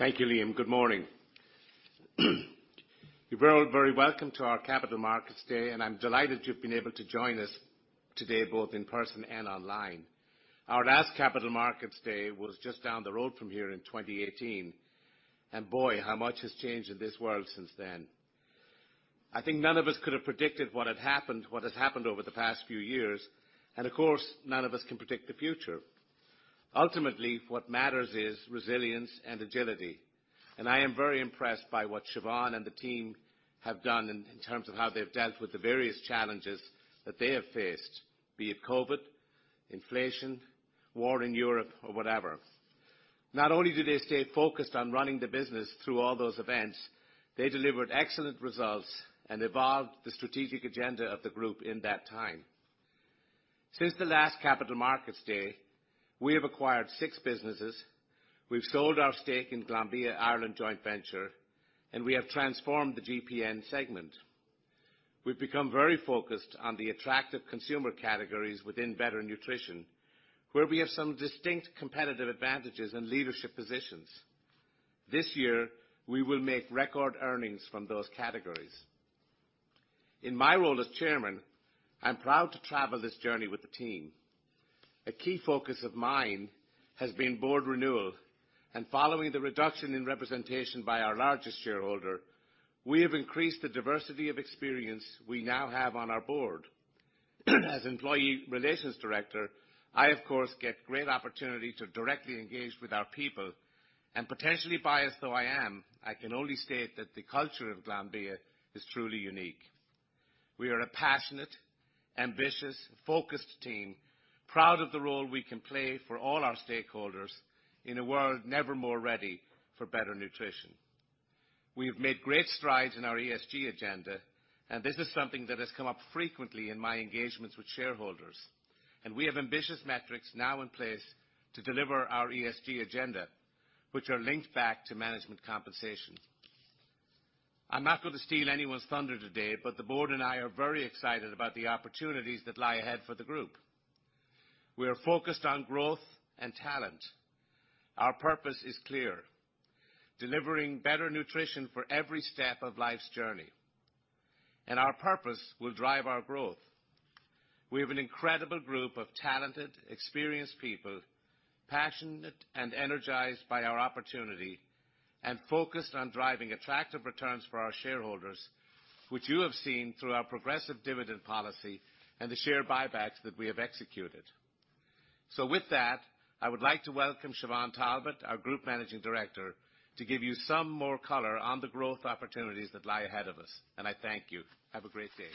Thank you, Liam. Good morning. You're very, very welcome to our Capital Markets Day, and I'm delighted you've been able to join us today, both in person and online. Our last Capital Markets Day was just down the road from here in 2018. Boy, how much has changed in this world since then. I think none of us could have predicted what had happened, what has happened over the past few years. Of course, none of us can predict the future. Ultimately, what matters is resilience and agility. I am very impressed by what Siobhán Talbot and the team have done in terms of how they've dealt with the various challenges that they have faced, be it COVID, inflation, war in Europe or whatever. Not only do they stay focused on running the business through all those events, they delivered excellent results and evolved the strategic agenda of the group in that time. Since the last Capital Markets Day, we have acquired six businesses, we've sold our stake in Glanbia Ireland joint venture, and we have transformed the GPN segment. We've become very focused on the attractive consumer categories within Better Nutrition, where we have some distinct competitive advantages and leadership positions. This year, we will make record earnings from those categories. In my role as chairman, I'm proud to travel this journey with the team. A key focus of mine has been board renewal. Following the reduction in representation by our largest shareholder, we have increased the diversity of experience we now have on our board. As employee relations director, I of course get great opportunity to directly engage with our people. Potentially biased though I am, I can only state that the culture of Glanbia is truly unique. We are a passionate, ambitious, focused team, proud of the role we can play for all our stakeholders in a world never more ready for better nutrition. We have made great strides in our ESG agenda, and this is something that has come up frequently in my engagements with shareholders. We have ambitious metrics now in place to deliver our ESG agenda, which are linked back to management compensation. I'm not gonna steal anyone's thunder today, but the board and I are very excited about the opportunities that lie ahead for the group. We are focused on growth and talent. Our purpose is clear: delivering better nutrition for every step of life's journey. Our purpose will drive our growth. We have an incredible group of talented, experienced people, passionate and energized by our opportunity, and focused on driving attractive returns for our shareholders, which you have seen through our progressive dividend policy and the share buybacks that we have executed. With that, I would like to welcome Siobhan Talbot, our Group Managing Director, to give you some more color on the growth opportunities that lie ahead of us, and I thank you. Have a great day.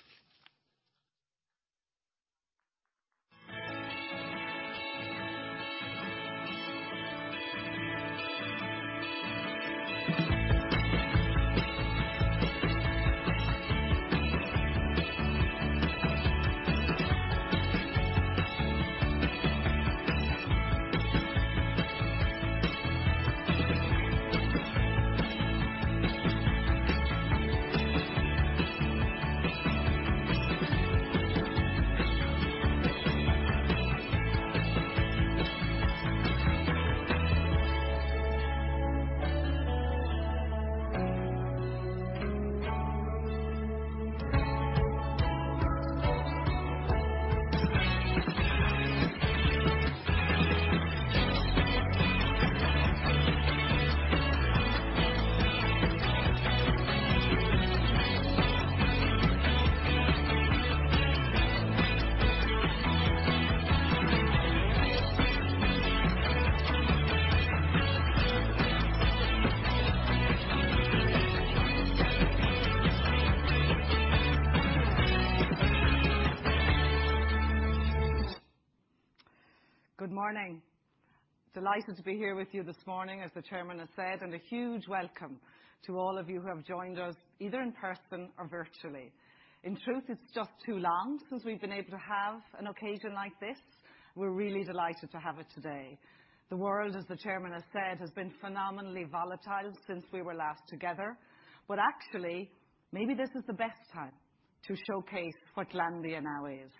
Good morning. Delighted to be here with you this morning, as the chairman has said, and a huge welcome to all of you who have joined us, either in person or virtually. In truth, it's just too long since we've been able to have an occasion like this. We're really delighted to have it today. The world, as the chairman has said, has been phenomenally volatile since we were last together. Actually, maybe this is the best time to showcase what Glanbia now is.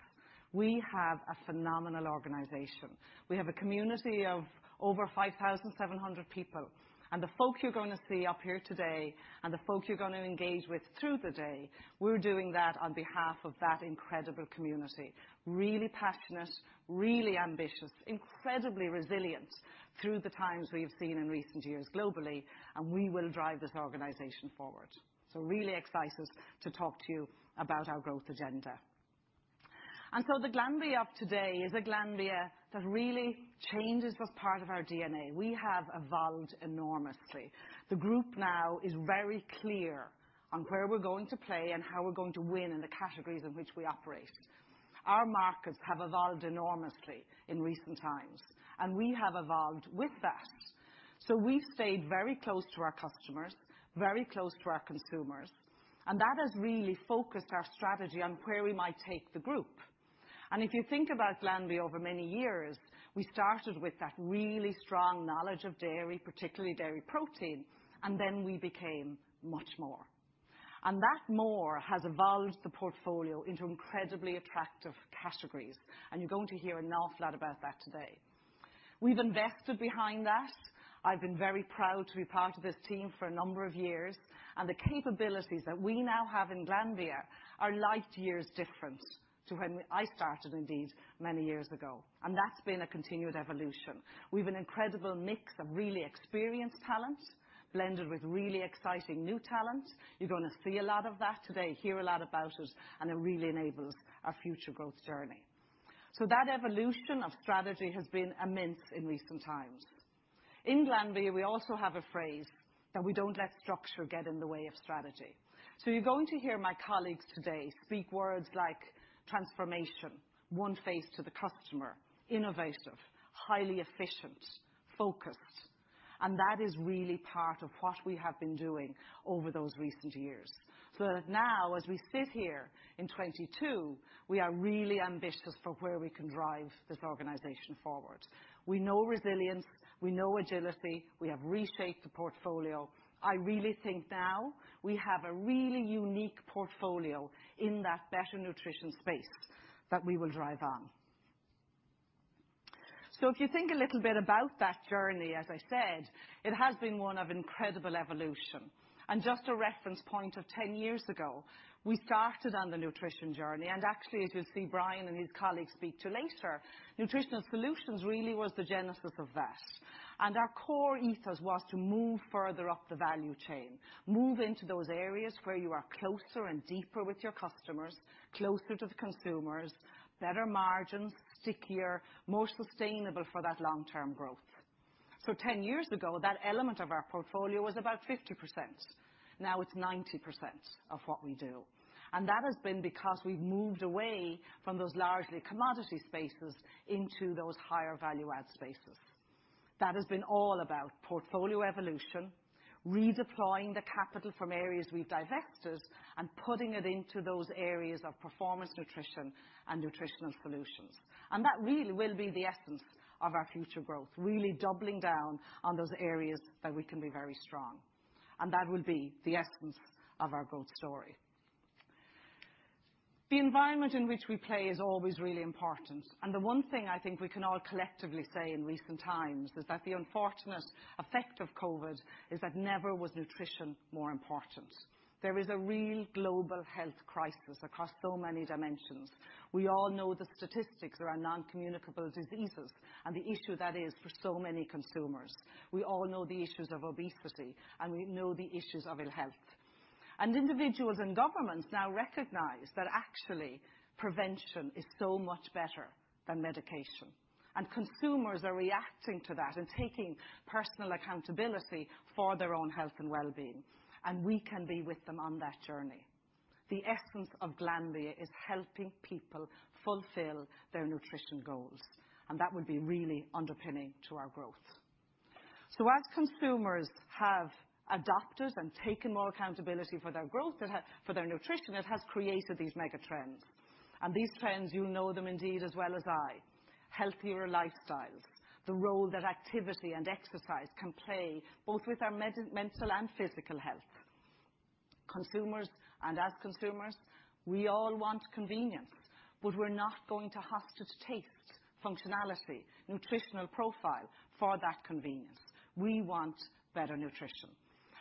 We have a phenomenal organization. We have a community of over 5,700 people, and the folk you're gonna see up here today, and the folk you're gonna engage with through the day, we're doing that on behalf of that incredible community. Really passionate, really ambitious, incredibly resilient through the times we have seen in recent years globally, and we will drive this organization forward. Really excited to talk to you about our growth agenda. The Glanbia of today is a Glanbia that really changes as part of our DNA. We have evolved enormously. The group now is very clear on where we're going to play and how we're going to win in the categories in which we operate. Our markets have evolved enormously in recent times, and we have evolved with that. We've stayed very close to our customers, very close to our consumers, and that has really focused our strategy on where we might take the group. If you think about Glanbia over many years, we started with that really strong knowledge of dairy, particularly dairy protein, and then we became much more. That more has evolved the portfolio into incredibly attractive categories, and you're going to hear an awful lot about that today. We've invested behind that. I've been very proud to be part of this team for a number of years, and the capabilities that we now have in Glanbia are light years different to when I started, indeed, many years ago. That's been a continued evolution. We've an incredible mix of really experienced talent blended with really exciting new talent. You're gonna see a lot of that today, hear a lot about it, and it really enables our future growth journey. That evolution of strategy has been immense in recent times. In Glanbia, we also have a phrase that we don't let structure get in the way of strategy. You're going to hear my colleagues today speak words like transformation, one face to the customer, innovative, highly efficient, focused, and that is really part of what we have been doing over those recent years. That now, as we sit here in 2022, we are really ambitious for where we can drive this organization forward. We know resilience, we know agility, we have reshaped the portfolio. I really think now we have a really unique portfolio in that better nutrition space that we will drive on. If you think a little bit about that journey, as I said, it has been one of incredible evolution. Just a reference point of 10 years ago, we started on the nutrition journey, and actually, as you'll see Brian and his colleagues speak to later, Nutritional Solutions really was the genesis of that. Our core ethos was to move further up the value chain, move into those areas where you are closer and deeper with your customers, closer to the consumers, better margins, stickier, more sustainable for that long-term growth. 10 years ago, that element of our portfolio was about 50%. Now it's 90% of what we do, and that has been because we've moved away from those largely commodity spaces into those higher value add spaces. That has been all about portfolio evolution, redeploying the capital from areas we've divested, and putting it into those areas of Performance Nutrition and Nutritional Solutions. That really will be the essence of our future growth, really doubling down on those areas that we can be very strong, and that will be the essence of our growth story. The environment in which we play is always really important, and the one thing I think we can all collectively say in recent times is that the unfortunate effect of COVID is that never was nutrition more important. There is a real global health crisis across so many dimensions. We all know the statistics around non-communicable diseases and the issue that is for so many consumers. We all know the issues of obesity, and we know the issues of ill health. Individuals and governments now recognize that actually prevention is so much better than medication, and consumers are reacting to that and taking personal accountability for their own health and well-being, and we can be with them on that journey. The essence of Glanbia is helping people fulfill their nutrition goals, and that would be really underpinning to our growth. As consumers have adapted and taken more accountability for their growth for their nutrition, it has created these mega trends, and these trends, you know them indeed as well as I. Healthier lifestyles, the role that activity and exercise can play, both with our mental and physical health. Consumers, and as consumers, we all want convenience, but we're not going to hostage taste, functionality, nutritional profile for that convenience. We want better nutrition.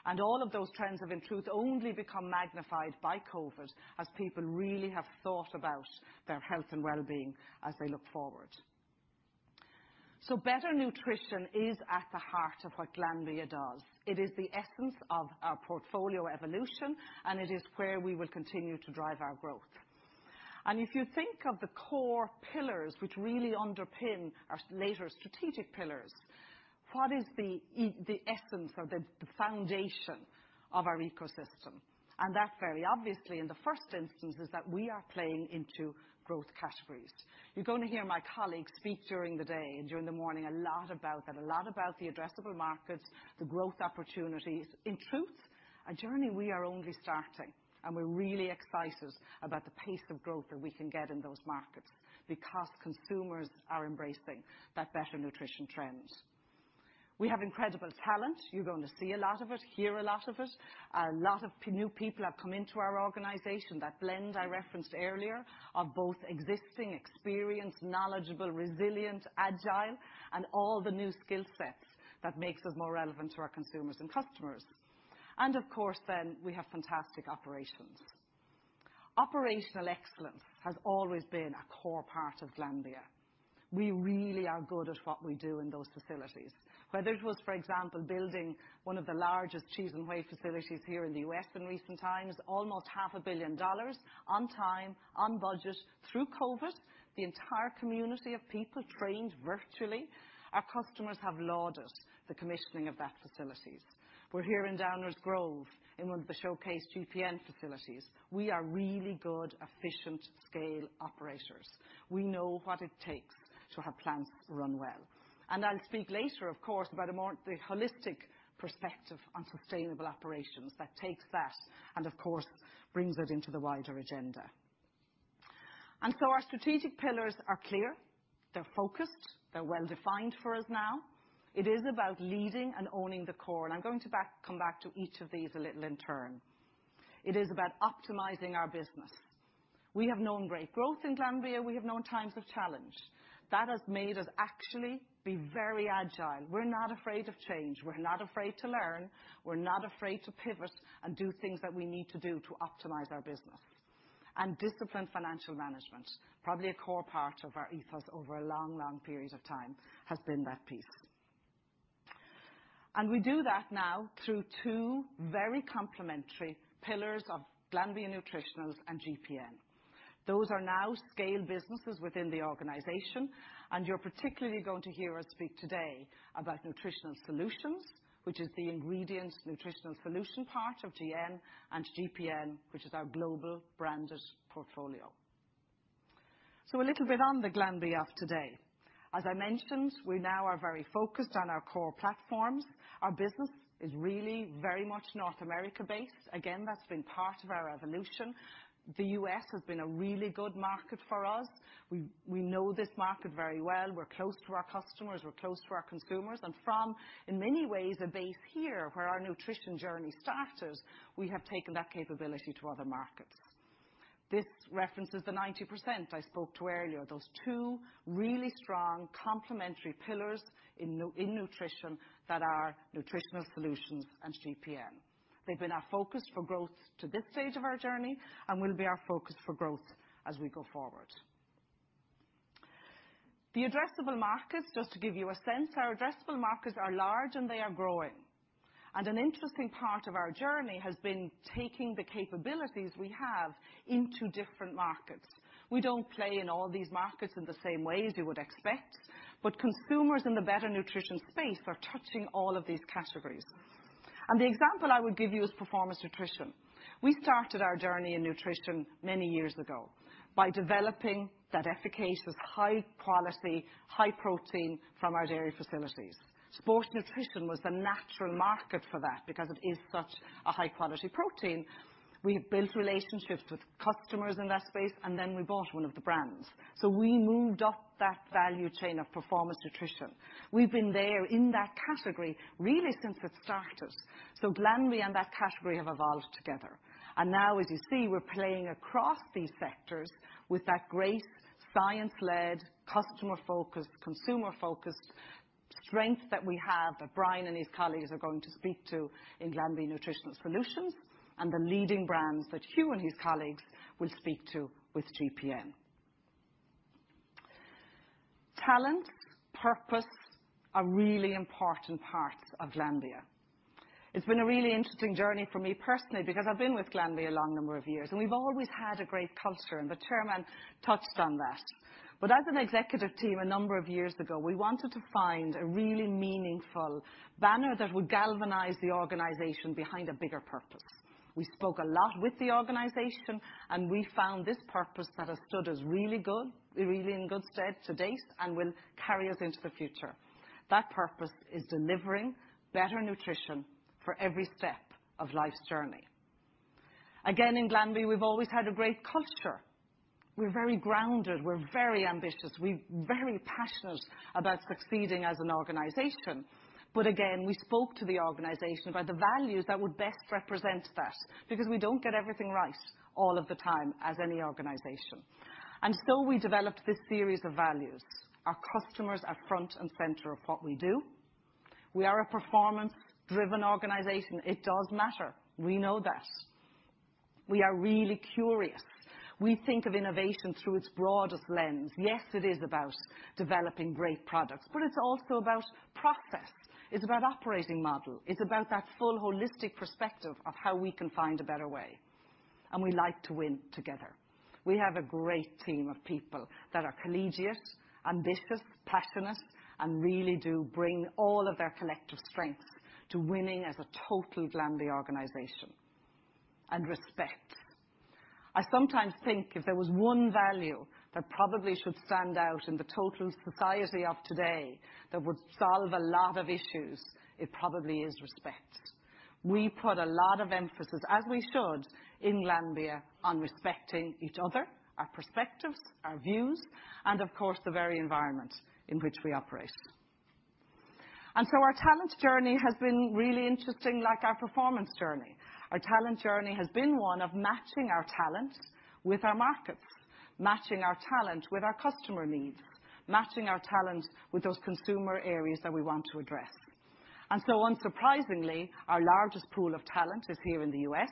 All of those trends have in truth only become magnified by COVID as people really have thought about their health and well-being as they look forward. Better nutrition is at the heart of what Glanbia does. It is the essence of our portfolio evolution, and it is where we will continue to drive our growth. If you think of the core pillars which really underpin our later strategic pillars, what is the essence or the foundation of our ecosystem? That very obviously, in the first instance, is that we are playing into growth categories. You're gonna hear my colleagues speak during the day and during the morning a lot about that, a lot about the addressable markets, the growth opportunities. In truth, a journey we are only starting, and we're really excited about the pace of growth that we can get in those markets, because consumers are embracing that better nutrition trends. We have incredible talent. You're gonna see a lot of it, hear a lot of it. A lot of new people have come into our organization. That blend I referenced earlier of both existing, experienced, knowledgeable, resilient, agile, and all the new skill sets that makes us more relevant to our consumers and customers. Of course then we have fantastic operations. Operational excellence has always been a core part of Glanbia. We really are good at what we do in those facilities, whether it was, for example, building one of the largest cheese and whey facilities here in the U.S. in recent times, almost half a billion dollars on time, on budget, through COVID. The entire community of people trained virtually. Our customers have lauded the commissioning of that facilities. We're here in Downers Grove in one of the showcase GPN facilities. We are really good, efficient scale operators. We know what it takes to have plants run well. I'll speak later, of course, about a more, the holistic perspective on sustainable operations that takes that and of course brings it into the wider agenda. Our strategic pillars are clear. They're focused. They're well-defined for us now. It is about leading and owning the core. I'm going to come back to each of these a little in turn. It is about optimizing our business. We have known great growth in Glanbia. We have known times of challenge. That has made us actually be very agile. We're not afraid of change. We're not afraid to learn. We're not afraid to pivot and do things that we need to do to optimize our business. Disciplined financial management, probably a core part of our ethos over a long, long period of time, has been that piece. We do that now through two very complementary pillars of Glanbia Nutritionals and GPN. Those are now scale businesses within the organization, and you're particularly going to hear us speak today about Nutritional Solutions, which is the ingredients nutritional solution part of GN, and GPN, which is our global branded portfolio. A little bit on the Glanbia of today. As I mentioned, we now are very focused on our core platforms. Our business is really very much North America-based. Again, that's been part of our evolution. The U.S. has been a really good market for us. We know this market very well. We're close to our customers, we're close to our consumers, and from, in many ways, a base here where our nutrition journey started, we have taken that capability to other markets. This references the 90% I spoke to earlier, those two really strong complementary pillars in nutrition that are Nutritional Solutions and GPN. They've been our focus for growth to this stage of our journey and will be our focus for growth as we go forward. The addressable markets, just to give you a sense, our addressable markets are large, and they are growing. An interesting part of our journey has been taking the capabilities we have into different markets. We don't play in all these markets in the same way as you would expect, but consumers in the better nutrition space are touching all of these categories. The example I would give you is performance nutrition. We started our journey in nutrition many years ago by developing that efficacious, high-quality, high-protein from our dairy facilities. Sports nutrition was the natural market for that because it is such a high-quality protein. We built relationships with customers in that space, and then we bought one of the brands, so we moved up that value chain of performance nutrition. We've been there in that category really since it started, so Glanbia and that category have evolved together. Now, as you see, we're playing across these sectors with that great science-led, customer-focused, consumer-focused strength that we have that Brian and his colleagues are going to speak to in Glanbia Nutritionals and the leading brands that Hugh and his colleagues will speak to with GPN. Talent, purpose, are really important parts of Glanbia. It's been a really interesting journey for me personally because I've been with Glanbia a long number of years, and we've always had a great culture, and the chairman touched on that. As an executive team a number of years ago, we wanted to find a really meaningful banner that would galvanize the organization behind a bigger purpose. We spoke a lot with the organization, and we found this purpose that has stood as really good, really in good stead to date and will carry us into the future. That purpose is delivering better nutrition for every step of life's journey. Again, in Glanbia, we've always had a great culture. We're very grounded. We're very ambitious. We're very passionate about succeeding as an organization, but again, we spoke to the organization about the values that would best represent that because we don't get everything right all of the time, as any organization. We developed this series of values. Our customers are front and center of what we do. We are a performance-driven organization. It does matter. We know that. We are really curious. We think of innovation through its broadest lens. Yes, it is about developing great products, but it's also about process. It's about operating model. It's about that full holistic perspective of how we can find a better way. We like to win together. We have a great team of people that are collegiate, ambitious, passionate, and really do bring all of their collective strengths to winning as a total Glanbia organization. Respect. I sometimes think if there was one value that probably should stand out in the total society of today that would solve a lot of issues, it probably is respect. We put a lot of emphasis, as we should, in Glanbia, on respecting each other, our perspectives, our views, and of course, the very environment in which we operate. Our talent journey has been really interesting, like our performance journey. Our talent journey has been one of matching our talents with our markets, matching our talent with our customer needs, matching our talent with those consumer areas that we want to address. Unsurprisingly, our largest pool of talent is here in the U.S.,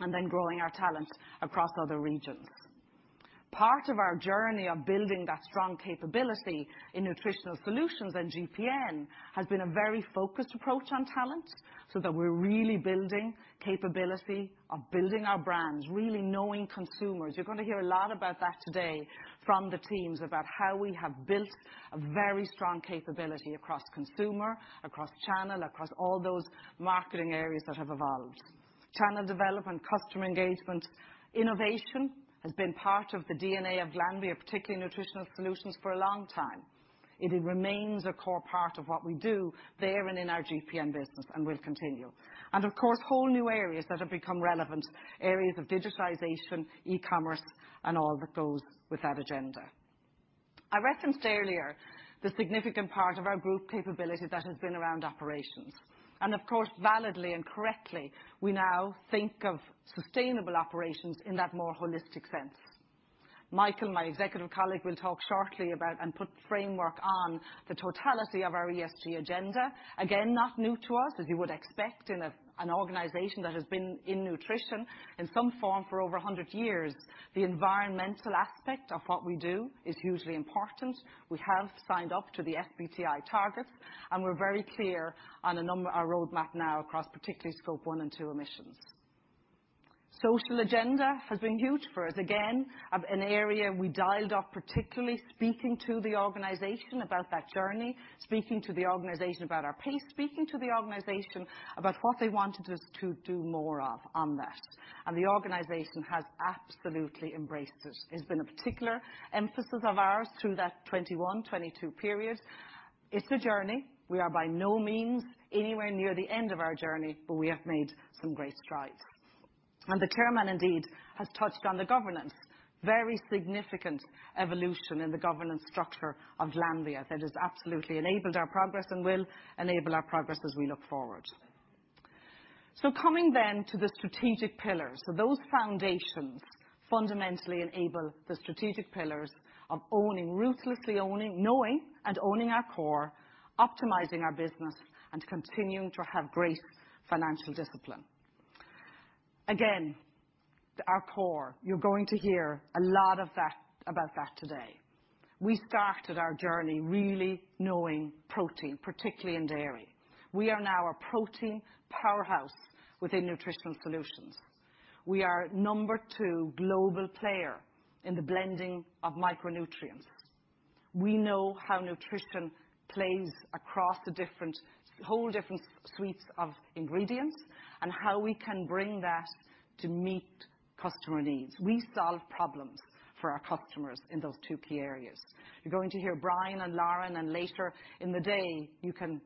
and then growing our talent across other regions. Part of our journey of building that strong capability in Nutritional Solutions and GPN has been a very focused approach on talent, so that we're really building capability of building our brands, really knowing consumers. You're gonna hear a lot about that today from the teams about how we have built a very strong capability across consumer, across channel, across all those marketing areas that have evolved. Channel development, customer engagement, innovation, has been part of the DNA of Glanbia, particularly Nutritional Solutions, for a long time. It remains a core part of what we do there and in our GPN business and will continue. Of course, whole new areas that have become relevant, areas of digitization, e-commerce, and all that goes with that agenda. I referenced earlier the significant part of our group capability that has been around operations. Of course, validly and correctly, we now think of sustainable operations in that more holistic sense. Michael, my executive colleague, will talk shortly about, and put framework on, the totality of our ESG agenda. Again, not new to us, as you would expect in an organization that has been in nutrition, in some form, for over a hundred years. The environmental aspect of what we do is hugely important. We have signed up to the SBTi target, and we're very clear on our roadmap now across particularly Scope One and Two emissions. Social agenda has been huge for us. Again, of an area we dialed up, particularly speaking to the organization about that journey, speaking to the organization about our pace, speaking to the organization about what they wanted us to do more of on that. The organization has absolutely embraced it. It's been a particular emphasis of ours through that 2021, 2022 period. It's a journey. We are by no means anywhere near the end of our journey, but we have made some great strides. The Chairman indeed has touched on the governance. Very significant evolution in the governance structure of Glanbia that has absolutely enabled our progress and will enable our progress as we look forward. Coming then to the strategic pillars. Those foundations fundamentally enable the strategic pillars of owning, ruthlessly owning and owning our core, optimizing our business, and continuing to have great financial discipline. Again, our core, you're going to hear a lot of that, about that today. We started our journey really owning protein, particularly in dairy. We are now a protein powerhouse within Nutritional Solutions. We are number two global player in the blending of micronutrients. We know how nutrition plays across the different, whole different suites of ingredients and how we can bring that to meet customer needs. We solve problems for our customers in those two key areas. You're going to hear Brian and Lauren, and later in the day you can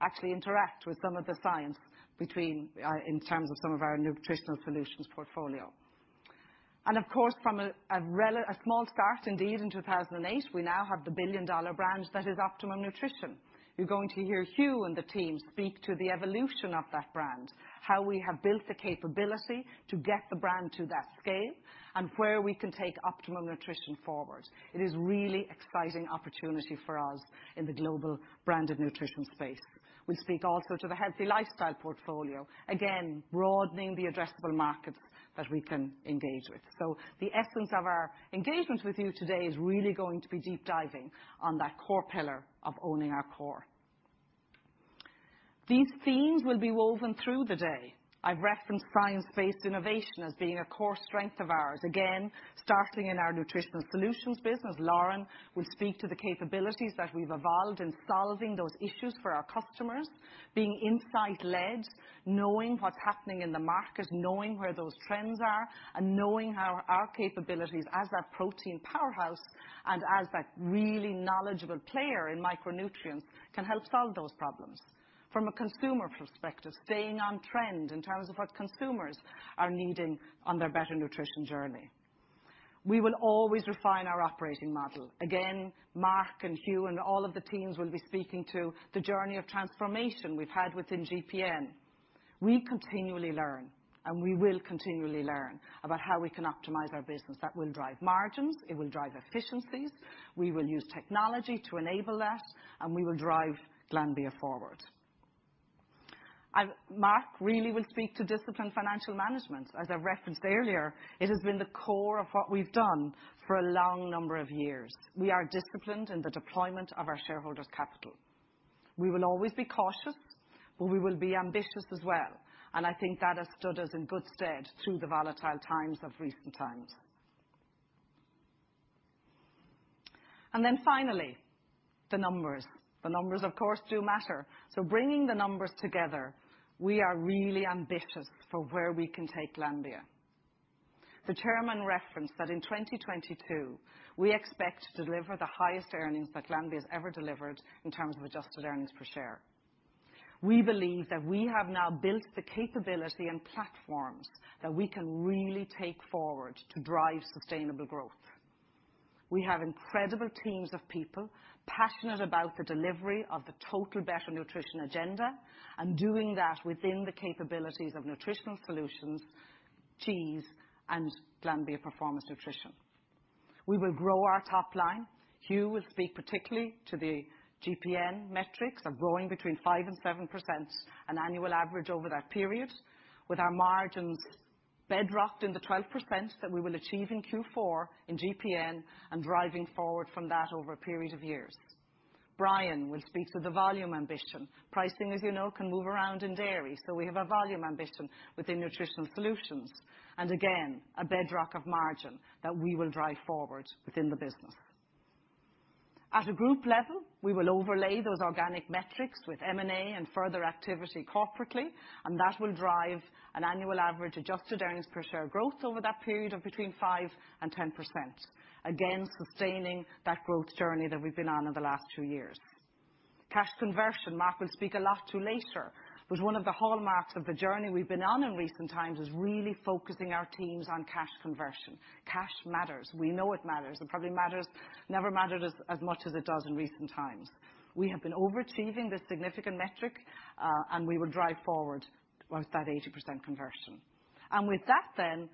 actually interact with some of the science behind in terms of some of our Nutritional Solutions portfolio. Of course, from a small start indeed in 2008, we now have the billion-dollar brand that is Optimum Nutrition. You're going to hear Hugh and the team speak to the evolution of that brand, how we have built the capability to get the brand to that scale, and where we can take Optimum Nutrition forward. It is really exciting opportunity for us in the global brand of nutrition space. We speak also to the healthy lifestyle portfolio, again, broadening the addressable market that we can engage with. The essence of our engagement with you today is really going to be deep diving on that core pillar of owning our core. These themes will be woven through the day. I've referenced science-based innovation as being a core strength of ours. Again, starting in our nutritional solutions business, Lauren will speak to the capabilities that we've evolved in solving those issues for our customers. Being insight-led, knowing what's happening in the market, knowing where those trends are, and knowing how our capabilities as a protein powerhouse and as that really knowledgeable player in micronutrients can help solve those problems. From a consumer perspective, staying on trend in terms of what consumers are needing on their better nutrition journey. We will always refine our operating model. Again, Mark and Hugh and all of the teams will be speaking to the journey of transformation we've had within GPN. We continually learn, and we will continually learn about how we can optimize our business. That will drive margins, it will drive efficiencies, we will use technology to enable that, and we will drive Glanbia forward. Mark really will speak to disciplined financial management. As I referenced earlier, it has been the core of what we've done for a long number of years. We are disciplined in the deployment of our shareholders' capital. We will always be cautious, but we will be ambitious as well, and I think that has stood us in good stead through the volatile times of recent times. Then finally, the numbers. The numbers of course do matter. Bringing the numbers together, we are really ambitious for where we can take Glanbia. The Chairman referenced that in 2022, we expect to deliver the highest earnings that Glanbia has ever delivered in terms of adjusted earnings per share. We believe that we have now built the capability and platforms that we can really take forward to drive sustainable growth. We have incredible teams of people passionate about the delivery of the total better nutrition agenda and doing that within the capabilities of Nutritional Solutions, cheese, and Glanbia Performance Nutrition. We will grow our top line. Hugh will speak particularly to the GPN metrics of growing between 5% and 7%, an annual average over that period, with our margins bedrocked in the 12% that we will achieve in Q4 in GPN, and driving forward from that over a period of years. Brian will speak to the volume ambition. Pricing, as you know, can move around in dairy, so we have a volume ambition within Nutritional Solutions. Again, a bedrock of margin that we will drive forward within the business. At a group level, we will overlay those organic metrics with M&A and further activity corporately, and that will drive an annual average adjusted earnings per share growth over that period of between 5% and 10%. Again, sustaining that growth journey that we've been on in the last two years. Cash conversion, Mark will speak a lot to later. One of the hallmarks of the journey we've been on in recent times is really focusing our teams on cash conversion. Cash matters. We know it matters. It probably matters, never mattered as much as it does in recent times. We have been overachieving this significant metric, and we will drive forward towards that 80% conversion. With that then,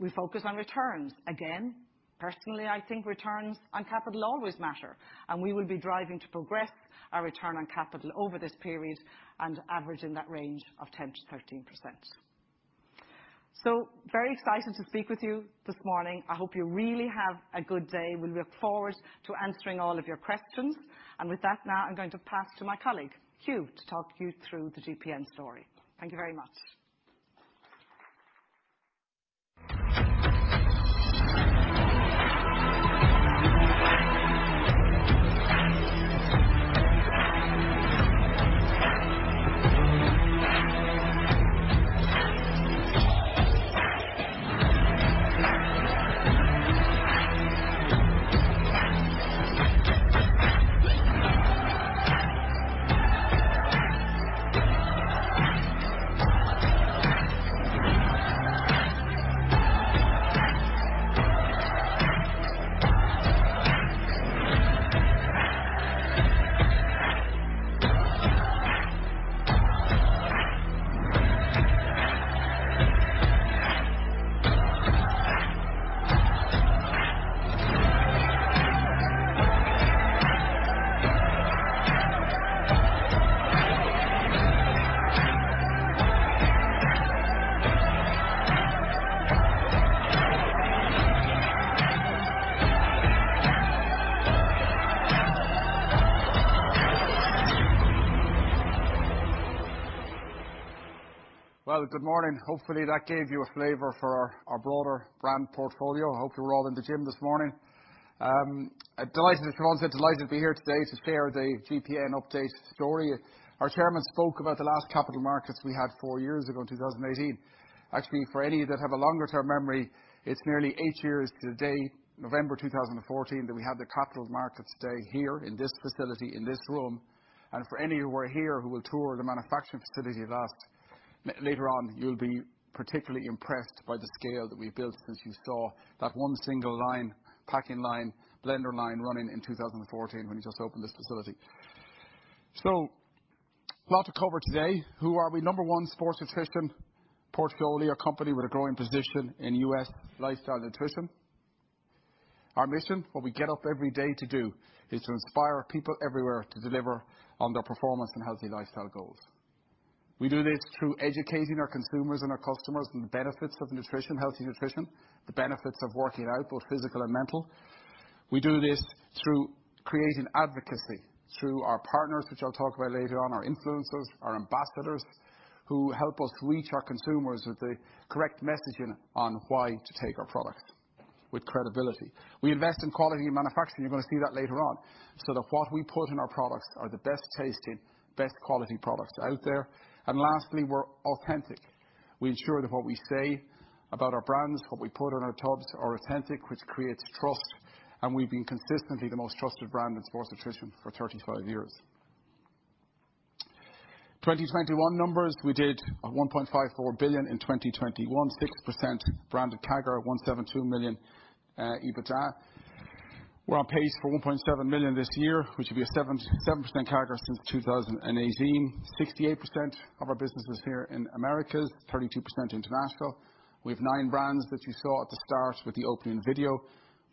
we focus on returns. Again, personally, I think returns on capital always matter, and we will be driving to progress our return on capital over this period and averaging that range of 10%-13%. Very excited to speak with you this morning. I hope you really have a good day. We look forward to answering all of your questions. With that, now I'm going to pass to my colleague, Hugh, to talk you through the GPN story. Thank you very much. Well, good morning. Hopefully, that gave you a flavor for our broader brand portfolio. I hope you were all in the gym this morning. I'm delighted, as Siobhan said, delighted to be here today to share the GPN update story. Our chairman spoke about the last capital markets we had four years ago in 2018. Actually, for any that have a longer-term memory, it's nearly eight years to the day, November 2014, that we had the capital markets day here in this facility, in this room. For any who are here who will tour the manufacturing facility later on, you'll be particularly impressed by the scale that we've built since you saw that one single line, packing line, blender line running in 2014 when we just opened this facility. Lot to cover today. Who are we? Number one sports nutrition portfolio company with a growing position in U.S. lifestyle nutrition. Our mission, what we get up every day to do, is to inspire people everywhere to deliver on their performance and healthy lifestyle goals. We do this through educating our consumers and our customers on the benefits of nutrition, healthy nutrition, the benefits of working out, both physical and mental. We do this through creating advocacy through our partners, which I'll talk about later on, our influencers, our ambassadors, who help us reach our consumers with the correct messaging on why to take our product with credibility. We invest in quality and manufacturing, you're gonna see that later on, so that what we put in our products are the best tasting, best quality products out there. Lastly, we're authentic. We ensure that what we say about our brands, what we put on our tubs are authentic, which creates trust, and we've been consistently the most trusted brand in sports nutrition for 35 years. 2021 numbers, we did $1.54 billion in 2021, 6% branded CAGR, $172 million EBITDA. We're on pace for $1.7 billion this year, which will be a 7.7% CAGR since 2018. 68% of our business is here in Americas, 32% international. We have nine brands that you saw at the start with the opening video.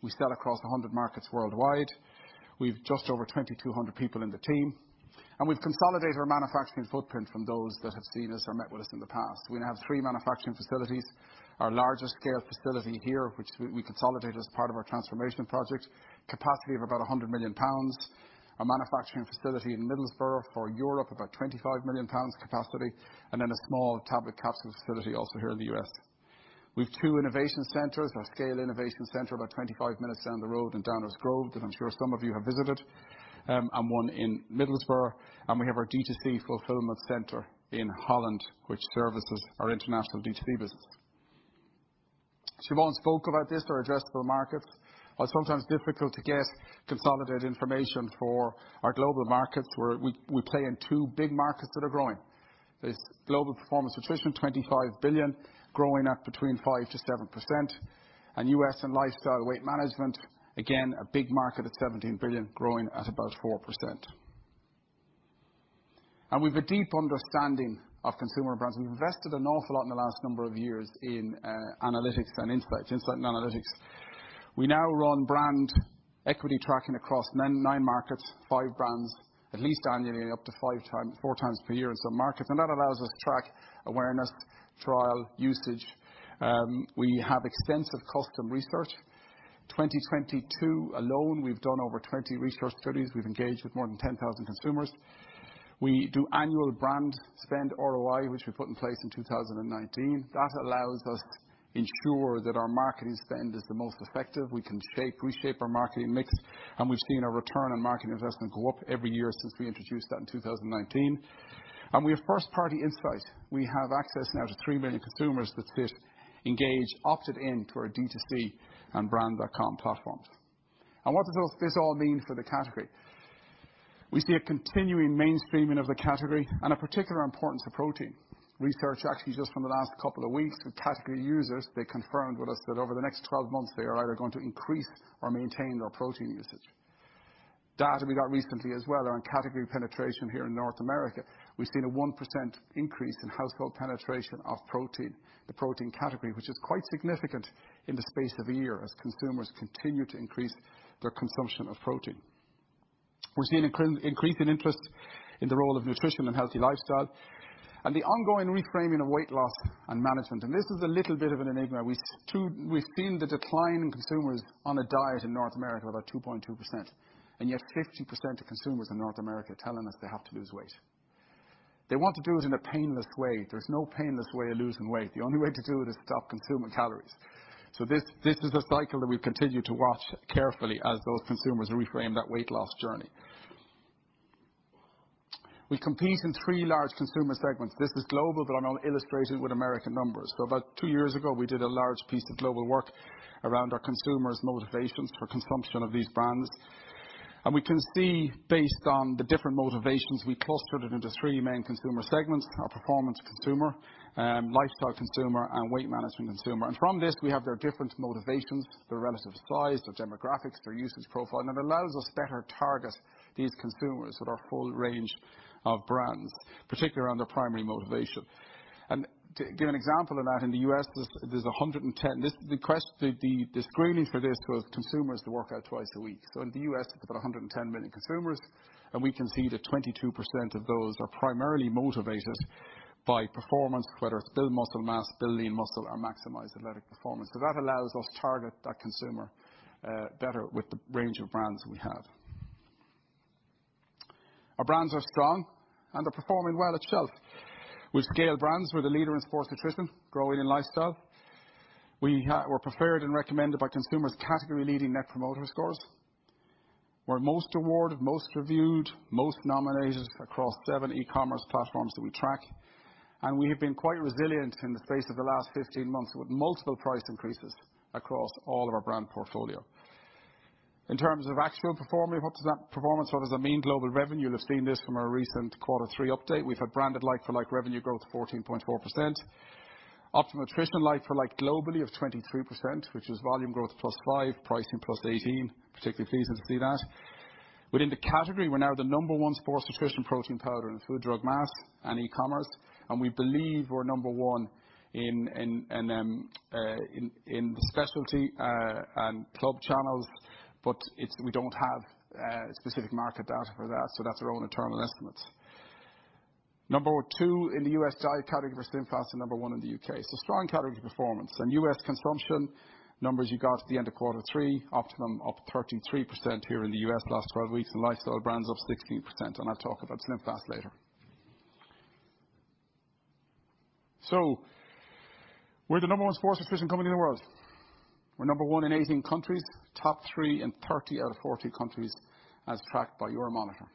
We sell across 100 markets worldwide. We've just over 2,200 people in the team, and we've consolidated our manufacturing footprint from those that have seen us or met with us in the past. We now have three manufacturing facilities. Our largest scale facility here, which we consolidated as part of our transformation project, capacity of about 100 million pounds. Our manufacturing facility in Middlesbrough for Europe, about 25 million pounds capacity, and then a small tablet capsule facility also here in the U.S. We've two innovation centers, our scale innovation center about 25 minutes down the road in Downers Grove, that I'm sure some of you have visited, and one in Middlesbrough. We have our D2C fulfillment center in Holland, which services our international D2C business. Siobhan spoke about this. Our addressable markets. While sometimes difficult to get consolidated information for our global markets, where we play in two big markets that are growing. There's global performance nutrition, 25 billion, growing at between 5%-7%. US and lifestyle weight management, again, a big market at $17 billion, growing at about 4%. We've a deep understanding of consumer brands. We've invested an awful lot in the last number of years in analytics and insights. We now run brand equity tracking across nine markets, five brands, at least annually, up to 5x, 4x per year in some markets. That allows us to track awareness, trial, usage. We have extensive custom research. 2022 alone, we've done over 20 research studies. We've engaged with more than 10,000 consumers. We do annual brand spend ROI, which we put in place in 2019. That allows us ensure that our marketing spend is the most effective. We can shape, reshape our marketing mix, and we've seen our return on marketing investment go up every year since we introduced that in 2019. We have first party insight. We have access now to 3 million consumers that fit, engage, opted in to our D2C and brand.com platforms. What does those, this all mean for the category? We see a continuing mainstreaming of the category and a particular importance of protein. Research actually just from the last couple of weeks with category users, they confirmed with us that over the next 12 months they are either going to increase or maintain their protein usage. Data we got recently as well around category penetration here in North America, we've seen a 1% increase in household penetration of protein, the protein category, which is quite significant in the space of a year as consumers continue to increase their consumption of protein. We're seeing an increase in interest in the role of nutrition and healthy lifestyle and the ongoing reframing of weight loss and management. This is a little bit of an enigma. We've seen the decline in consumers on a diet in North America of about 2.2%, and yet 50% of consumers in North America are telling us they have to lose weight. They want to do it in a painless way. There's no painless way of losing weight. The only way to do it is to stop consuming calories. This is a cycle that we continue to watch carefully as those consumers reframe that weight loss journey. We compete in three large consumer segments. This is global, but I'm illustrating with American numbers. About 2 years ago, we did a large piece of global work around our consumers' motivations for consumption of these brands. We can see based on the different motivations, we clustered it into three main consumer segments of performance consumer, lifestyle consumer and weight management consumer. From this we have their different motivations, their relative size, their demographics, their usage profile, and it allows us better target these consumers with our full range of brands, particularly around their primary motivation. To give an example of that, in the U.S this, there's 110. The screening for this was consumers to work out twice a week. In the U.S, think about 110 million consumers, and we can see that 22% of those are primarily motivated by performance, whether it's build muscle mass, build lean muscle, or maximize athletic performance. That allows us target that consumer better with the range of brands we have. Our brands are strong and are performing well at shelf. With scale brands, we're the leader in sports nutrition, growing in lifestyle. We're preferred and recommended by consumers category-leading Net Promoter Scores. We're most awarded, most reviewed, most nominated across seven e-commerce platforms that we track. We have been quite resilient in the face of the last 15 months with multiple price increases across all of our brand portfolio. In terms of actual performing, what does that performance, what does that mean? Global revenue, you'll have seen this from our recent quarter three update. We've had branded like-for-like revenue growth 14.4%. Optimum Nutrition like-for-like globally of 23%, which is volume growth +5, pricing +18. Particularly pleased to see that. Within the category, we're now the number one sports nutrition protein powder in food, drug, mass, and e-commerce, and we believe we're number one in specialty and club channels, but it's, we don't have specific market data for that. That's our own internal estimates. Number two in the US diet category for SlimFast, and number one in the UK. Strong category performance. US consumption numbers you got at the end of quarter three, Optimum up 13.3% here in the US last 12 weeks, and Lifestyle Brands up 16%. I'll talk about SlimFast later. We're the number one sports nutrition company in the world. We're number one in 18 countries, top three in 30 out of 40 countries as tracked by Euromonitor.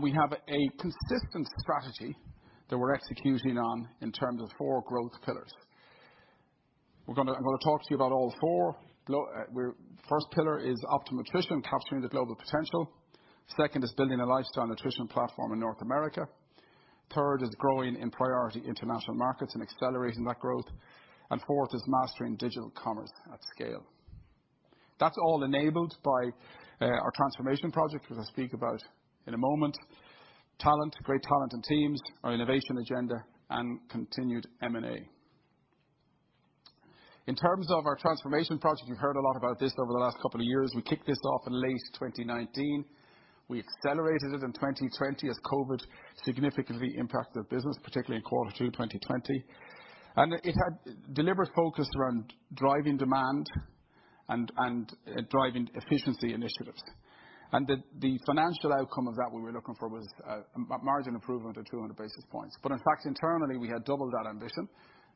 We have a consistent strategy that we're executing on in terms of four growth pillars. I'm gonna talk to you about all four. First pillar is Optimum Nutrition capturing the global potential. Second is building a lifestyle nutrition platform in North America. Third is growing in priority international markets and accelerating that growth. Fourth is mastering digital commerce at scale. That's all enabled by our transformation project, which I'll speak about in a moment. Talent, great talent and teams, our innovation agenda, and continued M&A. In terms of our transformation project, you've heard a lot about this over the last couple of years. We kicked this off in late 2019. We accelerated it in 2020 as COVID significantly impacted the business, particularly in quarter two, 2020. It had deliberate focus around driving demand and driving efficiency initiatives. The financial outcome of that we were looking for was margin improvement of 200 basis points. In fact, internally we had double that ambition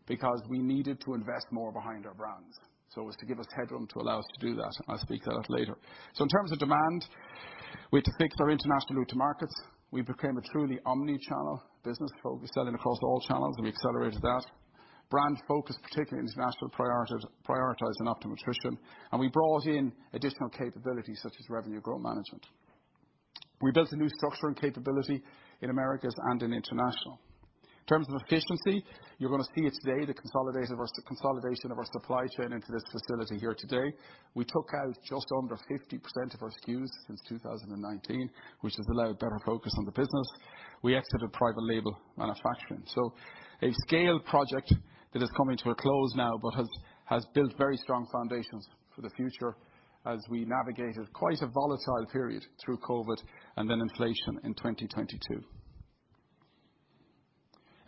because we needed to invest more behind our brands. It was to give us headroom to allow us to do that. I'll speak to that later. In terms of demand, we had to fix our international route to markets. We became a truly omnichannel business. We're selling across all channels, and we accelerated that. Brand focus, particularly international priorities, prioritizing Optimum Nutrition. We brought in additional capabilities such as Revenue Growth Management. We built a new structure and capability in Americas and in international. In terms of efficiency, you're gonna see it today, the consolidation of our supply chain into this facility here today. We took out just under 50% of our SKUs since 2019, which has allowed better focus on the business. We exited private label manufacturing. A scale project that is coming to a close now, but has built very strong foundations for the future as we navigated quite a volatile period through COVID and then inflation in 2022.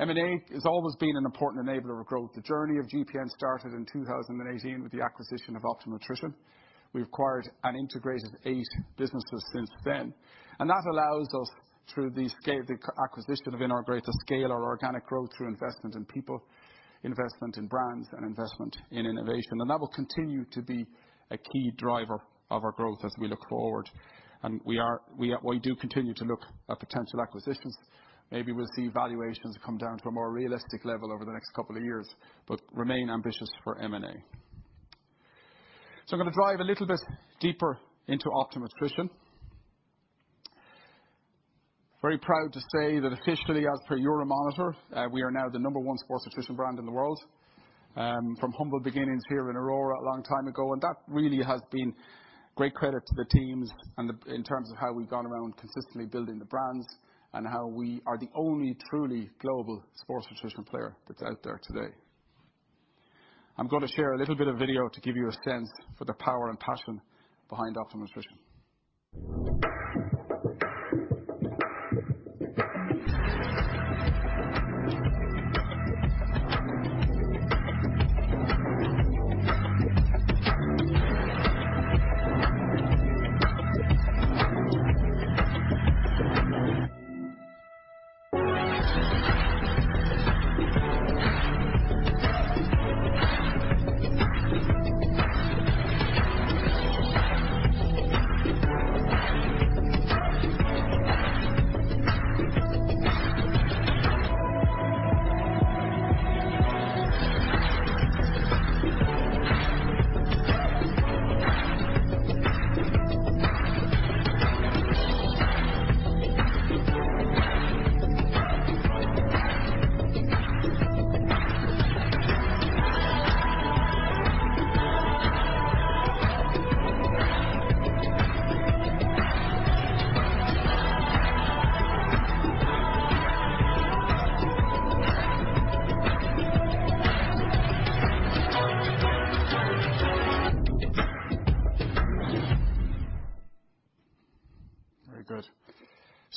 M&A has always been an important enabler of growth. The journey of GPN started in 2018 with the acquisition of Optimum Nutrition. We've acquired and integrated eight businesses since then. That allows us, through the scale, the acquisition of Integracore, to scale our organic growth through investment in people, investment in brands, and investment in innovation. That will continue to be a key driver of our growth as we look forward. We do continue to look at potential acquisitions. Maybe we'll see valuations come down to a more realistic level over the next couple of years, but remain ambitious for M&A. I'm gonna dive a little bit deeper into Optimum Nutrition. Very proud to say that officially as per Euromonitor, we are now the number one sports nutrition brand in the world. From humble beginnings here in Aurora a long time ago. That really has been great credit to the teams and the in terms of how we've gone around consistently building the brands and how we are the only truly global sports nutrition player that's out there today. I'm gonna share a little bit of video to give you a sense for the power and passion behind Optimum Nutrition.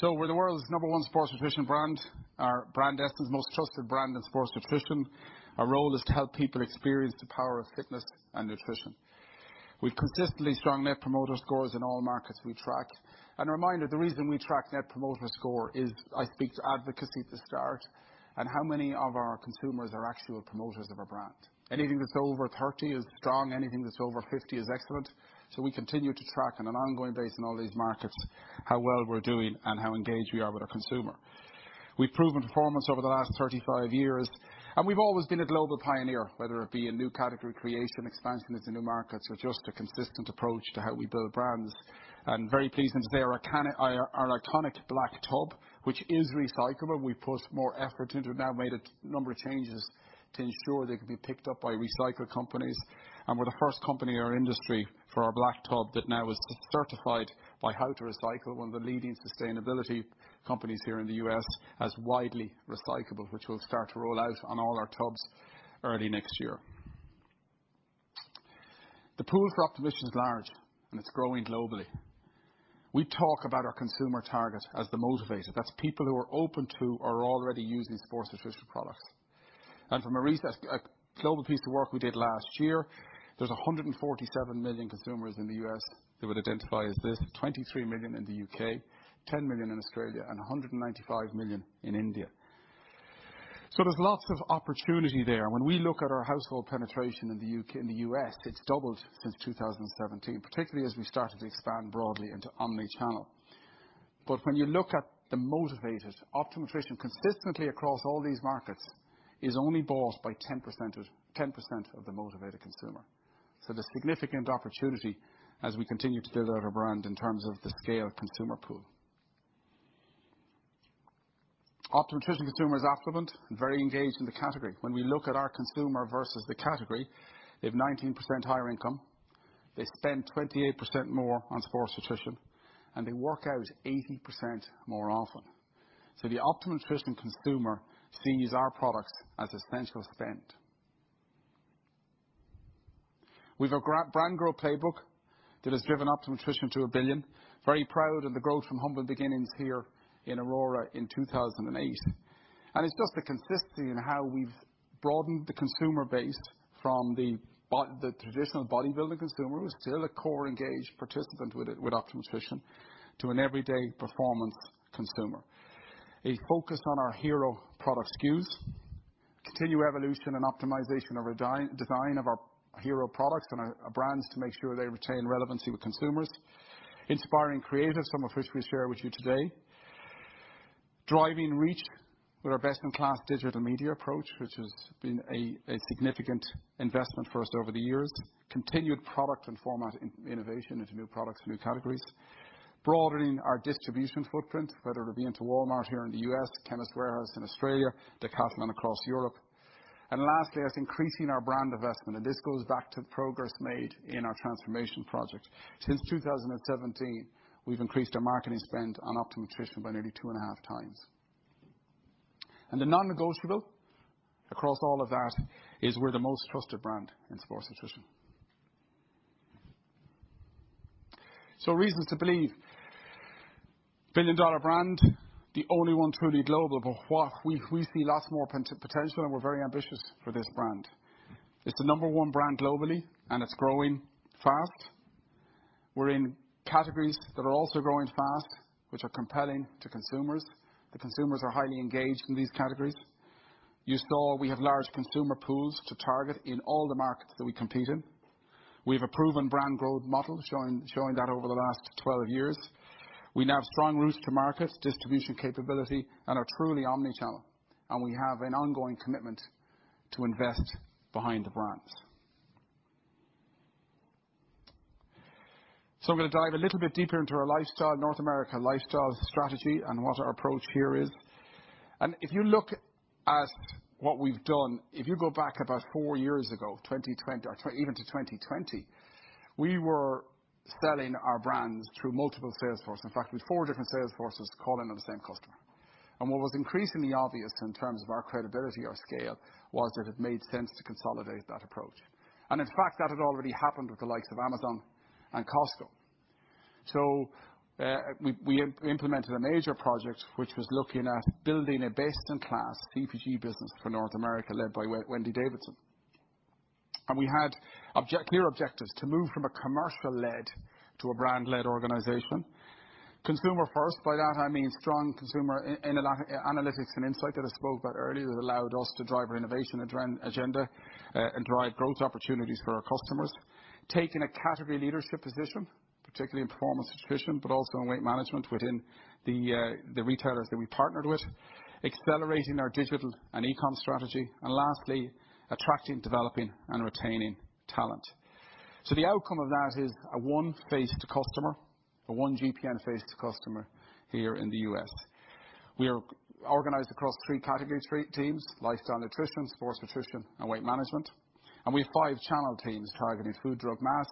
Very good. We're the world's number one sports nutrition brand. Our brand essence, most trusted brand in sports nutrition. Our role is to help people experience the power of fitness and nutrition. We've consistently strong Net Promoter Scores in all markets we track. A reminder, the reason we track Net Promoter Score is I speak to advocacy at the start, and how many of our consumers are actual promoters of our brand. Anything that's over 30 is strong. Anything that's over 50 is excellent. We continue to track on an ongoing basis in all these markets, how well we're doing and how engaged we are with our consumer. We've proven performance over the last 35 years, and we've always been a global pioneer, whether it be in new category creation, expansion into new markets, or just a consistent approach to how we build brands. We're very pleased today with our iconic black tub, which is recyclable. We've put more effort into it. We've now made a number of changes to ensure they can be picked up by recycling companies. We're the first company in our industry for our black tub that now is certified by How2Recycle, one of the leading sustainability companies here in the U.S., as widely recyclable, which will start to roll out on all our tubs early next year. The pool for optimization is large, and it's growing globally. We talk about our consumer target as the motivated. That's people who are open to or are already using sports nutrition products. From a global piece of work we did last year, there's 147 million consumers in the U.S. that would identify as this. 23 million in the U.K., 10 million in Australia, and 195 million in India. There's lots of opportunity there. When we look at our household penetration in the U.K. in the U.S., it's doubled since 2017, particularly as we started to expand broadly into omnichannel. When you look at the motivators, Optimum Nutrition consistently across all these markets is only bought by 10% of the motivated consumer. There's significant opportunity as we continue to build out our brand in terms of the scale of consumer pool. Optimum Nutrition consumer is affluent and very engaged in the category. When we look at our consumer versus the category, they have 19% higher income, they spend 28% more on sports nutrition, and they work out 80% more often. The Optimum Nutrition consumer sees our products as essential spend. We've a brand growth playbook that has driven Optimum Nutrition to $1 billion. Very proud of the growth from humble beginnings here in Aurora in 2008. It's just the consistency in how we've broadened the consumer base from the traditional bodybuilding consumer, who's still a core engaged participant with Optimum Nutrition, to an everyday performance consumer. A focus on our hero product SKUs. Continue evolution and optimization of our design of our hero products and our brands to make sure they retain relevancy with consumers. Inspiring creative, some of which we share with you today. Driving reach with our best-in-class digital media approach, which has been a significant investment for us over the years. Continued product and format innovation into new products and new categories. Broadening our distribution footprint, whether it be into Walmart here in the U.S., to Chemist Warehouse in Australia, Decathlon across Europe. Lastly, that's increasing our brand investment. This goes back to progress made in our transformation project. Since 2017, we've increased our marketing spend on Optimum Nutrition by nearly 2.5 times. The non-negotiable across all of that is we're the most trusted brand in sports nutrition. Reasons to believe. Billion-dollar brand, the only one truly global. We see lots more potential, and we're very ambitious for this brand. It's the number one brand globally, and it's growing fast. We're in categories that are also growing fast, which are compelling to consumers. The consumers are highly engaged in these categories. You saw we have large consumer pools to target in all the markets that we compete in. We have a proven brand growth model showing that over the last 12 years. We now have strong roots to market, distribution capability, and are truly omnichannel, and we have an ongoing commitment to invest behind the brands. I'm gonna dive a little bit deeper into our lifestyle, North America lifestyle strategy and what our approach here is. If you look at what we've done, if you go back about four years ago, 2020 or even to 2020, we were selling our brands through multiple sales forces. In fact, with four different sales forces calling on the same customer. What was increasingly obvious in terms of our credibility or scale was that it made sense to consolidate that approach. In fact, that had already happened with the likes of Amazon and Costco. We implemented a major project which was looking at building a best-in-class CPG business for North America, led by Wendy Davidson. We had clear objectives to move from a commercial-led to a brand-led organization. Consumer first, by that I mean strong consumer analytics and insight that I spoke about earlier that allowed us to drive our innovation agenda, and drive growth opportunities for our customers. Taking a category leadership position, particularly in performance nutrition, but also in weight management within the retailers that we partnered with. Accelerating our digital and e-com strategy. Lastly, attracting, developing and retaining talent. The outcome of that is a one face to customer, a one GPN face to customer here in the U.S. We are organized across three category teams: lifestyle nutrition, sports nutrition and weight management. We have five channel teams targeting food, drug, mass,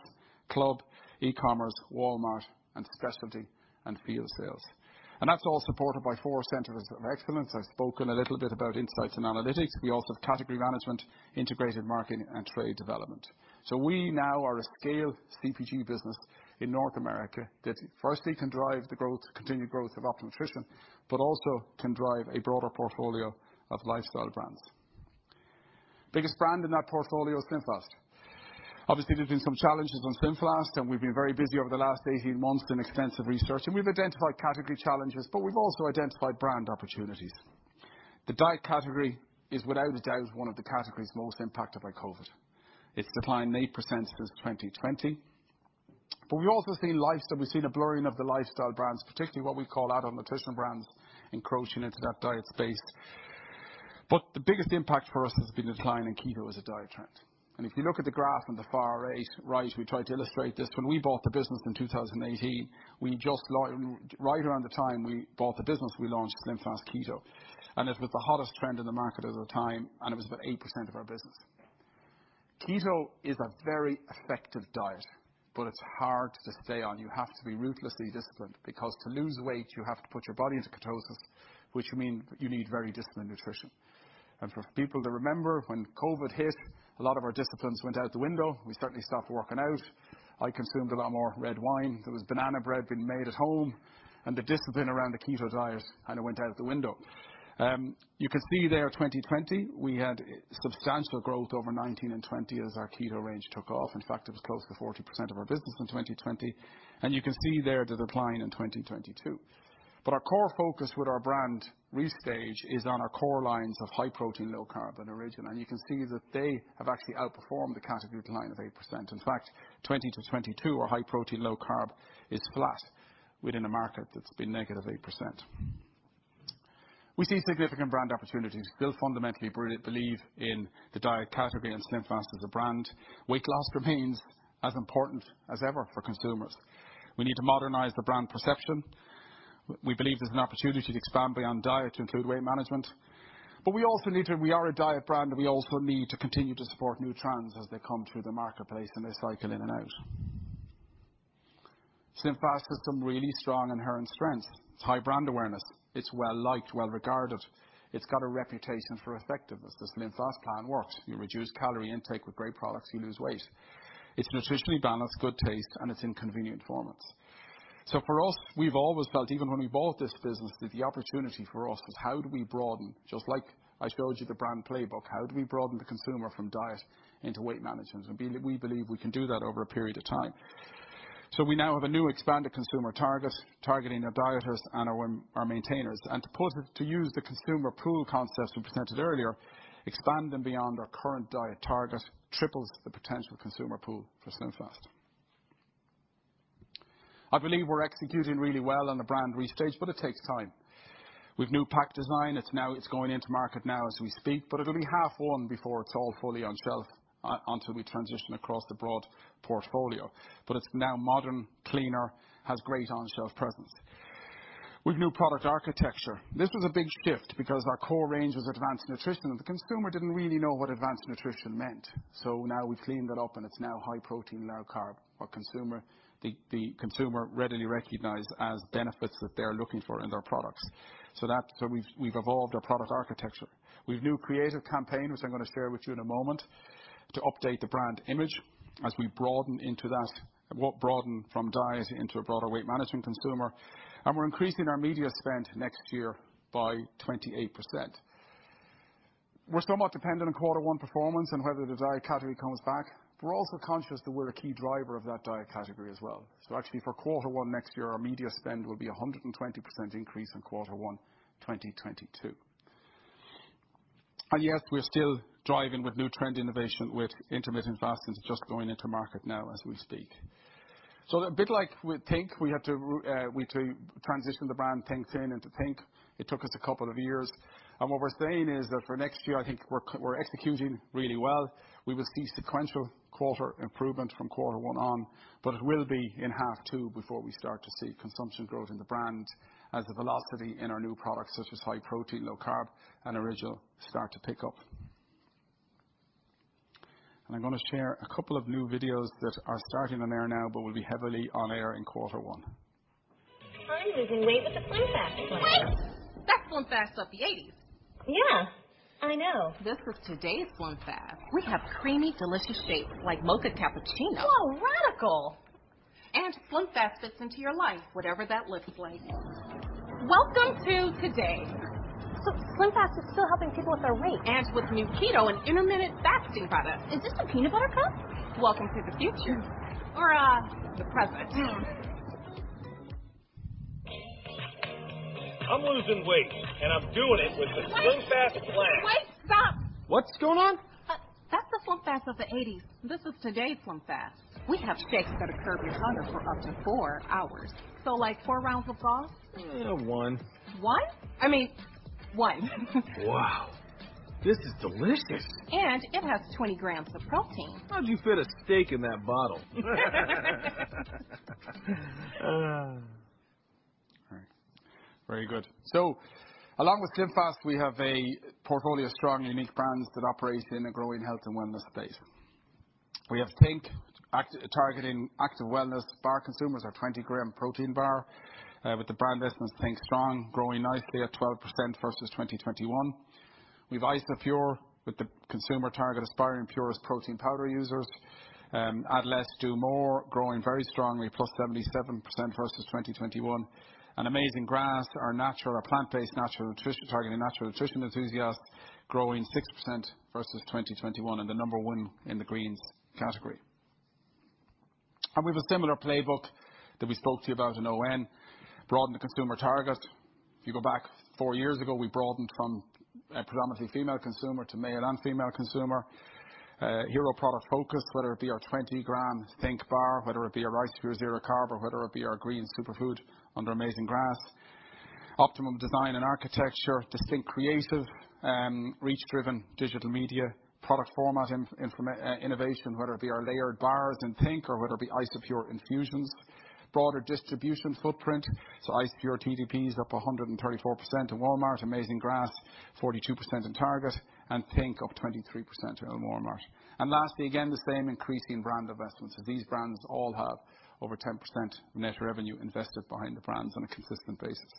club, e-commerce, Walmart, and specialty and field sales. That's all supported by four centers of excellence. I've spoken a little bit about insights and analytics. We also have category management, integrated marketing and trade development. We now are a scale CPG business in North America that firstly can drive the growth, continued growth of Optimum Nutrition, but also can drive a broader portfolio of lifestyle brands. Biggest brand in that portfolio is SlimFast. Obviously, there's been some challenges on SlimFast, and we've been very busy over the last 18 months in extensive research, and we've identified category challenges, but we've also identified brand opportunities. The diet category is without a doubt one of the categories most impacted by COVID. It's declined 8% since 2020. We've also seen lifestyle. We've seen a blurring of the lifestyle brands, particularly what we call adult nutritional brands, encroaching into that diet space. The biggest impact for us has been the decline in keto as a diet trend. If you look at the graph on the far right, we tried to illustrate this. When we bought the business in 2018, right around the time we bought the business, we launched SlimFast Keto, and it was the hottest trend in the market at the time, and it was about 8% of our business. Keto is a very effective diet, but it's hard to stay on. You have to be ruthlessly disciplined, because to lose weight, you have to put your body into ketosis, which mean you need very disciplined nutrition. For people to remember, when COVID hit, a lot of our disciplines went out the window. We certainly stopped working out. I consumed a lot more red wine. There was banana bread being made at home, and the discipline around the keto diet kind of went out of the window. You can see there 2020, we had substantial growth over 2019 and 2020 as our keto range took off. In fact, it was close to 40% of our business in 2020, and you can see there the decline in 2022. Our core focus with our brand restage is on our core lines of high protein, low carb and original. You can see that they have actually outperformed the category decline of 8%. In fact, 2020 to 2022, our high protein, low carb is flat within a market that's been negative 8%. We see significant brand opportunities. We still fundamentally believe in the diet category and SlimFast as a brand. Weight loss remains as important as ever for consumers. We need to modernize the brand perception. We believe there's an opportunity to expand beyond diet to include weight management. We are a diet brand, and we also need to continue to support new trends as they come through the marketplace and they cycle in and out. SlimFast has some really strong inherent strength. It's high brand awareness. It's well-liked, well-regarded. It's got a reputation for effectiveness. The SlimFast plan works. You reduce calorie intake with great products, you lose weight. It's nutritionally balanced, good taste, and it's in convenient formats. For us, we've always felt, even when we bought this business, that the opportunity for us was how do we broaden the consumer from diet into weight management, just like I showed you the brand playbook. We believe we can do that over a period of time. We now have a new expanded consumer target, targeting our dieters and our maintainers. To put it, to use the consumer pool concept we presented earlier, expanding beyond our current diet target triples the potential consumer pool for SlimFast. I believe we're executing really well on the brand restage, but it takes time. With new pack design, it's going into market now as we speak, but it'll be H1 before it's all fully on shelf, until we transition across the broad portfolio. It's now modern, cleaner, has great on-shelf presence. With new product architecture. This was a big shift because our core range was advanced nutrition, and the consumer didn't really know what advanced nutrition meant. Now we've cleaned it up and it's now high protein, low carb. The consumer readily recognized as benefits that they're looking for in their products. We've evolved our product architecture. With new creative campaign, which I'm gonna share with you in a moment, to update the brand image as we broaden into that, what broadened from diet into a broader weight management consumer. We're increasing our media spend next year by 28%. We're somewhat dependent on quarter one performance and whether the diet category comes back. We're also conscious that we're a key driver of that diet category as well. Actually, for quarter one next year, our media spend will be a 120% increase in quarter one, 2022. Yet we're still driving with new trend innovation with intermittent fastings just going into market now as we speak. A bit like with think!, we transitioned the brand thinkThin into think!. It took us a couple of years. What we're saying is that for next year, I think we're executing really well. We will see sequential quarter improvement from quarter one on, but it will be in half two before we start to see consumption growth in the brand as the velocity in our new products such as high protein, low carb and original start to pick up. I'm gonna share a couple of new videos that are starting on air now, but will be heavily on air in quarter one. I'm losing weight with the SlimFast plan. Wait. That's SlimFast of the 1980s. Yeah, I know. This is today's SlimFast. We have creamy, delicious shakes like Mocha Cappuccino. Whoa, radical. SlimFast fits into your life, whatever that looks like. Welcome to today. SlimFast is still helping people with their weight? with new keto and intermittent fasting products. Is this a peanut butter cup? Welcome to the future. Or, uh... The present. I'm losing weight, and I'm doing it with the SlimFast plan. Wait, stop. What's going on? That's the SlimFast of the eighties. This is today's SlimFast. We have shakes that'll curb your hunger for up to four hours. Like four rounds of golf? One. One? I mean, one. Wow, this is delicious. It has 20 g of protein. How'd you fit a steak in that bottle? All right. Very good. Along with SlimFast, we have a portfolio of strong, unique brands that operate in a growing health and wellness space. We have think! targeting active wellness bar consumers. Our 20-gram protein bar with the brand investments think! strong, growing nicely at 12% versus 2021. We have Isopure with the consumer target aspiring purest protein powder users. Add less, do more, growing very strongly, +77% versus 2021. Amazing Grass, our natural, plant-based natural nutrition targeting natural nutrition enthusiasts, growing 6% versus 2021, and the number one in the greens category. We've a similar playbook that we spoke to you about in ON, broaden the consumer target. If you go back 4 years ago, we broadened from a predominantly female consumer to male and female consumer. Hero product focus, whether it be our 20-gram think! bar, whether it be our Isopure Zero Carb, or whether it be our green superfood under Amazing Grass. Optimum design and architecture, distinct creative, reach driven digital media, product format innovation, whether it be our layered bars in think! or whether it be ISOPURE Infusions. Broader distribution footprint, so Isopure TDPs up 134% in Walmart, Amazing Grass 42% in Target, and think! up 23% in Walmart. Lastly, again, the same increasing brand investments as these brands all have over 10% net revenue invested behind the brands on a consistent basis.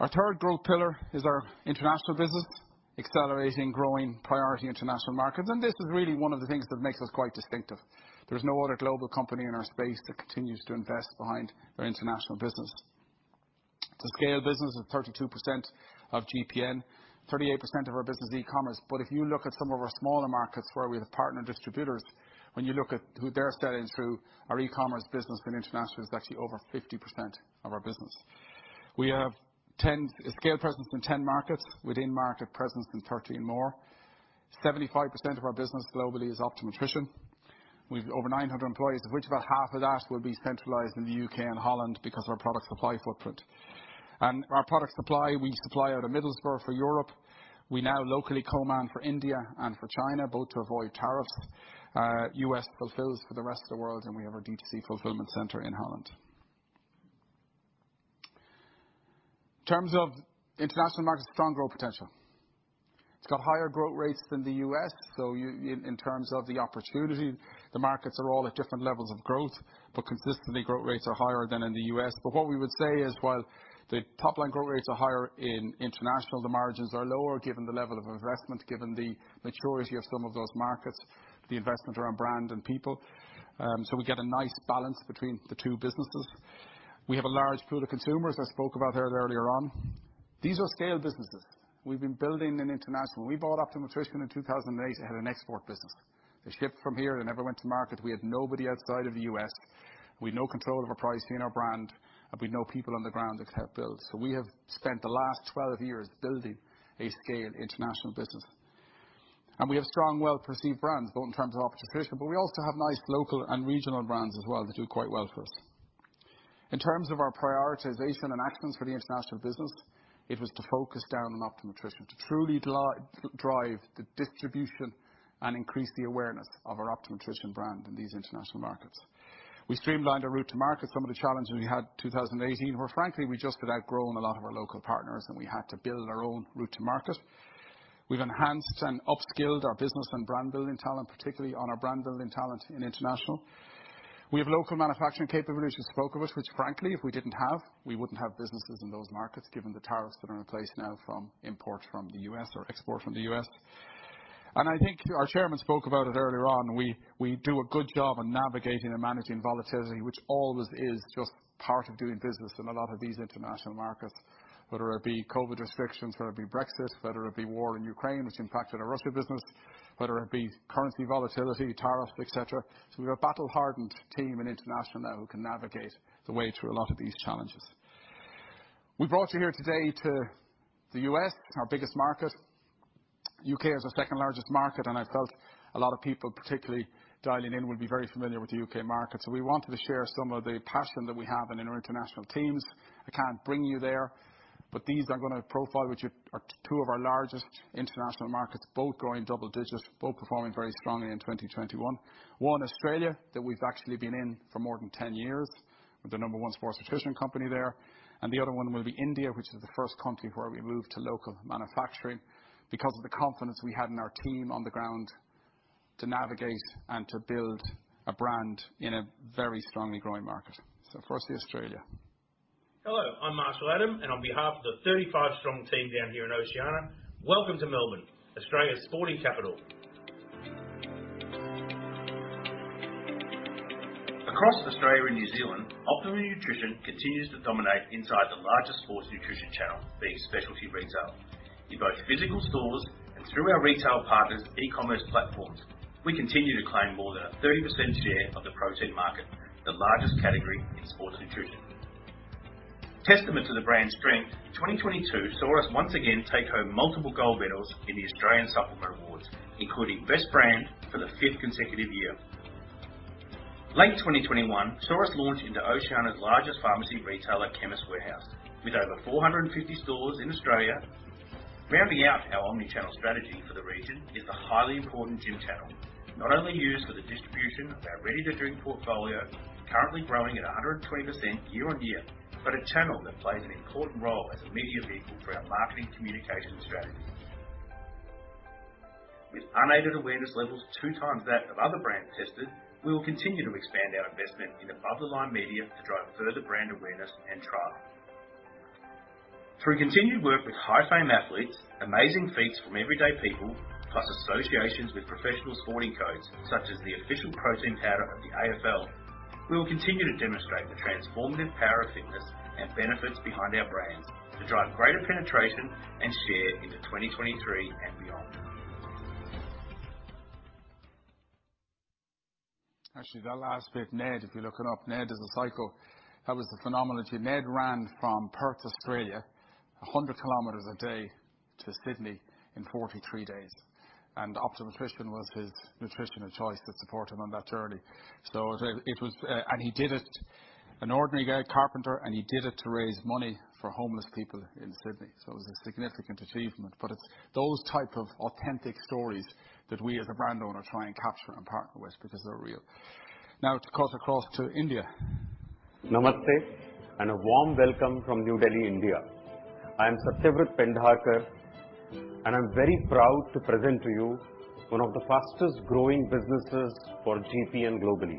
Our third growth pillar is our international business, accelerating growing priority international markets. This is really one of the things that makes us quite distinctive. There's no other global company in our space that continues to invest behind their international business. It's a scale business of 32% of GPN, 38% of our business e-commerce. If you look at some of our smaller markets where we have partner distributors, when you look at who they're selling through, our e-commerce business in international is actually over 50% of our business. We have a scale presence in 10 markets, within market presence in 13 more. 75% of our business globally is Optimum Nutrition. We've over 900 employees, of which about half of that will be centralized in the U.K and Holland because of our product supply footprint. Our product supply, we supply out of Middlesbrough for Europe. We now locally co-man for India and for China, both to avoid tariffs. U.S. fulfills for the rest of the world, and we have our D2C fulfillment center in Holland. In terms of international markets, strong growth potential. It's got higher growth rates than the U.S. In terms of the opportunity, the markets are all at different levels of growth, but consistently growth rates are higher than in the U.S. What we would say is while the top-line growth rates are higher in international, the margins are lower given the level of investment, given the maturity of some of those markets, the investment around brand and people. We get a nice balance between the two businesses. We have a large pool of consumers I spoke about earlier on. These are scale businesses. We've been building in international. We bought Optimum Nutrition in 2008. It had an export business. They shipped from here. They never went to market. We had nobody outside of the U.S. We had no control of our pricing or brand, and we'd no people on the ground to help build. We have spent the last 12 years building a scale international business. We have strong, well-perceived brands, both in terms of Optimum Nutrition, but we also have nice local and regional brands as well that do quite well for us. In terms of our prioritization and actions for the international business, it was to focus down on Optimum Nutrition, to truly drive the distribution and increase the awareness of our Optimum Nutrition brand in these international markets. We streamlined our route to market. Some of the challenges we had in 2018 were frankly, we just had outgrown a lot of our local partners, and we had to build our own route to market. We've enhanced and upskilled our business and brand building talent, particularly on our brand building talent in international. We have local manufacturing capabilities you spoke of us, which frankly, if we didn't have, we wouldn't have businesses in those markets given the tariffs that are in place now from imports from the U.S. or export from the U.S. I think our chairman spoke about it earlier on. We do a good job on navigating and managing volatility, which always is just part of doing business in a lot of these international markets, whether it be COVID restrictions, whether it be Brexit, whether it be war in Ukraine, which impacted our Russia business, whether it be currency volatility, tariffs, et cetera. We're a battle-hardened team in international now who can navigate the way through a lot of these challenges. We brought you here today to the U.S., our biggest market. U.K. is our second largest market, and I felt a lot of people, particularly dialing in, would be very familiar with the U.K. market. We wanted to share some of the passion that we have in our international teams. I can't bring you there, but these are gonna profile, which are two of our largest international markets, both growing double digits, both performing very strongly in 2021. One, Australia, that we've actually been in for more than 10 years. We're the number one sports nutrition company there. The other one will be India, which is the first country where we moved to local manufacturing because of the confidence we had in our team on the ground to navigate and to build a brand in a very strongly growing market. First to Australia. Hello, I'm Marshall Adams, and on behalf of the 35-strong team down here in Oceania, welcome to Melbourne, Australia's sporting capital. Across Australia and New Zealand, Optimum Nutrition continues to dominate inside the largest sports nutrition channel, being specialty retail. In both physical stores and through our retail partners' e-commerce platforms, we continue to claim more than a 30% share of the protein market, the largest category in sports nutrition. Testament to the brand's strength, 2022 saw us once again take home multiple gold medals in the Australian Supplement Awards, including Best Brand for the fifth consecutive year. Late 2021 saw us launch into Oceania's largest pharmacy retailer, Chemist Warehouse, with over 450 stores in Australia. Rounding out our omnichannel strategy for the region is the highly important gym channel, not only used for the distribution of our ready-to-drink portfolio, currently growing at 120% year-on-year, but a channel that plays an important role as a media vehicle through our marketing communication strategy. With unaided awareness levels two times that of other brands tested, we will continue to expand our investment in above-the-line media to drive further brand awareness and trial. Through continued work with high fame athletes, amazing feats from everyday people, plus associations with professional sporting codes, such as the official protein powder of the AFL, we will continue to demonstrate the transformative power of fitness and benefits behind our brands to drive greater penetration and share into 2023 and beyond. Actually, that last bit, Ned, if you look it up, Ned is a psycho. That was the phenomenon. Ned ran from Perth, Australia, 100 kilometers a day to Sydney in 43 days. Optimum Nutrition was his nutrition of choice that supported him on that journey. It was an ordinary guy, a carpenter, and he did it to raise money for homeless people in Sydney. It was a significant achievement. It's those type of authentic stories that we as a brand owner try and capture and partner with because they're real. Now to cut across to India. Namaste, and a warm welcome from New Delhi, India. I am Satyavrat Pendharkar, and I'm very proud to present to you one of the fastest growing businesses for GPN globally.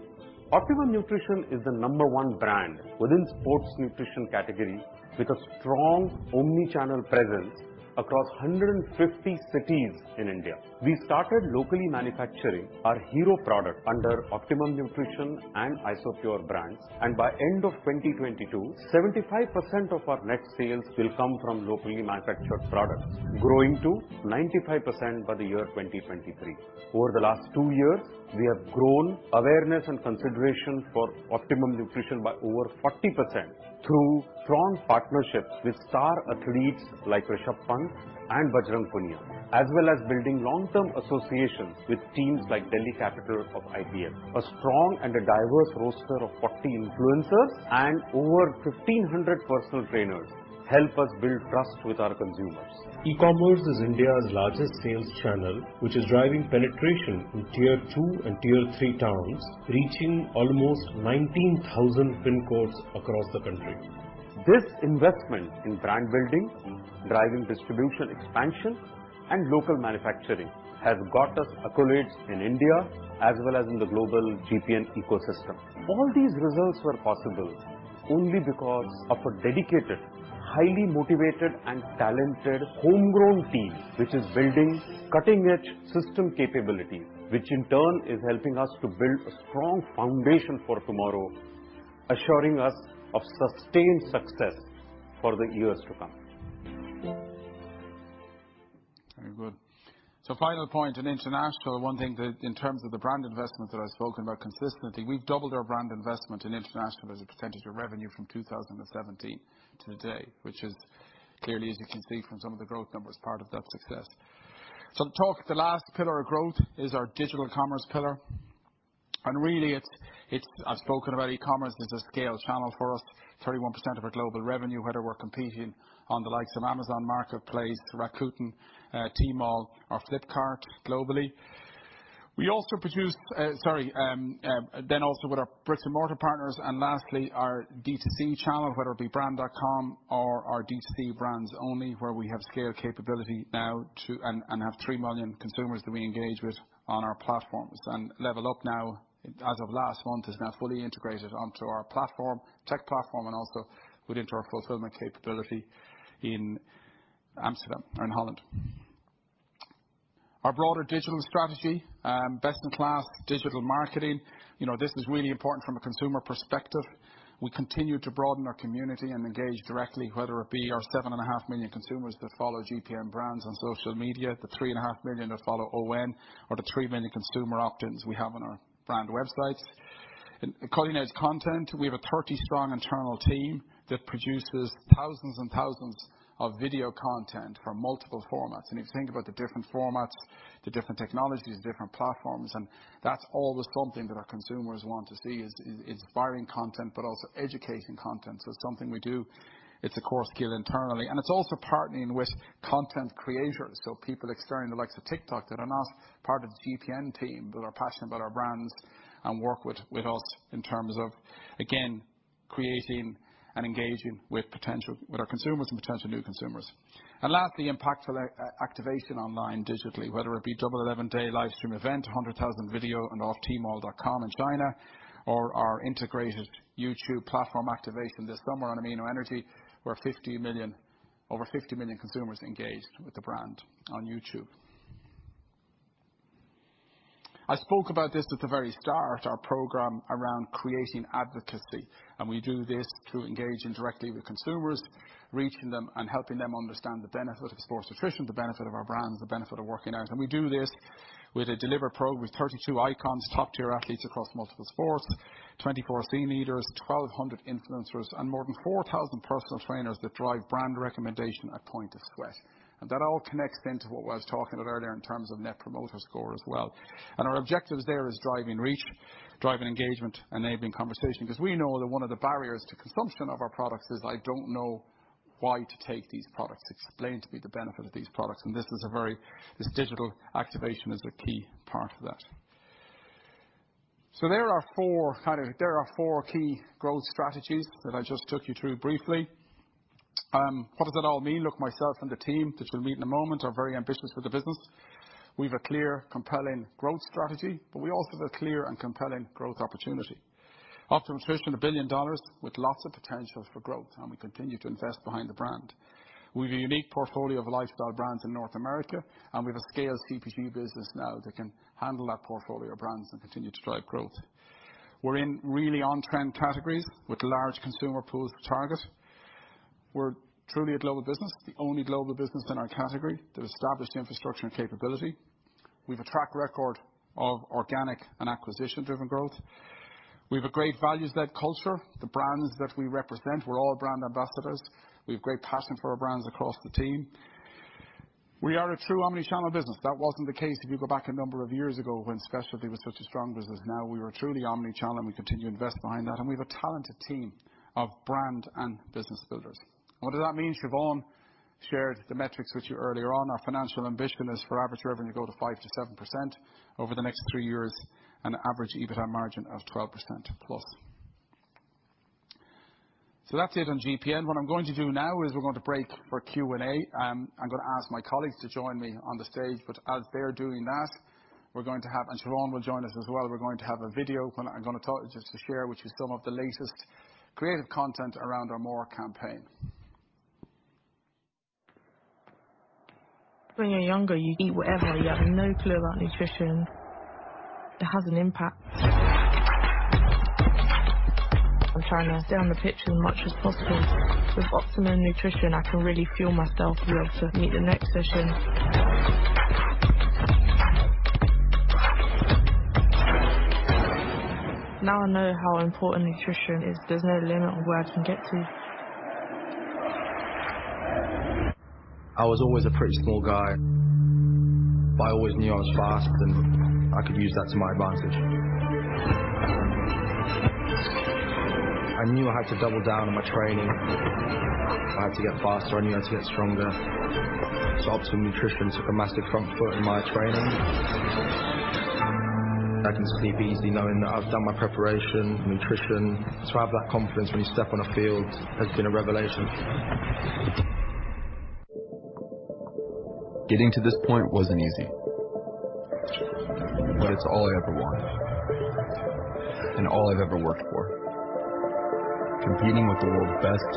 Optimum Nutrition is the number one brand within sports nutrition category with a strong omnichannel presence across 150 cities in India. We started locally manufacturing our hero product under Optimum Nutrition and Isopure brands, and by end of 2022, 75% of our net sales will come from locally manufactured products, growing to 95% by the year 2023. Over the last two years, we have grown awareness and consideration for Optimum Nutrition by over 40% through strong partnerships with star athletes like Rishabh Pant and Bajrang Punia, as well as building long-term associations with teams like Delhi Capitals of IPL. A strong and diverse roster of 40 influencers and over 1,500 personal trainers help us build trust with our consumers. E-commerce is India's largest sales channel, which is driving penetration in tier 2 and tier 3 towns, reaching almost 19,000 pin codes across the country. This investment in brand building, driving distribution expansion, and local manufacturing has got us accolades in India as well as in the global GPN ecosystem. All these results were possible only because of a dedicated, highly motivated, and talented homegrown team, which is building cutting-edge system capability, which in turn is helping us to build a strong foundation for tomorrow, assuring us of sustained success for the years to come. Very good. Final point in international, one thing that in terms of the brand investment that I've spoken about consistently, we've doubled our brand investment in international as a percentage of revenue from 2017 to today, which is clearly, as you can see from some of the growth numbers, part of that success. To talk, the last pillar of growth is our digital commerce pillar. Really, it's. I've spoken about e-commerce as a scale channel for us. 31% of our global revenue, whether we're competing on the likes of Amazon Marketplace to Rakuten, Tmall or Flipkart globally. We also produce. also with our brick-and-mortar partners, and lastly, our D2C channel, whether it be brand.com or our D2C brands only, where we have scale capability now to and have 3 million consumers that we engage with on our platforms. LevlUp now as of last month is now fully integrated onto our platform, tech platform, and also within our fulfillment capability in Amsterdam or in Holland. Our broader digital strategy, best-in-class digital marketing. You know, this is really important from a consumer perspective. We continue to broaden our community and engage directly, whether it be our 7.5 million consumers that follow GPN brands on social media, the 3.5 million that follow ON, or the 3 million consumer opt-ins we have on our brand websites. Calling out content, we have a 30-strong internal team that produces thousands and thousands of video content for multiple formats. If you think about the different formats, the different technologies, different platforms, and that's always something that our consumers want to see is inspiring content, but also educating content. It's something we do. It's a core skill internally, and it's also partnering with content creators. People externally, the likes of TikTok, that are not part of the GPN team, but are passionate about our brands and work with us in terms of, again, creating and engaging with potential with our consumers and potential new consumers. Lastly, impactful activation online digitally, whether it be Double Eleven Day live stream event, a 100,000-view video on Tmall.com in China or our integrated YouTube platform activation this summer on Amino Energy, where over 50 million consumers engaged with the brand on YouTube. I spoke about this at the very start, our program around creating advocacy, and we do this through engaging directly with consumers, reaching them, and helping them understand the benefit of sports nutrition, the benefit of our brands, the benefit of working out. We do this with a deliver pro with 32 icons, top-tier athletes across multiple sports, 24 C-level leaders, 1,200 influencers, and more than 4,000 personal trainers that drive brand recommendation at point of sweat. That all connects into what I was talking about earlier in terms of Net Promoter Score as well. Our objectives there is driving reach, driving engagement, enabling conversation. 'Cause we know that one of the barriers to consumption of our products is "I don't know why to take these products. Explain to me the benefit of these products," and this is a very. This digital activation is a key part of that. There are four key growth strategies that I just took you through briefly. What does it all mean? Look, myself and the team that you'll meet in a moment are very ambitious with the business. We've a clear, compelling growth strategy, but we also have a clear and compelling growth opportunity. Optimum Nutrition, $1 billion with lots of potential for growth, and we continue to invest behind the brand. We have a unique portfolio of lifestyle brands in North America, and we have a scaled CPG business now that can handle that portfolio of brands and continue to drive growth. We're in really on-trend categories with large consumer pools to target. We're truly a global business, the only global business in our category that established infrastructure and capability. We've a track record of organic and acquisition-driven growth. We've a great values-led culture. The brands that we represent, we're all brand ambassadors. We have great passion for our brands across the team. We are a true omnichannel business. That wasn't the case if you go back a number of years ago when specialty was such a strong business. Now we are truly omnichannel, and we continue to invest behind that, and we have a talented team of brand and business builders. What does that mean? Siobhan shared the metrics with you earlier on. Our financial ambition is for average revenue to go to 5%-7% over the next three years and average EBITA margin of 12%+. That's it on GPN. What I'm going to do now is we're going to break for Q&A. I'm gonna ask my colleagues to join me on the stage, but as they're doing that, we're going to have a video. Siobhan will join us as well. Just to share, which is some of the latest creative content around our More campaign. When you're younger, you eat whatever. You have no clue about nutrition. It has an impact. I'm trying to stay on the pitch as much as possible. With Optimum Nutrition, I can really fuel myself well to meet the next session. Now I know how important nutrition is, there's no limit on where I can get to. I was always a pretty small guy, but I always knew I was fast and I could use that to my advantage. I knew I had to double down on my training. I had to get faster. I knew I had to get stronger. Optimum Nutrition took a massive front foot in my training. I can sleep easy knowing that I've done my preparation, nutrition. To have that confidence when you step on a field has been a revelation. Getting to this point wasn't easy, but it's all I ever wanted and all I've ever worked for. Competing with the world's best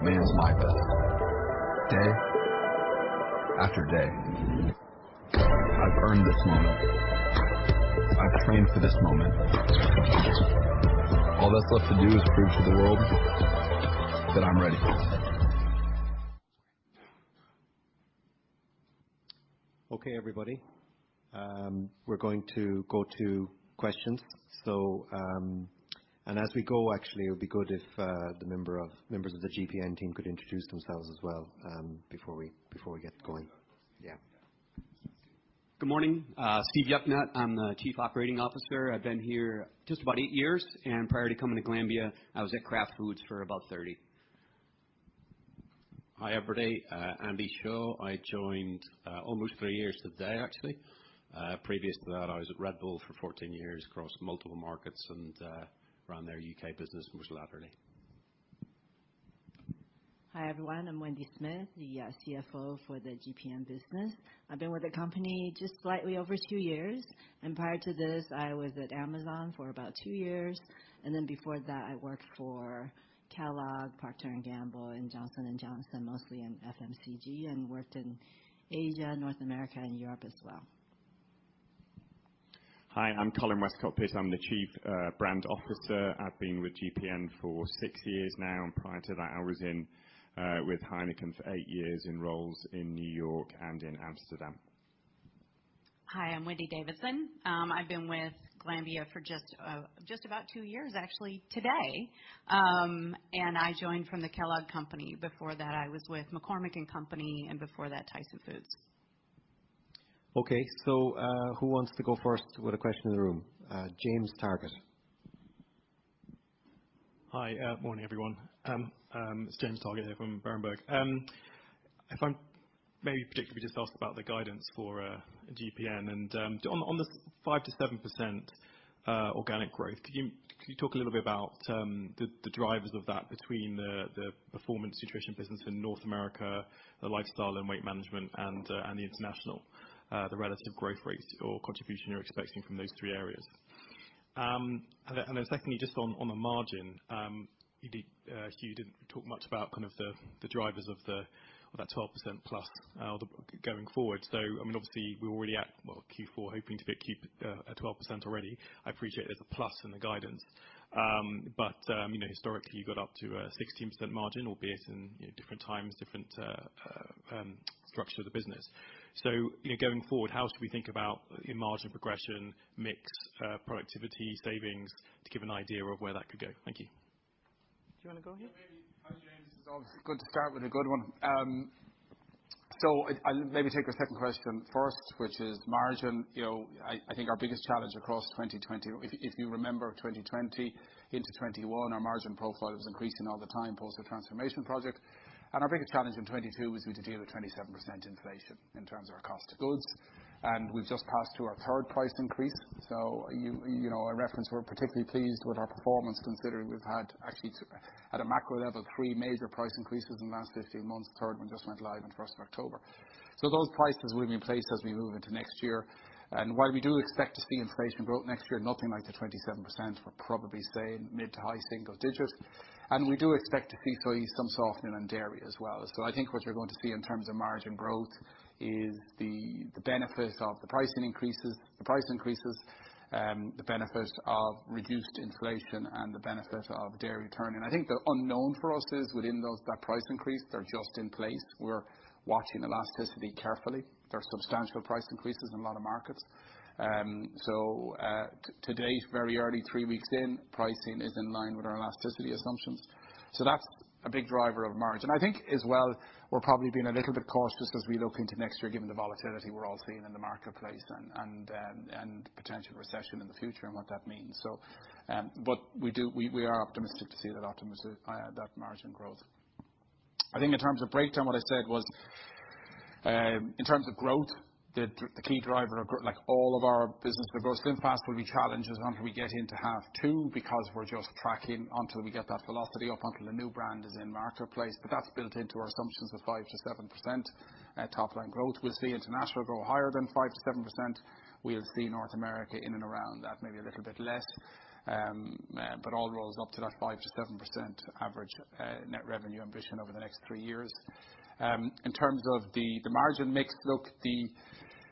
demands my best day after day. I've earned this moment. I've trained for this moment. All that's left to do is prove to the world that I'm ready. Okay, everybody. We're going to go to questions. As we go, actually, it'll be good if the members of the GPN team could introduce themselves as well, before we get going. Yeah. Good morning. Steve Yucknut. I'm the Chief Operating Officer. I've been here just about eight years, and prior to coming to Glanbia, I was at Kraft Foods for about 30. Hi, everybody. Andy Shaw. I joined almost three years today, actually. Previous to that, I was at Red Bull for 14 years across multiple markets and ran their U.K. business most latterly. Hi, everyone. I'm Wendy Smith, the CFO for the GPN business. I've been with the company just slightly over 2 years, and prior to this, I was at Amazon for about 2 years. Before that, I worked for Kellogg, Procter & Gamble, and Johnson & Johnson, mostly in FMCG, and worked in Asia, North America, and Europe as well. Hi, I'm Colin Westcott-Pitt. I'm the Chief Brand Officer. I've been with GPN for six years now. Prior to that, I was in with Heineken for eight years in roles in New York and in Amsterdam. Hi, I'm Wendy Davidson. I've been with Glanbia for just about two years, actually, today. I joined from the Kellogg Company. Before that, I was with McCormick & Company, and before that, Tyson Foods. Okay. Who wants to go first with a question in the room? James Targett. Hi. Morning, everyone. It's James Targett here from Berenberg. If I may predictably just ask about the guidance for GPN, and on the 5%-7% organic growth, can you talk a little bit about the drivers of that between the performance nutrition business in North America, the lifestyle and weight management, and the international, the relative growth rates or contribution you're expecting from those three areas. Secondly, just on the margin, you didn't talk much about kind of the drivers of that 12%+ going forward. I mean, obviously, we're already at, well, Q4, hoping to be at Q4 at 12% already. I appreciate there's a plus in the guidance. You know, historically, you got up to a 16% margin, albeit in, you know, different times, different structure of the business. You know, going forward, how should we think about your margin progression, mix, productivity, savings to give an idea of where that could go? Thank you. Do you wanna go ahead? Yeah, maybe. Hi, James. It's always good to start with a good one. I'll maybe take the second question first, which is margin. You know, I think our biggest challenge across 2020. If you remember 2020 into 2021, our margin profile was increasing all the time post the transformation project. Our biggest challenge in 2022 was we had to deal with 27% inflation in terms of our cost of goods. We've just passed through our third price increase. You know, our reference, we're particularly pleased with our performance considering we've had actually at a macro level, three major price increases in the last 15 months. Third one just went live on first of October. Those prices will be in place as we move into next year. While we do expect to see inflation growth next year, nothing like the 27%. We're probably saying mid- to high-single digits. We do expect to see probably some softening on dairy as well. I think what you're going to see in terms of margin growth is the benefit of the pricing increases, the price increases, the benefit of reduced inflation and the benefit of dairy turning. I think the unknown for us is within those price increases that are just in place. We're watching elasticity carefully. There's substantial price increases in a lot of markets. To date, very early, three weeks in, pricing is in line with our elasticity assumptions. That's a big driver of margin. I think as well, we're probably being a little bit cautious as we look into next year, given the volatility we're all seeing in the marketplace and potential recession in the future and what that means. We are optimistic to see that margin growth. I think in terms of breakdown, what I said was, in terms of growth, the key driver of like all of our business growth, SlimFast will be challenged until we get into half two because we're just tracking until we get that velocity up, until the new brand is in marketplace. That's built into our assumptions of 5%-7% top-line growth. We'll see international grow higher than 5%-7%. We'll see North America in and around that, maybe a little bit less. All rolls up to that 5%-7% average net revenue ambition over the next three years. In terms of the margin mix, look.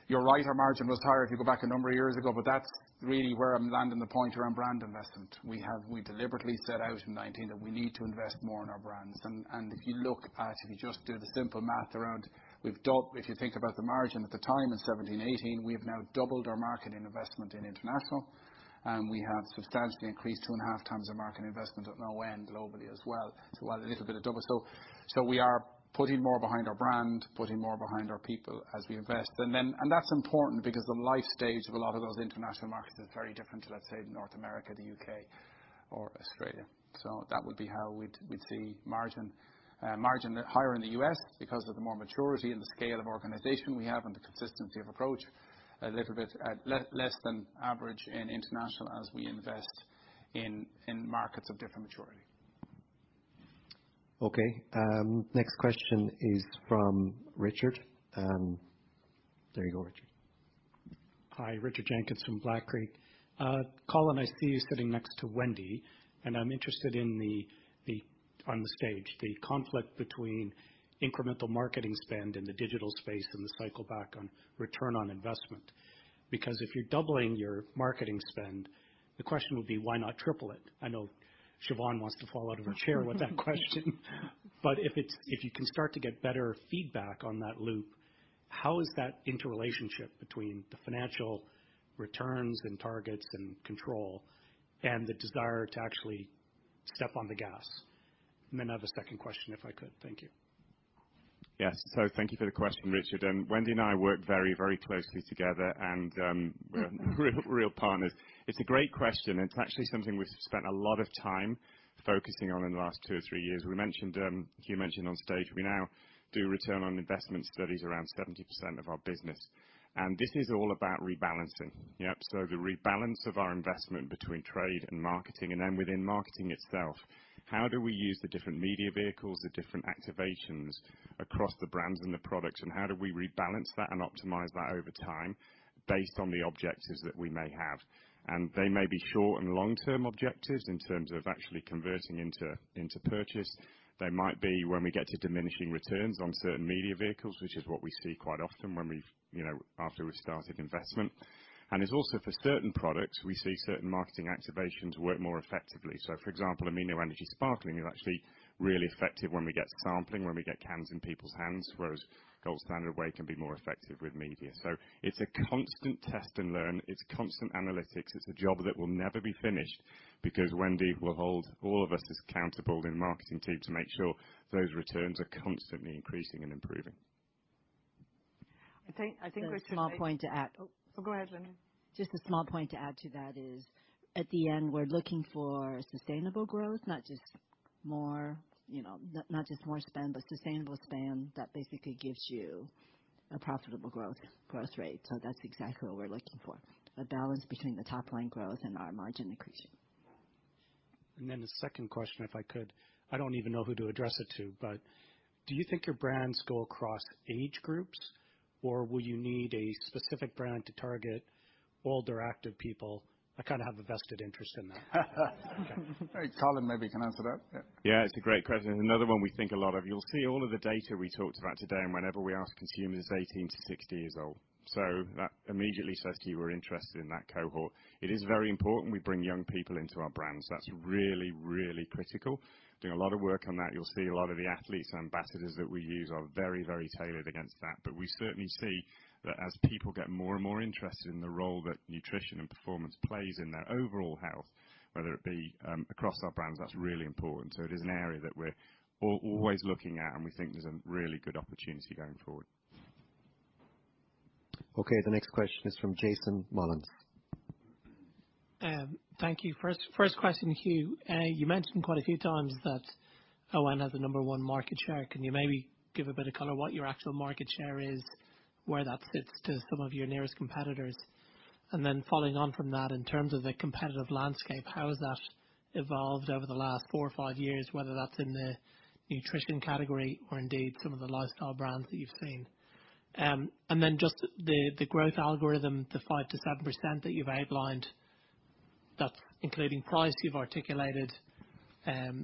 You're right, our margin was higher if you go back a number of years ago, but that's really where I'm landing the point around brand investment. We deliberately set out in 2019 that we need to invest more in our brands. If you look at, if you just do the simple math around, if you think about the margin at the time in 2017-2018, we have now doubled our marketing investment in international. We have substantially increased two and a half times the marketing investment at ON globally as well. So while a little bit of double. We are putting more behind our brand, putting more behind our people as we invest. That's important because the life stage of a lot of those international markets is very different to, let's say, North America, the U.K., or Australia. That would be how we'd see margin. Margin higher in the U.S. because of the more maturity and the scale of organization we have and the consistency of approach. A little bit less than average in international as we invest in markets of different maturity. Okay. Next question is from Richard. There you go, Richard. Hi. Richard Jenkins from BlackRock. Colin, I see you sitting next to Wendy, and I'm interested in the on the stage, the conflict between incremental marketing spend in the digital space and the cycle back on return on investment. Because if you're doubling your marketing spend, the question would be, why not triple it? I know Siobhan wants to fall out of her chair with that question. But if it's, if you can start to get better feedback on that loop, how is that interrelationship between the financial returns and targets and control and the desire to actually step on the gas? And then I have a second question, if I could. Thank you. Yes. Thank you for the question, Richard. Wendy and I work very, very closely together and we're real partners. It's a great question, and it's actually something we've spent a lot of time focusing on in the last two or three years. We mentioned, Hugh mentioned on stage, we now do return on investment studies around 70% of our business. This is all about rebalancing. The rebalance of our investment between trade and marketing, and then within marketing itself, how do we use the different media vehicles, the different activations across the brands and the products, and how do we rebalance that and optimize that over time based on the objectives that we may have? They may be short and long-term objectives in terms of actually converting into purchase. They might be when we get to diminishing returns on certain media vehicles, which is what we see quite often when we've, you know, after we've started investment. It's also for certain products, we see certain marketing activations work more effectively. For example, Amino Energy Sparkling is actually really effective when we get sampling, when we get cans in people's hands, whereas Gold Standard Whey can be more effective with media. It's a constant test and learn. It's constant analytics. It's a job that will never be finished because Wendy will hold all of us accountable in the marketing team to make sure those returns are constantly increasing and improving. I think Richard maybe. A small point to add. Oh, go ahead, Wendy-Chang Smith. Just a small point to add to that is at the end, we're looking for sustainable growth, not just more, you know, not just more spend, but sustainable spend that basically gives you a profitable growth rate. That's exactly what we're looking for, a balance between the top line growth and our margin accretion. the second question, if I could, I don't even know who to address it to, but do you think your brands go across age groups, or will you need a specific brand to target older, active people? I kind of have a vested interest in that. olin maybe can answer that. Yeah. Yeah, it's a great question, another one we think a lot of. You'll see all of the data we talked about today and whenever we ask consumers 18-60 years old. That immediately says to you we're interested in that cohort. It is very important we bring young people into our brands. That's really, really critical. Doing a lot of work on that. You'll see a lot of the athletes, ambassadors that we use are very, very tailored against that. We certainly see that as people get more and more interested in the role that nutrition and performance plays in their overall health, whether it be across our brands, that's really important. It is an area that we're always looking at, and we think there's a really good opportunity going forward. Okay, the next question is from Jason Molins. Thank you. First question, Hugh. You mentioned quite a few times that ON has the number one market share. Can you maybe give a bit of color what your actual market share is, where that sits to some of your nearest competitors? And then following on from that, in terms of the competitive landscape, how has that evolved over the last four or five years, whether that's in the nutrition category or indeed some of the lifestyle brands that you've seen? And then just the growth algorithm, the 5%-7% that you've outlined, that's including price you've articulated,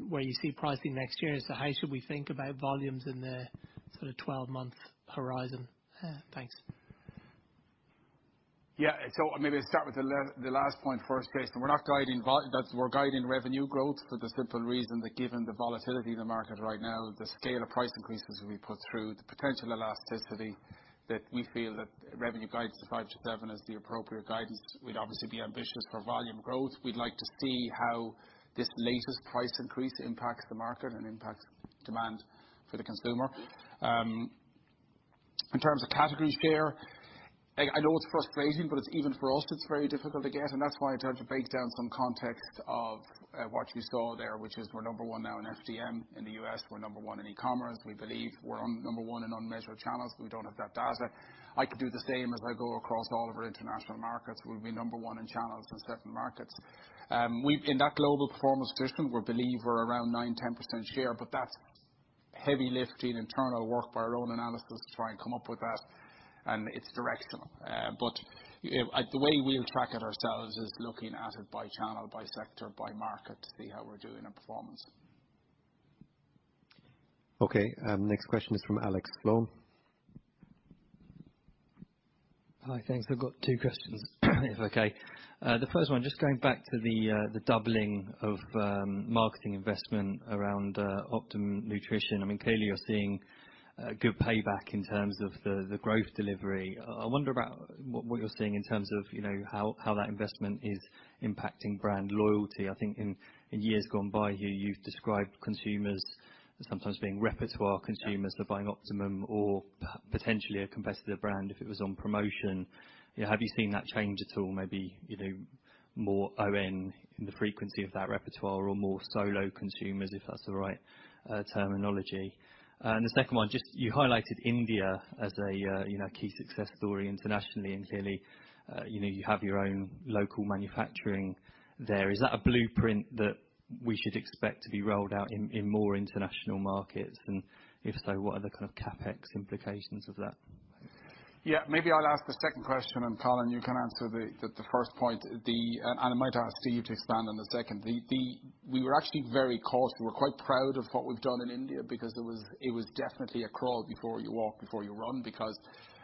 where you see pricing next year. How should we think about volumes in the sort of 12-month horizon? Thanks. Maybe I start with the last point first, Jason. We're not guiding volume. We're guiding revenue growth for the simple reason that given the volatility in the market right now, the scale of price increases we put through, the potential elasticity that we feel revenue guidance of 5%-7% is the appropriate guidance. We'd obviously be ambitious for volume growth. We'd like to see how this latest price increase impacts the market and impacts demand for the consumer. In terms of category share, I know it's frustrating, but it's even for us, it's very difficult to get, and that's why I tried to break down some context of what you saw there, which is we're number one now in FDM in the U.S. We're number one in e-commerce. We believe we're number one in unmeasured channels, but we don't have that data. I could do the same as I go across all of our international markets. We'll be number one in channels in certain markets. In that global performance discussion, we believe we're around 9%-10% share, but that's heavy lifting internal work by our own analysts to try and come up with that, and it's directional. The way we'll track it ourselves is looking at it by channel, by sector, by market to see how we're doing in performance. Okay, next question is from Alex Sloane. Hi. Thanks. I've got two questions if okay. The first one, just going back to the doubling of marketing investment around Optimum Nutrition. I mean, clearly you're seeing a good payback in terms of the growth delivery. I wonder about what you're seeing in terms of, you know, how that investment is impacting brand loyalty. I think in years gone by, you've described consumers as sometimes being repertoire consumers. They're buying Optimum or potentially a competitor brand if it was on promotion. You know, have you seen that change at all? Maybe, you know, more ON in the frequency of that repertoire or more solo consumers, if that's the right terminology. The second one, just you highlighted India as a, you know, key success story internationally, and clearly, you know, you have your own local manufacturing there. Is that a blueprint that we should expect to be rolled out in more international markets? If so, what are the kind of CapEx implications of that? Maybe I'll ask the second question, and Colin, you can answer the first point. I might ask Steve to expand on the second. We were actually very cautious. We're quite proud of what we've done in India because it was definitely a crawl before you walk, before you run.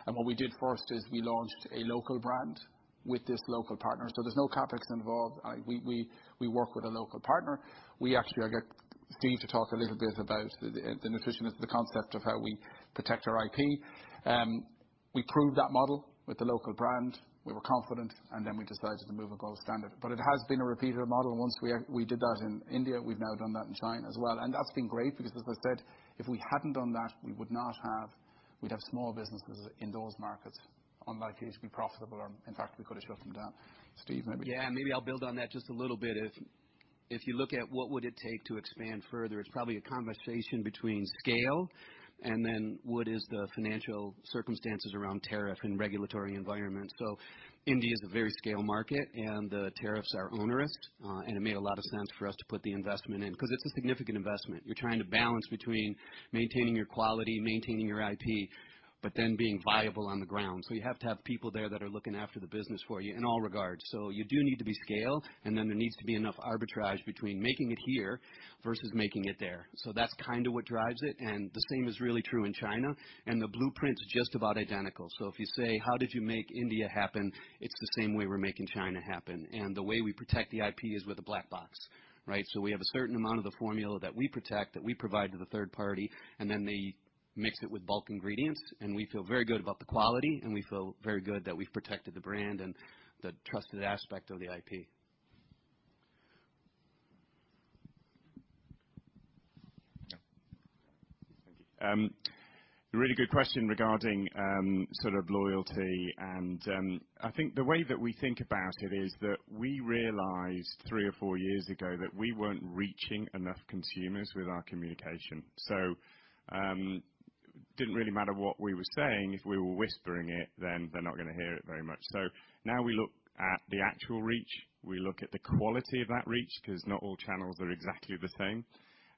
What we did first is we launched a local brand with this local partner. There's no CapEx involved. We work with a local partner. I'll get Steve to talk a little bit about the Optimum Nutrition, the concept of how we protect our IP. We proved that model with the local brand. We were confident, and then we decided to move to ON. It has been a repeated model. Once we did that in India, we've now done that in China as well. That's been great because as I said, if we hadn't done that, we would not have. We'd have small businesses in those markets, unlikely to be profitable, or in fact, we could have shut them down. Steve, maybe. Yeah. Maybe I'll build on that just a little bit. If you look at what would it take to expand further, it's probably a conversation between scale and then what is the financial circumstances around tariff and regulatory environment. India is a very scale market, and the tariffs are onerous. It made a lot of sense for us to put the investment in 'cause it's a significant investment. You're trying to balance between maintaining your quality, maintaining your IP, but then being viable on the ground. You have to have people there that are looking after the business for you in all regards. You do need to be scale, and then there needs to be enough arbitrage between making it here versus making it there. That's kinda what drives it, and the same is really true in China, and the blueprint's just about identical. If you say, "How did you make India happen?" It's the same way we're making China happen. The way we protect the IP is with a black box, right? We have a certain amount of the formula that we protect, that we provide to the third party, and then they mix it with bulk ingredients, and we feel very good about the quality, and we feel very good that we've protected the brand and the trusted aspect of the IP. A really good question regarding sort of loyalty and I think the way that we think about it is that we realized three or four years ago that we weren't reaching enough consumers with our communication. Didn't really matter what we were saying. If we were whispering it, then they're not gonna hear it very much. Now we look at the actual reach, we look at the quality of that reach, 'cause not all channels are exactly the same.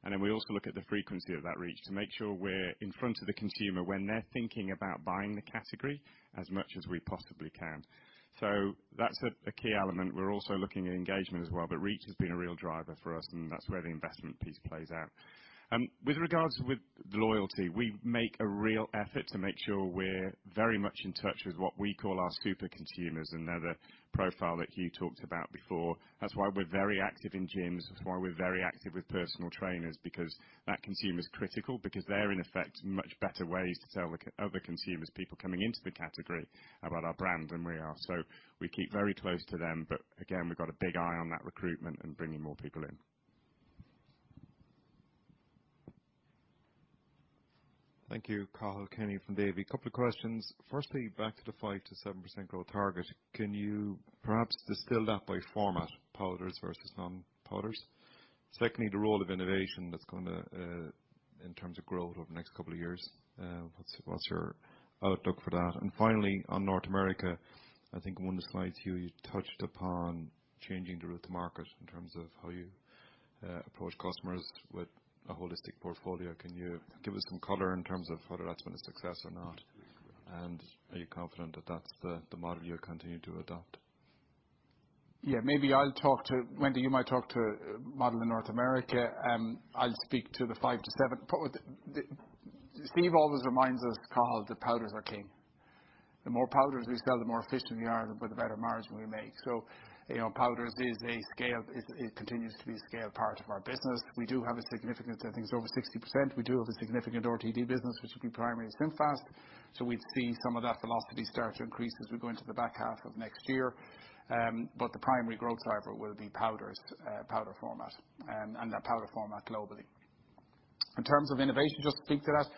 Then we also look at the frequency of that reach to make sure we're in front of the consumer when they're thinking about buying the category as much as we possibly can. That's a key element. We're also looking at engagement as well, but reach has been a real driver for us, and that's where the investment piece plays out. With regards with loyalty, we make a real effort to make sure we're very much in touch with what we call our super consumers, and they're the profile that Hugh talked about before. That's why we're very active in gyms. That's why we're very active with personal trainers, because that consumer's critical because they're in effect much better ways to sell other consumers, people coming into the category about our brand than we are. We keep very close to them. Again, we've got a big eye on that recruitment and bringing more people in. Thank you. Cathal Kenny from Davy. Couple of questions. Firstly, back to the 5%-7% growth target. Can you perhaps distill that by format, powders versus non-powders? Secondly, the role of innovation that's gonna in terms of growth over the next couple of years, what's your outlook for that? And finally, on North America, I think in one of the slides, Hugh, you touched upon changing the route to market in terms of how you approach customers with a holistic portfolio. Can you give us some color in terms of whether that's been a success or not? And are you confident that that's the model you'll continue to adopt? Yeah, maybe I'll talk to Wendy. You might talk to Mullins in North America. I'll speak to the 5-7. Steve always reminds us, Cathal, that powders are king. The more powders we sell, the more efficient we are, the better margin we make. You know, powders is a scaled, it continues to be a scaled part of our business. We do have a significant, I think it's over 60%. We do have a significant RTD business, which would be primarily SlimFast. We'd see some of that velocity start to increase as we go into the back half of next year. The primary growth driver will be powders, powder format and the powder format globally. In terms of innovation, just to speak to that,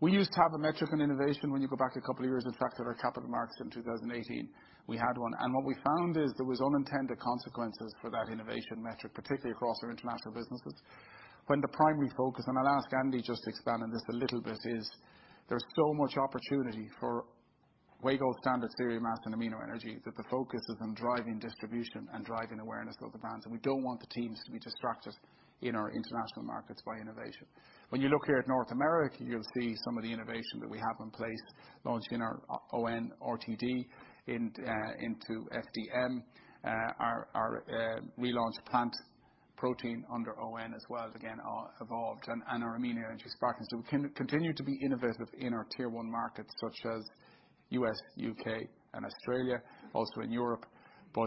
we used to have a metric in innovation when you go back a couple of years. In fact, at our capital markets in 2018 we had one. What we found is there was unintended consequences for that innovation metric, particularly across our international businesses. When the primary focus, and I'll ask Andy just to expand on this a little bit, is there's so much opportunity for Gold Standard, Serious Mass and Amino Energy, that the focus is on driving distribution and driving awareness of the brands. We don't want the teams to be distracted in our international markets by innovation. When you look here at North America, you'll see some of the innovation that we have in place, launching our ON RTD into FDM. Our relaunched plant protein under ON as well, again, evolved and our Amino Energy Sparkling. We continue to be innovative in our tier one markets such as U.S., U.K. and Australia, also in Europe.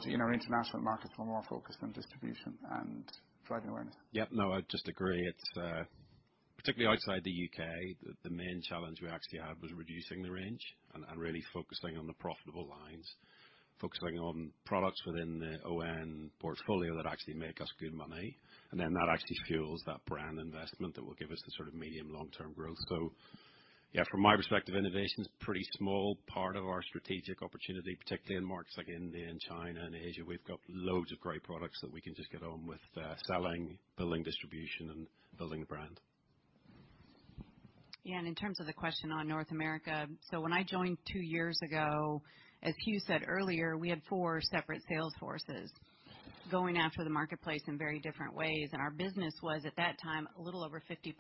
In our international markets, we're more focused on distribution and driving awareness. Yeah. No, I just agree. It's particularly outside the U.K, the main challenge we actually had was reducing the range and really focusing on the profitable lines. Focusing on products within the ON portfolio that actually make us good money, and then that actually fuels that brand investment that will give us the sort of medium long-term growth. Yeah, from my perspective, innovation's pretty small part of our strategic opportunity, particularly in markets like India and China and Asia. We've got loads of great products that we can just get on with selling, building distribution and building the brand. Yeah. In terms of the question on North America, when I joined two years ago, as Hugh said earlier, we had four separate sales forces going after the marketplace in very different ways. Our business was, at that time, a little over 50%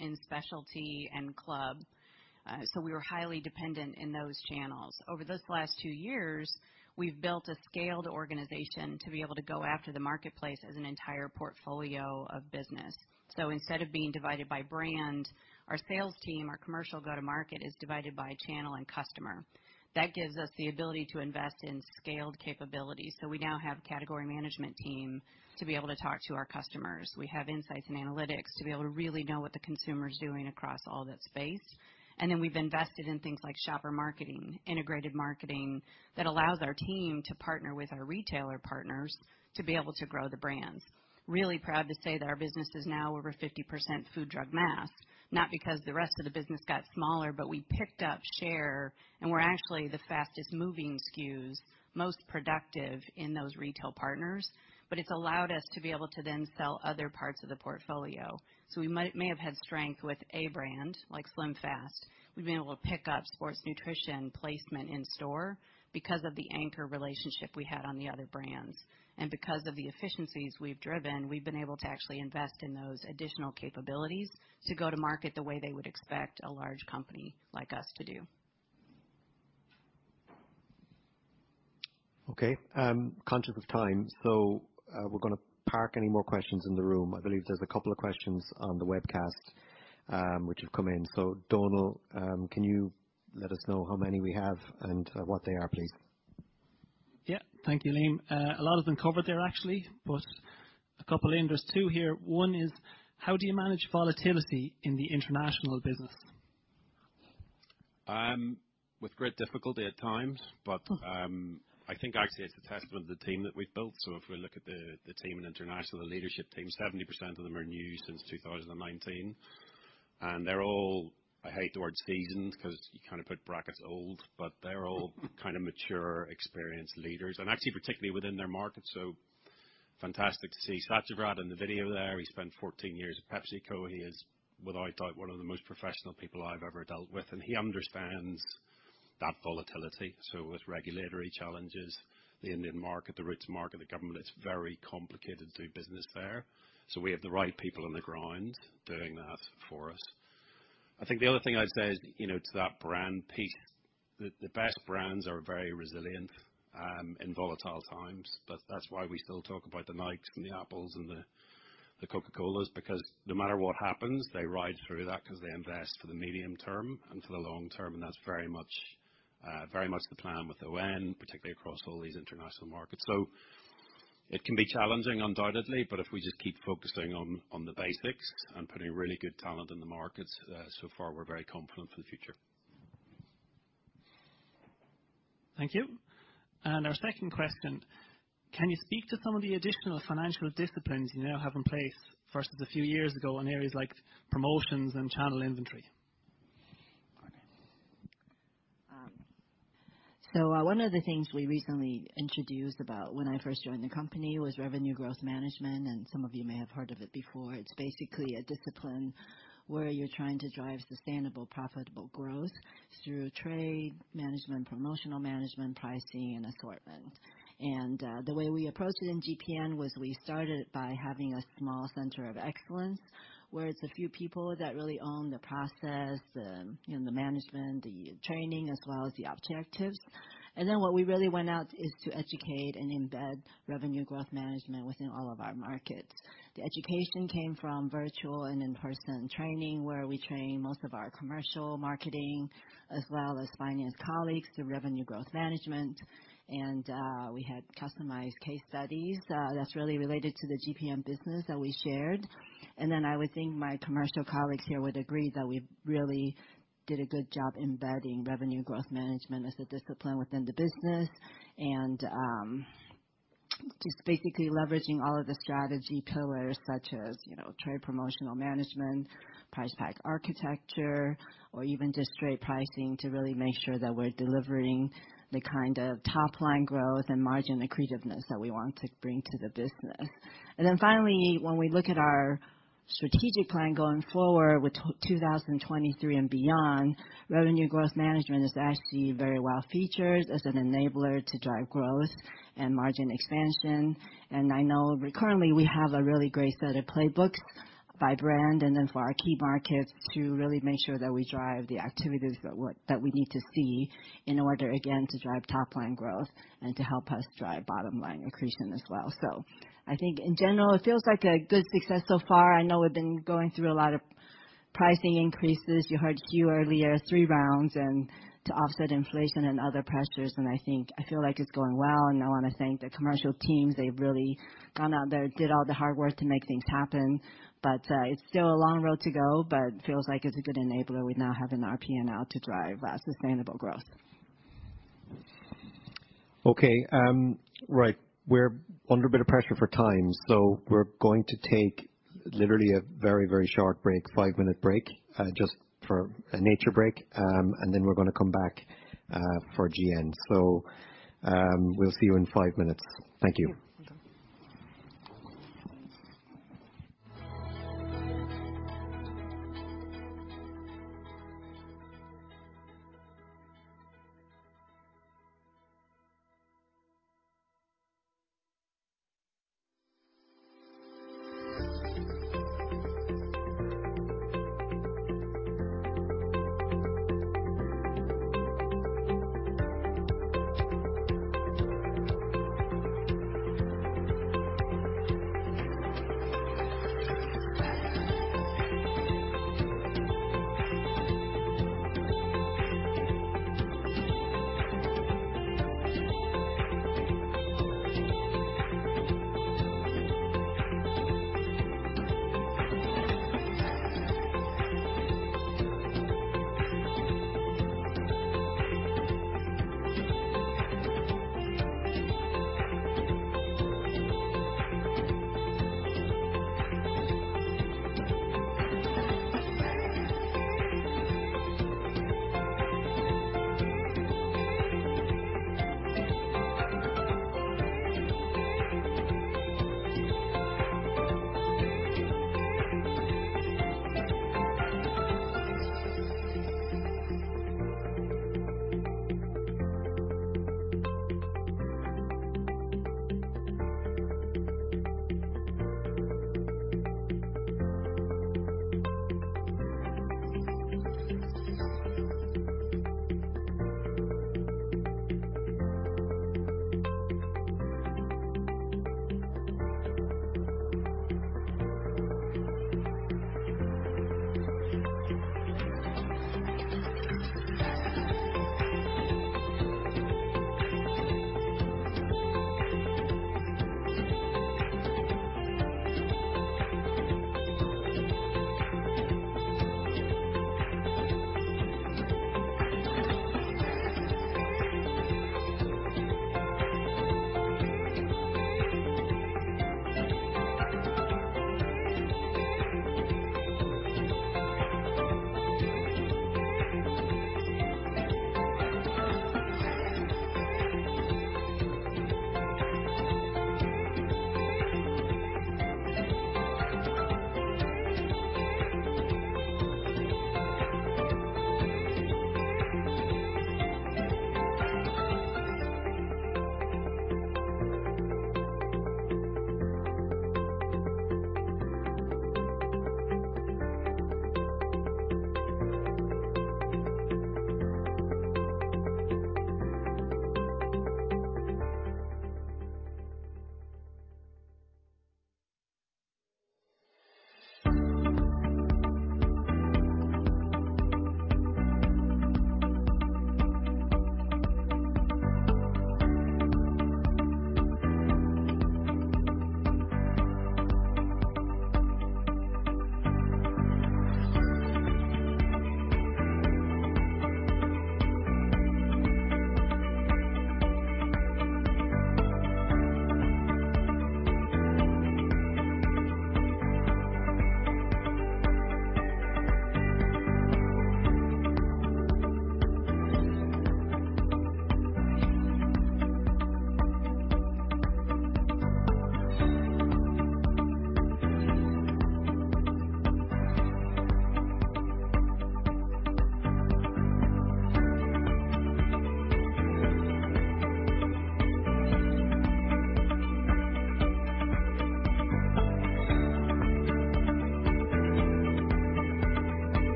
in specialty and club. We were highly dependent in those channels. Over those last two years, we've built a scaled organization to be able to go after the marketplace as an entire portfolio of business. Instead of being divided by brand, our sales team, our commercial go-to-market is divided by channel and customer. That gives us the ability to invest in scaled capabilities. We now have a category management team to be able to talk to our customers. We have insights and analytics to be able to really know what the consumer's doing across all that space. We've invested in things like shopper marketing, integrated marketing, that allows our team to partner with our retailer partners to be able to grow the brands. Really proud to say that our business is now over 50% food drug mass, not because the rest of the business got smaller, but we picked up share, and we're actually the fastest moving SKUs, most productive in those retail partners. It's allowed us to be able to then sell other parts of the portfolio. We might, may have had strength with a brand like SlimFast. We've been able to pick up sports nutrition placement in store because of the anchor relationship we had on the other brands. Because of the efficiencies we've driven, we've been able to actually invest in those additional capabilities to go to market the way they would expect a large company like us to do. Okay. Conscious of time. We're gonna park any more questions in the room. I believe there's a couple of questions on the webcast, which have come in. Donard, can you let us know how many we have and what they are, please? Yeah. Thank you, Liam. A lot of them covered there actually, but a couple in. There's two here. One is: How do you manage volatility in the international business? With great difficulty at times. I think actually it's a testament of the team that we've built. If we look at the team in international, the leadership team, 70% of them are new since 2019, and they're all, I hate the word seasoned 'cause you kind of put brackets old, but they're all kind of mature, experienced leaders and actually particularly within their market. Fantastic to see Satyavrat in the video there. He spent 14 years at PepsiCo. He is, without a doubt, one of the most professional people I've ever dealt with, and he understands that volatility. With regulatory challenges, the Indian market, the RTD market, the government, it's very complicated to do business there. We have the right people on the ground doing that for us. I think the other thing I'd say is, you know, to that brand piece, the best brands are very resilient in volatile times. But that's why we still talk about the Nikes and the Apples and the Coca-Colas, because no matter what happens, they ride through that 'cause they invest for the medium term and for the long term, and that's very much the plan with ON, particularly across all these international markets. It can be challenging undoubtedly, but if we just keep focusing on the basics and putting really good talent in the markets, so far we're very confident for the future. Thank you. Our second question, can you speak to some of the additional financial disciplines you now have in place versus a few years ago in areas like promotions and channel inventory? One of the things we recently introduced about when I first joined the company was Revenue Growth Management, and some of you may have heard of it before. It's basically a discipline where you're trying to drive sustainable, profitable growth through trade management, promotional management, pricing, and assortment. The way we approached it in GPN was we started by having a small center of excellence, where it's a few people that really own the process, you know, the management, the training, as well as the objectives. What we really went out is to educate and embed Revenue Growth Management within all of our markets. The education came from virtual and in-person training, where we train most of our commercial marketing as well as finance colleagues through Revenue Growth Management. We had customized case studies that's really related to the GPN business that we shared. I would think my commercial colleagues here would agree that we really did a good job embedding revenue growth management as a discipline within the business. Just basically leveraging all of the strategy pillars such as, you know, trade promotional management, Price Pack Architecture, or even just straight pricing to really make sure that we're delivering the kind of top-line growth and margin accretiveness that we want to bring to the business. Finally, when we look at our strategic plan going forward with 2023 and beyond, revenue growth management is actually very well featured as an enabler to drive growth and margin expansion. I know currently we have a really great set of playbooks by brand and then for our key markets to really make sure that we drive the activities that we need to see in order, again, to drive top-line growth and to help us drive bottom-line accretion as well. I think in general, it feels like a good success so far. I know we've been going through a lot of pricing increases. You heard Hugh earlier, three rounds and to offset inflation and other pressures, and I think I feel like it's going well. I wanna thank the commercial teams. They've really gone out there, did all the hard work to make things happen. It's still a long road to go, but feels like it's a good enabler we now have in our P&L to drive sustainable growth. Okay. Right. We're under a bit of pressure for time, so we're going to take literally a very, very short break, five-minute break, just for a nature break. We're gonna come back for GN. We'll see you in five minutes. Thank you.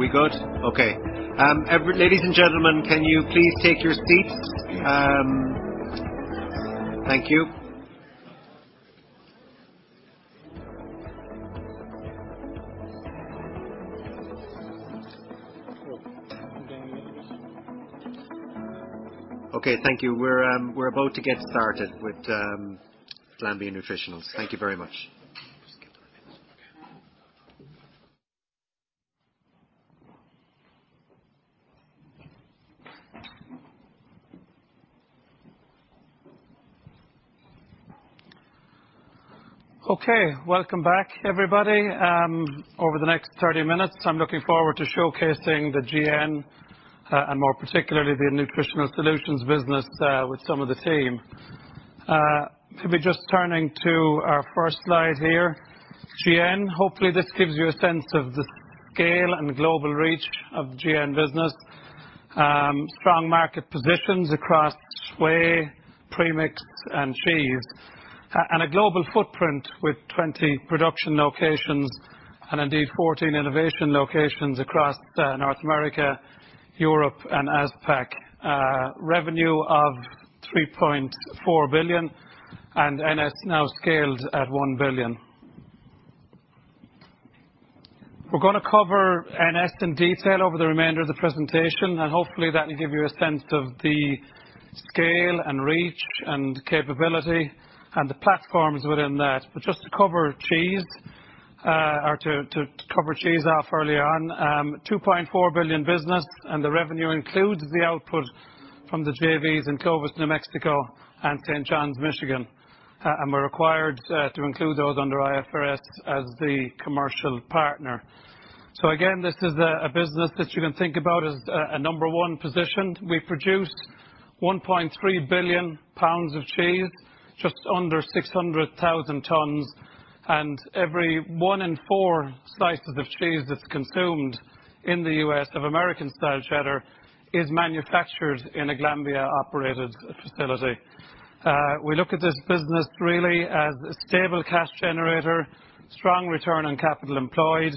Okay. Are we good? Okay. Ladies and gentlemen, can you please take your seats? Thank you. Okay, thank you. We're about to get started with Glanbia Nutritionals. Thank you very much. Okay, welcome back, everybody. Over the next 30 minutes, I'm looking forward to showcasing the GN, and more particularly the Nutritional Solutions business, with some of the team. If we're just turning to our first slide here. GN, hopefully this gives you a sense of the scale and global reach of the GN business. Strong market positions across whey, premix and cheese. And a global footprint with 20 production locations and indeed 14 innovation locations across North America, Europe and APAC. Revenue of 3.4 billion and NS now scaled at 1 billion. We're gonna cover NS in detail over the remainder of the presentation, and hopefully that'll give you a sense of the scale and reach and capability and the platforms within that. Just to cover cheese off early on, $2.4 billion business, and the revenue includes the output from the JVs in Clovis, New Mexico, and St. Johns, Michigan. We're required to include those under IFRS as the commercial partner. This is a business that you can think about as a number one position. We produce 1.3 billion pounds of cheese, just under 600,000 tons, and every one in four slices of cheese that's consumed in the U.S. of American-style cheddar is manufactured in a Glanbia-operated facility. We look at this business really as a stable cash generator, strong return on capital employed.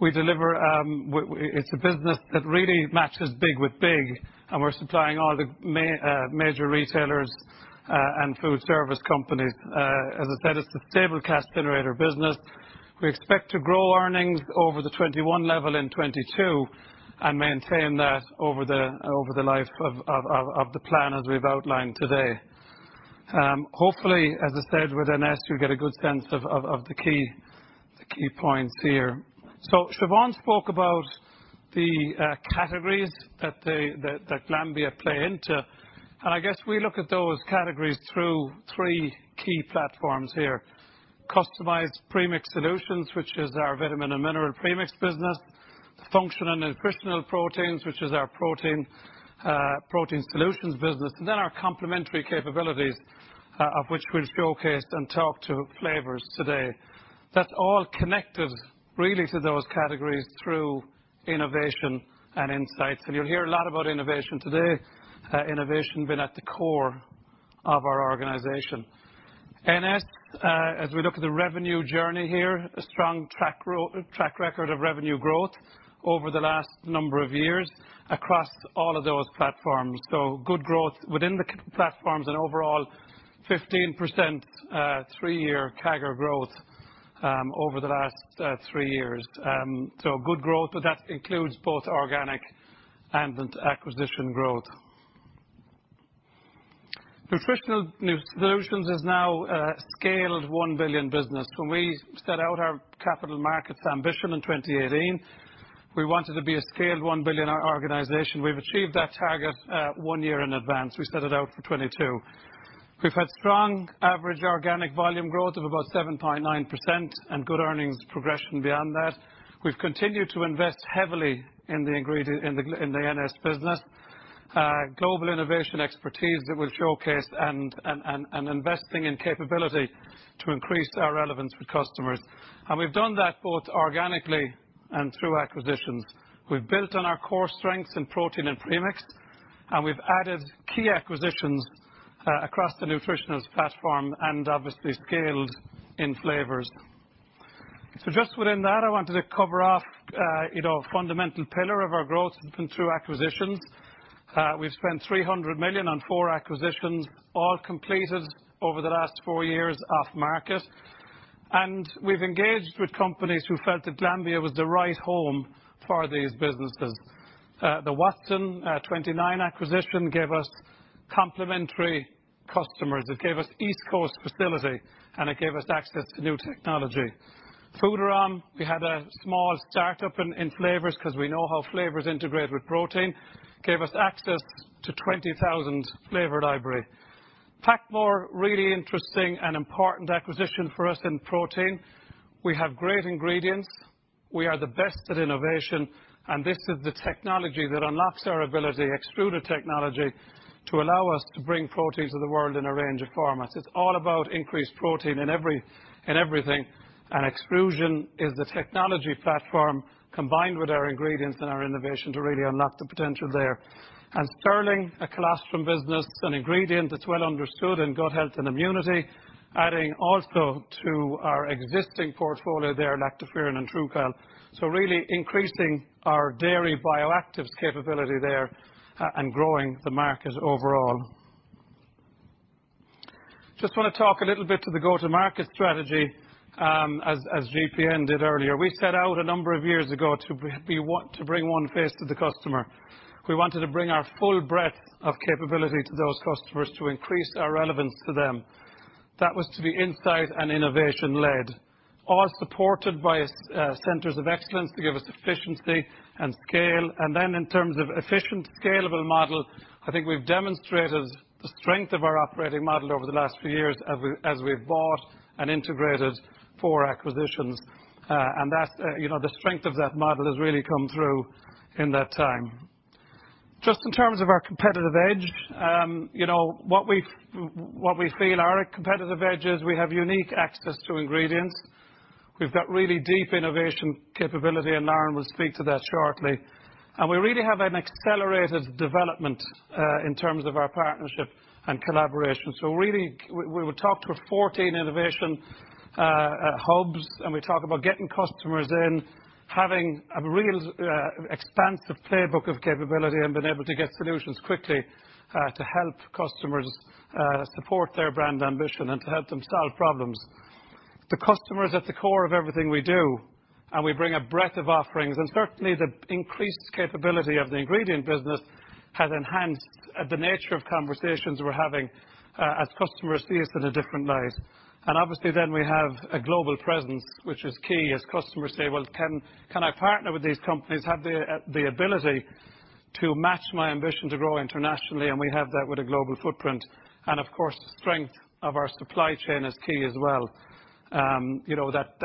It's a business that really matches big with big, and we're supplying all the major retailers and food service companies. As I said, it's a stable cash generator business. We expect to grow earnings over the 2021 level in 2022 and maintain that over the life of the plan as we've outlined today. Hopefully, as I said, with NS, you'll get a good sense of the key points here. Siobhan spoke about the categories that Glanbia play into, and I guess we look at those categories through three key platforms here. Customized premix solutions, which is our vitamin and mineral premix business. The functional and nutritional proteins, which is our protein solutions business. And then our complementary capabilities, of which we've showcased and talked to flavors today. That's all connected really to those categories through innovation and insights, and you'll hear a lot about innovation today. Innovation been at the core of our organization. NS, as we look at the revenue journey here, a strong track record of revenue growth over the last number of years across all of those platforms. Good growth within the key platforms and overall 15%, three-year CAGR growth, over the last three years. Good growth, that includes both organic and acquisition growth. Nutritional Solutions is now a scaled $1 billion business. When we set out our capital markets ambition in 2018, we wanted to be a scaled $1 billion organization. We've achieved that target, one year in advance. We set it out for 2022. We've had strong average organic volume growth of about 7.9% and good earnings progression beyond that. We've continued to invest heavily in the ingredient in the NS business. Global innovation expertise that we've showcased and investing in capability to increase our relevance with customers. We've done that both organically and through acquisitions. We've built on our core strengths in protein and premix, and we've added key acquisitions across the Nutritionals platform and obviously scaled in Flavors. Just within that, I wanted to cover off, you know, a fundamental pillar of our growth has been through acquisitions. We've spent 300 million on four acquisitions, all completed over the last four years off market. We've engaged with companies who felt that Glanbia was the right home for these businesses. The Watson acquisition gave us complementary customers. It gave us East Coast facility, and it gave us access to new technology. Foodarom, we had a small startup in flavors because we know how flavors integrate with protein, gave us access to 20,000 flavor library. PacMoore, really interesting and important acquisition for us in protein. We have great ingredients. We are the best at innovation, and this is the technology that unlocks our ability, extruder technology, to allow us to bring protein to the world in a range of formats. It's all about increased protein in every, in everything, and extrusion is the technology platform combined with our ingredients and our innovation to really unlock the potential there. Sterling, a colostrum business, an ingredient that's well understood in gut health and immunity, adding also to our existing portfolio there, Lactoferrin and TruCal. Really increasing our dairy bioactives capability there and growing the market overall. Just want to talk a little bit to the go-to-market strategy, as Siobhan Talbot ended earlier. We set out a number of years ago to bring one face to the customer. We wanted to bring our full breadth of capability to those customers to increase our relevance to them. That was to be insight and innovation led, all supported by centers of excellence to give us efficiency and scale. In terms of efficient, scalable model, I think we've demonstrated the strength of our operating model over the last few years as we've bought and integrated four acquisitions. You know, the strength of that model has really come through in that time. Just in terms of our competitive edge, you know, what we feel our competitive edge is we have unique access to ingredients. We've got really deep innovation capability, and Lauren will speak to that shortly. We really have an accelerated development in terms of our partnership and collaboration. We would talk to 14 innovation hubs, and we talk about getting customers in, having a real expansive playbook of capability and being able to get solutions quickly to help customers support their brand ambition and to help them solve problems. The customer is at the core of everything we do, and we bring a breadth of offerings. Certainly, the increased capability of the ingredient business has enhanced the nature of conversations we're having as customers see us in a different light. Obviously, we have a global presence, which is key, as customers say, "Well, can I partner with these companies? Have the ability to match my ambition to grow internationally?" We have that with a global footprint. Of course, the strength of our supply chain is key as well. You know, that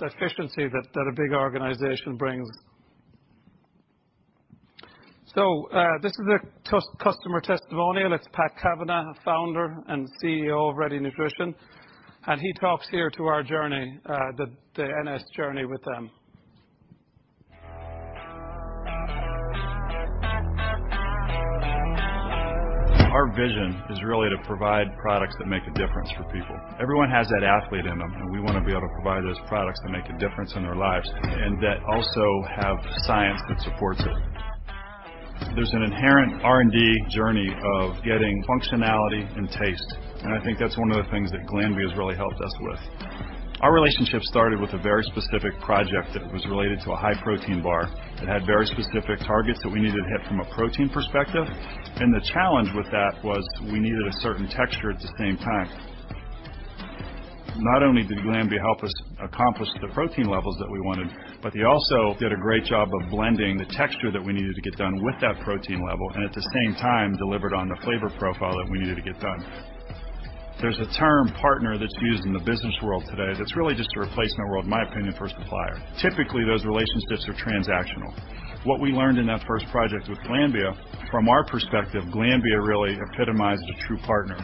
efficiency that a big organization brings. This is a customer testimonial. It's Pat Cavanaugh, Founder and CEO of Ready Nutrition, and he talks here to our journey, the NS journey with them. Our vision is really to provide products that make a difference for people. Everyone has that athlete in them, and we wanna be able to provide those products that make a difference in their lives, and that also have science that supports it. There's an inherent R&D journey of getting functionality and taste. I think that's one of the things that Glanbia has really helped us with. Our relationship started with a very specific project that was related to a high protein bar that had very specific targets that we needed to hit from a protein perspective. The challenge with that was we needed a certain texture at the same time. Not only did Glanbia help us accomplish the protein levels that we wanted, but they also did a great job of blending the texture that we needed to get done with that protein level, and at the same time, delivered on the flavor profile that we needed to get done. There's a term partner that's used in the business world today that's really just a replacement word, in my opinion, for a supplier. Typically, those relationships are transactional. What we learned in that first project with Glanbia, from our perspective, Glanbia really epitomized a true partner.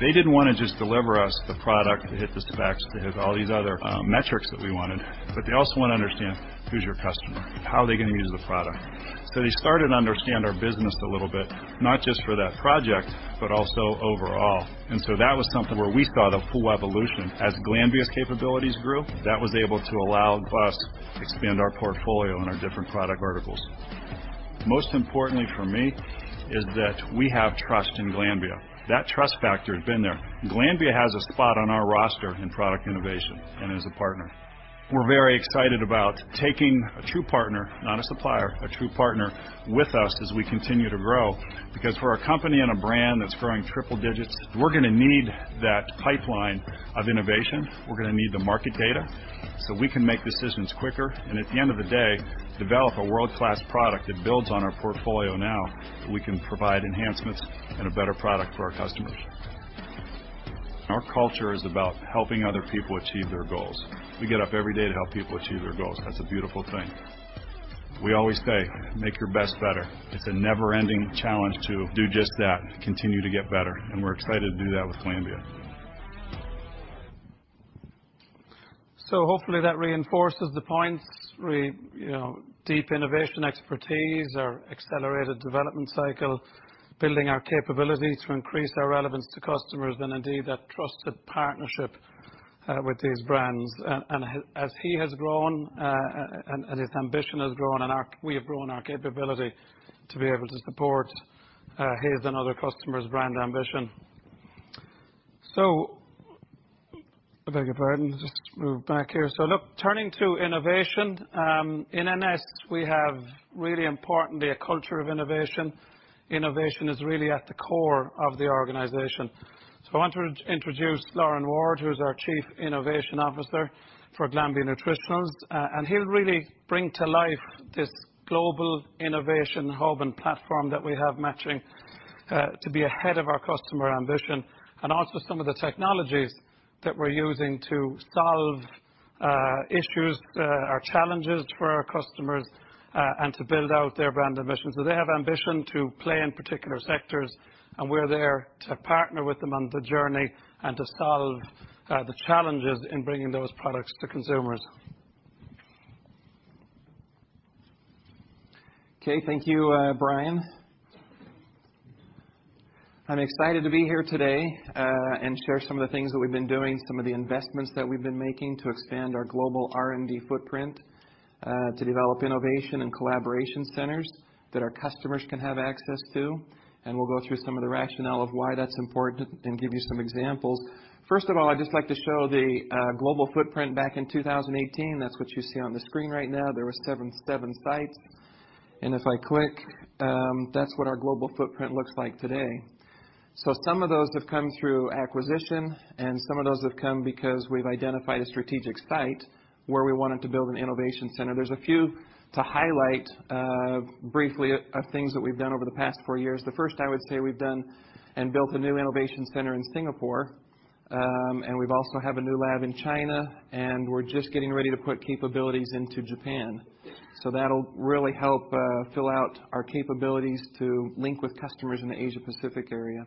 They didn't wanna just deliver us the product to hit the specs, to hit all these other metrics that we wanted, but they also wanna understand, who's your customer? How are they gonna use the product? They started to understand our business a little bit, not just for that project, but also overall. That was something where we saw the full evolution. As Glanbia's capabilities grew, that was able to allow us expand our portfolio and our different product verticals. Most importantly for me is that we have trust in Glanbia. That trust factor has been there. Glanbia has a spot on our roster in product innovation and as a partner. We're very excited about taking a true partner, not a supplier, a true partner with us as we continue to grow. Because for a company and a brand that's growing triple digits, we're gonna need that pipeline of innovation. We're gonna need the market data, so we can make decisions quicker, and at the end of the day, develop a world-class product that builds on our portfolio now, so we can provide enhancements and a better product for our customers. Our culture is about helping other people achieve their goals. We get up every day to help people achieve their goals. That's a beautiful thing. We always say, "Make your best better." It's a never-ending challenge to do just that, continue to get better, and we're excited to do that with Glanbia. Hopefully that reinforces the points. We deep innovation expertise, our accelerated development cycle, building our capabilities to increase our relevance to customers, and indeed, that trusted partnership with these brands. As he has grown, his ambition has grown and we have grown our capability to be able to support his and other customers' brand ambition. I beg your pardon, just move back here. Look, turning to innovation, in NS, we have really importantly, a culture of innovation. Innovation is really at the core of the organization. I want to introduce Loren Ward, who's our Chief Innovation Officer for Glanbia Nutritionals. He'll really bring to life this global innovation hub and platform that we have matching to be ahead of our customer ambition, and also some of the technologies that we're using to solve issues or challenges for our customers, and to build out their brand ambitions. They have ambition to play in particular sectors, and we're there to partner with them on the journey and to solve the challenges in bringing those products to consumers. Okay. Thank you, Brian. I'm excited to be here today, and share some of the things that we've been doing, some of the investments that we've been making to expand our global R&D footprint, to develop innovation and collaboration centers that our customers can have access to, and we'll go through some of the rationale of why that's important and give you some examples. First of all, I'd just like to show the global footprint back in 2018. That's what you see on the screen right now. There were seven sites. If I click, that's what our global footprint looks like today. Some of those have come through acquisition, and some of those have come because we've identified a strategic site where we wanted to build an innovation center. There's a few to highlight briefly of things that we've done over the past four years. The first, I would say, we've done and built a new innovation center in Singapore. We've also have a new lab in China, and we're just getting ready to put capabilities into Japan. So that'll really help fill out our capabilities to link with customers in the Asia-Pacific area.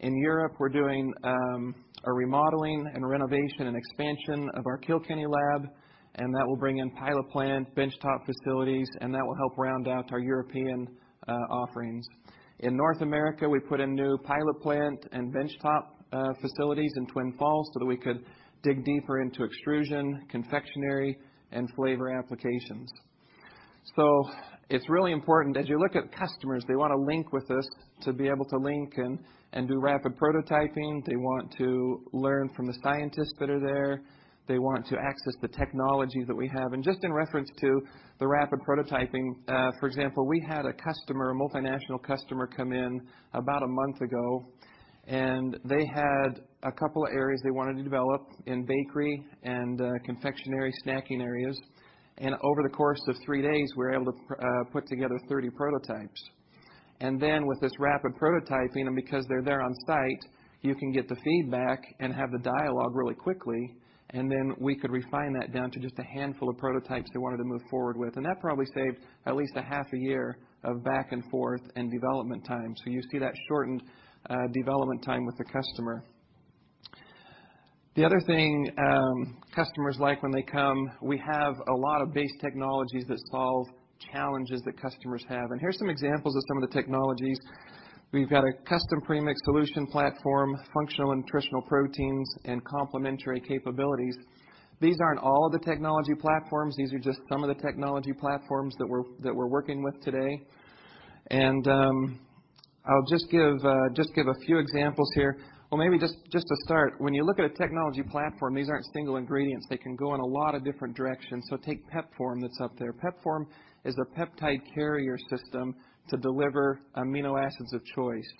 In Europe, we're doing a remodeling and renovation and expansion of our Kilkenny lab, and that will bring in pilot plant, bench-top facilities, and that will help round out our European offerings. In North America, we put in new pilot plant and bench-top facilities in Twin Falls so that we could dig deeper into extrusion, confectionery, and flavor applications. It's really important as you look at customers. They want to link with us to be able to link and do rapid prototyping. They want to learn from the scientists that are there. They want to access the technology that we have. Just in reference to the rapid prototyping, for example, we had a customer, a multinational customer, come in about a month ago, and they had a couple of areas they wanted to develop in bakery and confectionery snacking areas. Over the course of three days, we were able to put together 30 prototypes. Then with this rapid prototyping, and because they're there on site, you can get the feedback and have the dialogue really quickly. Then we could refine that down to just a handful of prototypes they wanted to move forward with. That probably saved at least a half a year of back and forth and development time. You see that shortened development time with the customer. The other thing, customers like when they come, we have a lot of base technologies that solve challenges that customers have. Here's some examples of some of the technologies. We've got a custom premix solution platform, functional and nutritional proteins, and complementary capabilities. These aren't all the technology platforms. These are just some of the technology platforms that we're working with today. I'll just give a few examples here. Well, maybe just to start, when you look at a technology platform, these aren't single ingredients. They can go in a lot of different directions. Take PepForm that's up there. PepForm is a peptide carrier system to deliver amino acids of choice.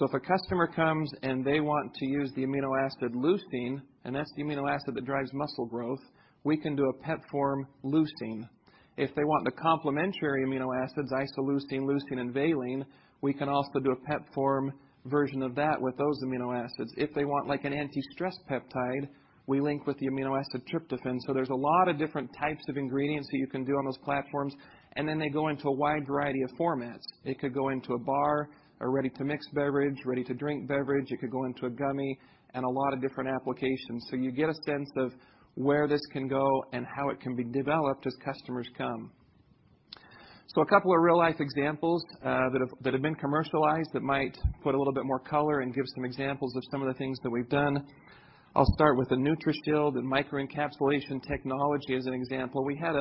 If a customer comes and they want to use the amino acid leucine, and that's the amino acid that drives muscle growth, we can do a PepForm leucine. If they want the complementary amino acids, isoleucine, leucine, and valine, we can also do a PepForm version of that with those amino acids. If they want like an anti-stress peptide, we link with the amino acid tryptophan. There's a lot of different types of ingredients that you can do on those platforms, and then they go into a wide variety of formats. It could go into a bar, a ready-to-mix beverage, ready-to-drink beverage. It could go into a gummy and a lot of different applications. You get a sense of where this can go and how it can be developed as customers come. A couple of real-life examples that have been commercialized that might put a little bit more color and give some examples of some of the things that we've done. I'll start with the NutraShield and microencapsulation technology as an example. We had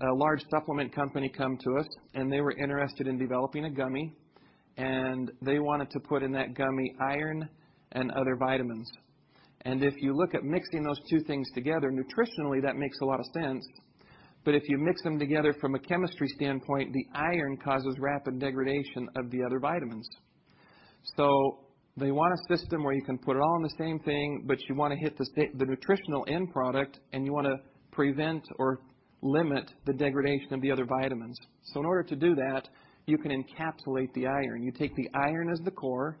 a large supplement company come to us, and they were interested in developing a gummy, and they wanted to put in that gummy iron and other vitamins. If you look at mixing those two things together, nutritionally, that makes a lot of sense. If you mix them together from a chemistry standpoint, the iron causes rapid degradation of the other vitamins. They want a system where you can put it all in the same thing, but you want to hit the nutritional end product, and you want to prevent or limit the degradation of the other vitamins. In order to do that, you can encapsulate the iron. You take the iron as the core.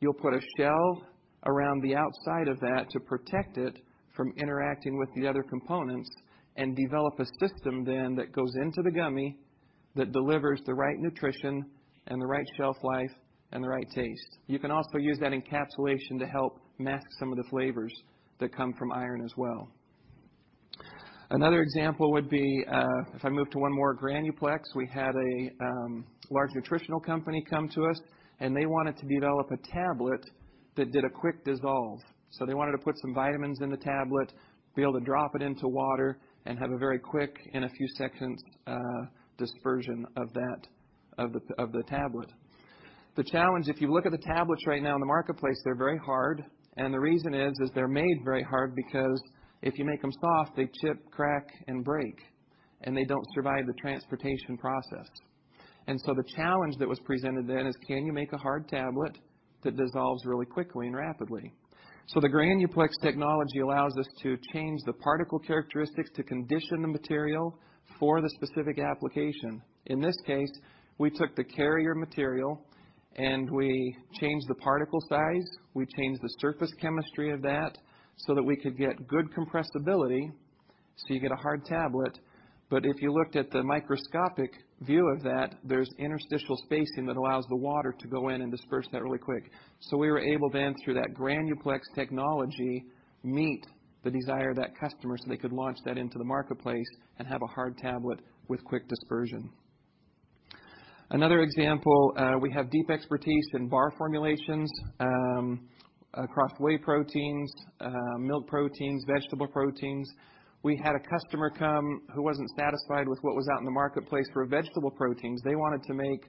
You'll put a shell around the outside of that to protect it from interacting with the other components and develop a system then that goes into the gummy that delivers the right nutrition and the right shelf life and the right taste. You can also use that encapsulation to help mask some of the flavors that come from iron as well. Another example would be if I move to one more, Granuplex. We had a large nutritional company come to us, and they wanted to develop a tablet that did a quick dissolve. They wanted to put some vitamins in the tablet, be able to drop it into water, and have a very quick, in a few seconds, dispersion of that, of the tablet. The challenge, if you look at the tablets right now in the marketplace, they're very hard, and the reason is they're made very hard because if you make them soft, they chip, crack, and break, and they don't survive the transportation process. The challenge that was presented then is, can you make a hard tablet that dissolves really quickly and rapidly? The Granuplex technology allows us to change the particle characteristics to condition the material for the specific application. In this case, we took the carrier material, and we changed the particle size. We changed the surface chemistry of that so that we could get good compressibility, so you get a hard tablet. If you looked at the microscopic view of that, there's interstitial spacing that allows the water to go in and disperse that really quick. We were able then, through that Granuplex technology, meet the desire of that customer so they could launch that into the marketplace and have a hard tablet with quick dispersion. Another example, we have deep expertise in bar formulations, across whey proteins, milk proteins, vegetable proteins. We had a customer come who wasn't satisfied with what was out in the marketplace for vegetable proteins. They wanted to make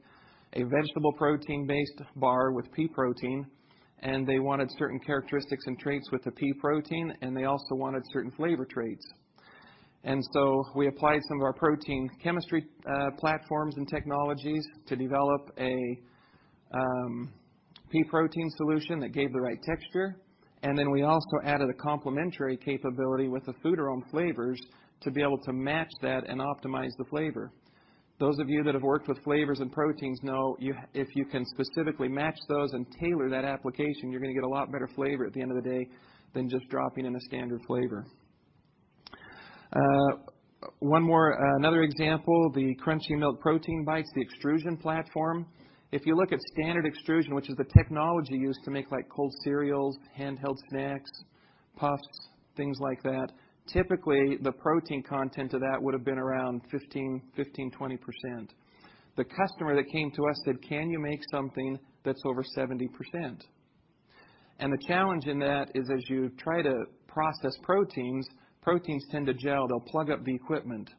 a vegetable protein-based bar with pea protein, and they wanted certain characteristics and traits with the pea protein, and they also wanted certain flavor traits. We applied some of our protein chemistry platforms and technologies to develop a pea protein solution that gave the right texture. We also added a complementary capability with the Futurum flavors to be able to match that and optimize the flavor. Those of you that have worked with flavors and proteins know if you can specifically match those and tailor that application, you're gonna get a lot better flavor at the end of the day than just dropping in a standard flavor. Another example, the crunchy milk protein bites, the extrusion platform. If you look at standard extrusion, which is the technology used to make, like, cold cereals, handheld snacks, puffs, things like that. Typically, the protein content of that would have been around 15%-20%. The customer that came to us said, "Can you make something that's over 70%?" The challenge in that is as you try to process proteins tend to gel. They'll plug up the equipment.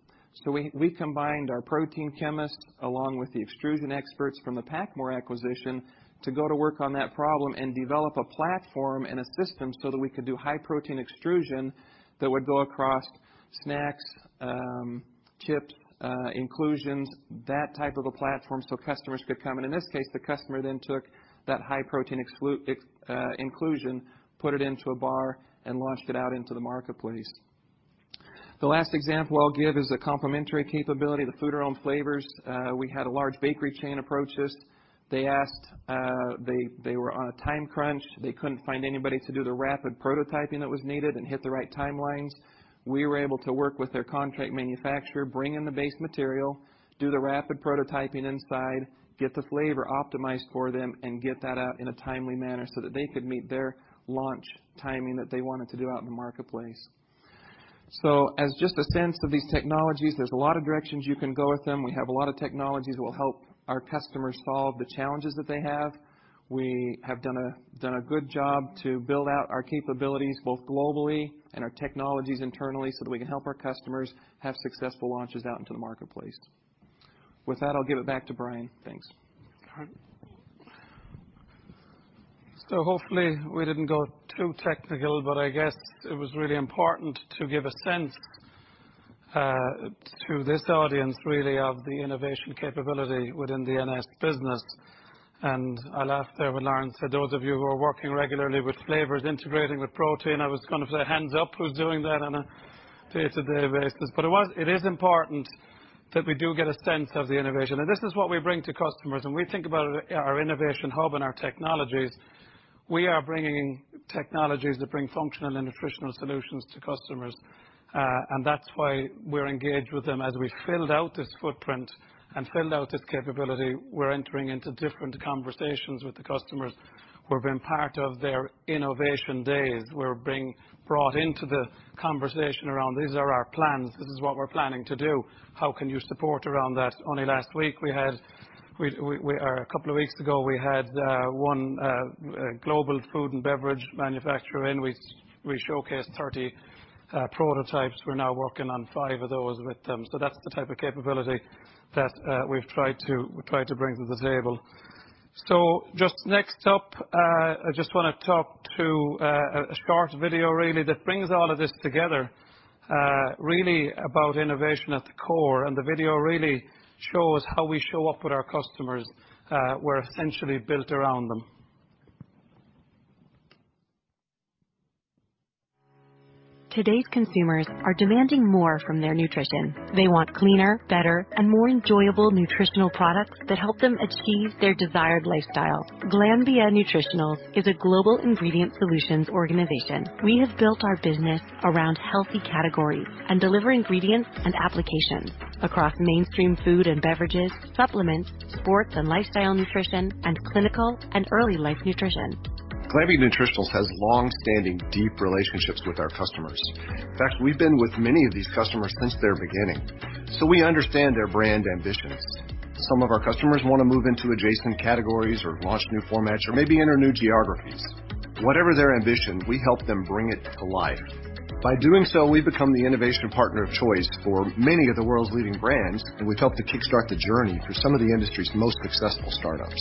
We combined our protein chemist, along with the extrusion experts from the PacMoore acquisition, to go to work on that problem and develop a platform and a system so that we could do high protein extrusion that would go across snacks, chips, inclusions, that type of a platform, so customers could come. In this case, the customer then took that high protein inclusion, put it into a bar and launched it out into the marketplace. The last example I'll give is a complementary capability, the Foodarom flavors. We had a large bakery chain approach us. They asked. They were on a time crunch. They couldn't find anybody to do the rapid prototyping that was needed and hit the right timelines. We were able to work with their contract manufacturer, bring in the base material, do the rapid prototyping inside. Get the flavor optimized for them and get that out in a timely manner so that they could meet their launch timing that they wanted to do out in the marketplace. As just a sense of these technologies, there's a lot of directions you can go with them. We have a lot of technologies that will help our customers solve the challenges that they have. We have done a good job to build out our capabilities, both globally and our technologies internally, so that we can help our customers have successful launches out into the marketplace. With that, I'll give it back to Brian. Thanks. All right. Hopefully we didn't go too technical, but I guess it was really important to give a sense to this audience really of the innovation capability within the NS business. I laughed there when Lauren said those of you who are working regularly with flavors integrating with protein. I was gonna say, "Hands up who's doing that on a day-to-day basis." It is important that we do get a sense of the innovation. This is what we bring to customers, and we think about our innovation hub and our technologies. We are bringing technologies that bring functional and nutritional solutions to customers. That's why we're engaged with them. As we filled out this footprint and filled out this capability, we're entering into different conversations with the customers. We're being part of their innovation days. We're being brought into the conversation around, "These are our plans. This is what we're planning to do. How can you support around that?" Only a couple of weeks ago, we had 1 global food and beverage manufacturer in. We showcased 30 prototypes. We're now working on 5 of those with them. That's the type of capability that we try to bring to the table. Just next up, I just wanna talk to a short video really that brings all of this together, really about innovation at the core. The video really shows how we show up with our customers, we're essentially built around them. Today's consumers are demanding more from their nutrition. They want cleaner, better, and more enjoyable nutritional products that help them achieve their desired lifestyle. Glanbia Nutritionals is a global ingredient solutions organization. We have built our business around healthy categories and deliver ingredients and applications across mainstream food and beverages, supplements, sports and lifestyle nutrition, and clinical and early life nutrition. Glanbia Nutritionals has long-standing, deep relationships with our customers. In fact, we've been with many of these customers since their beginning, so we understand their brand ambitions. Some of our customers wanna move into adjacent categories or launch new formats or maybe enter new geographies. Whatever their ambition, we help them bring it to life. By doing so, we've become the innovation partner of choice for many of the world's leading brands, and we've helped to kickstart the journey for some of the industry's most successful startups.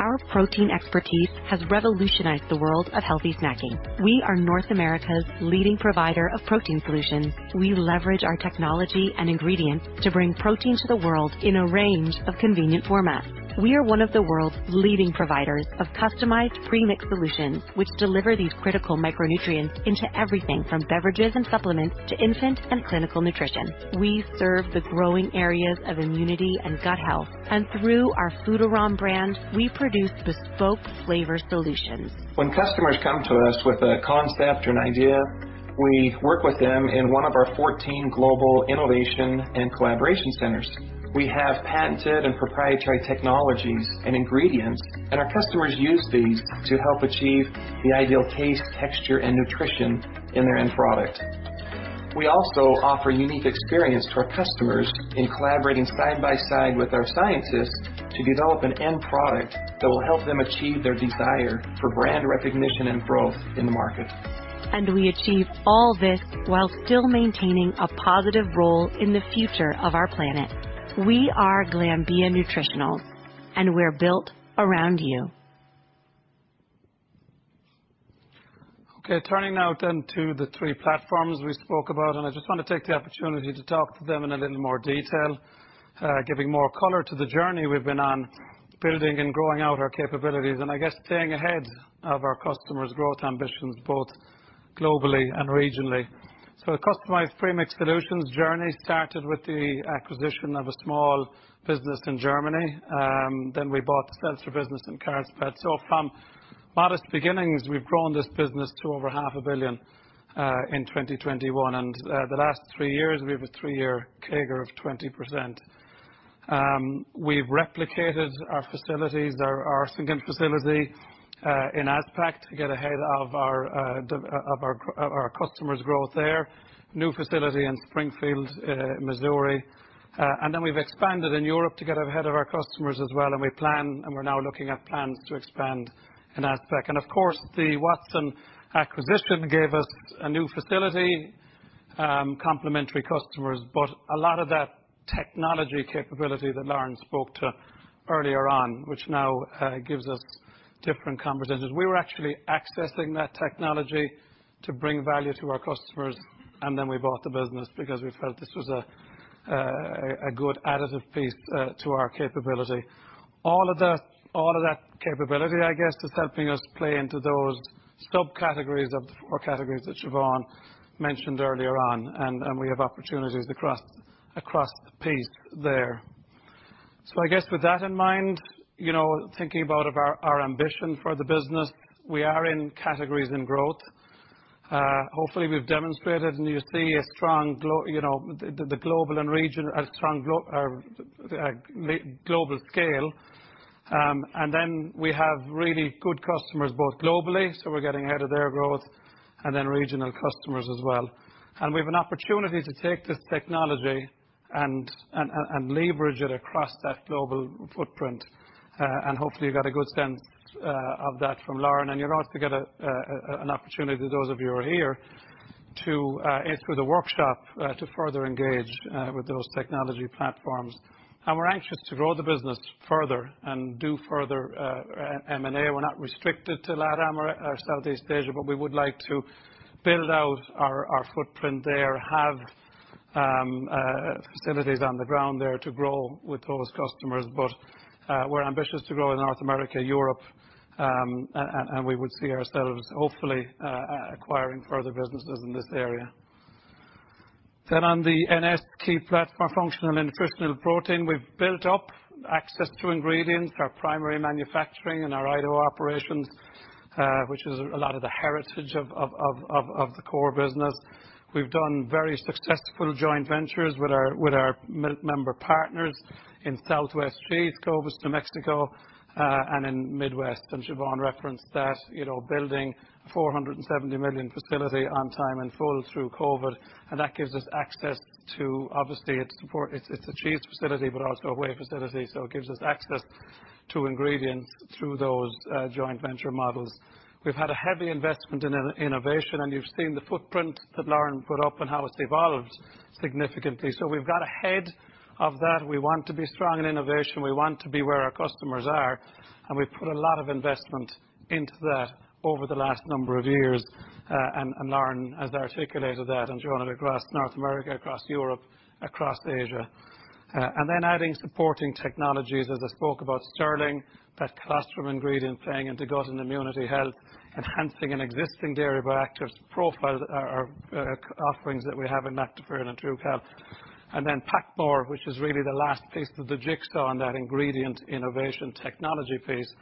Our protein expertise has revolutionized the world of healthy snacking. We are North America's leading provider of protein solutions. We leverage our technology and ingredients to bring protein to the world in a range of convenient formats. We are one of the world's leading providers of customized premix solutions, which deliver these critical micronutrients into everything from beverages and supplements to infant and clinical nutrition. We serve the growing areas of immunity and gut health. Through our Foodarom brand, we produce bespoke flavor solutions. When customers come to us with a concept or an idea, we work with them in one of our 14 global innovation and collaboration centers. We have patented and proprietary technologies and ingredients, and our customers use these to help achieve the ideal taste, texture, and nutrition in their end product. We also offer unique experience to our customers in collaborating side by side with our scientists to develop an end product that will help them achieve their desire for brand recognition and growth in the market. We achieve all this while still maintaining a positive role in the future of our planet. We are Glanbia Nutritionals, and we're built around you. Okay, turning now to the three platforms we spoke about, and I just wanna take the opportunity to talk to them in a little more detail, giving more color to the journey we've been on, building and growing out our capabilities, and I guess staying ahead of our customers' growth ambitions, both globally and regionally. The customized premix solutions journey started with the acquisition of a small business in Germany. We bought the Seltzer business in Carlsbad. From modest beginnings, we've grown this business to over half a billion EUR in 2021. The last three years, we have a three-year CAGR of 20%. We've replicated our facilities, our Suzhou facility in APAC to get ahead of our customers' growth there. New facility in Springfield, Missouri. We've expanded in Europe to get ahead of our customers as well, and we're now looking at plans to expand in APAC. Of course, the Watson acquisition gave us a new facility, complementary customers, but a lot of that technology capability that Lauren spoke to earlier on, which now gives us different competencies. We were actually accessing that technology to bring value to our customers, and then we bought the business because we felt this was a good additive piece to our capability. All of that capability, I guess, is helping us play into those subcategories of the four categories that Siobhan mentioned earlier on, and we have opportunities across the piece there. I guess with that in mind, thinking about our ambition for the business, we are in categories and growth. Hopefully we've demonstrated and you see a strong global scale. Then we have really good customers, both globally, so we're getting ahead of their growth, and then regional customers as well. We have an opportunity to take this technology and leverage it across that global footprint. Hopefully you got a good sense of that from Lauren, and you'll also get an opportunity those of you who are here to and through the workshop to further engage with those technology platforms. We're anxious to grow the business further and do further M&A. We're not restricted to Latin America or Southeast Asia, but we would like to build out our footprint there. Have facilities on the ground there to grow with those customers. We're ambitious to grow in North America, Europe, and we would see ourselves hopefully acquiring further businesses in this area. On the NS key platform, functional and nutritional protein, we've built up access to ingredients, our primary manufacturing and our Idaho operations, which is a lot of the heritage of the core business. We've done very successful joint ventures with our milk member partners in Southwest Cheese, Clovis, New Mexico, and in Midwest. Siobhan referenced that, you know, building $470 million facility on time in full through COVID, and that gives us access to obviously it's a cheese facility, but also a whey facility, so it gives us access to ingredients through those joint venture models. We've had a heavy investment in innovation, and you've seen the footprint that Lauren put up and how it's evolved significantly. We've got ahead of that. We want to be strong in innovation. We want to be where our customers are, and we've put a lot of investment into that over the last number of years. Lauren has articulated that, and Joanna across North America, across Europe, across Asia. Adding supporting technologies, as I spoke about Sterling, that colostrum ingredient playing into gut and immunity health, enhancing an existing dairy bioactives profile are offerings that we have in Lactoferrin and TruCal. PacMoore, which is really the last piece of the jigsaw in that ingredient innovation technology piece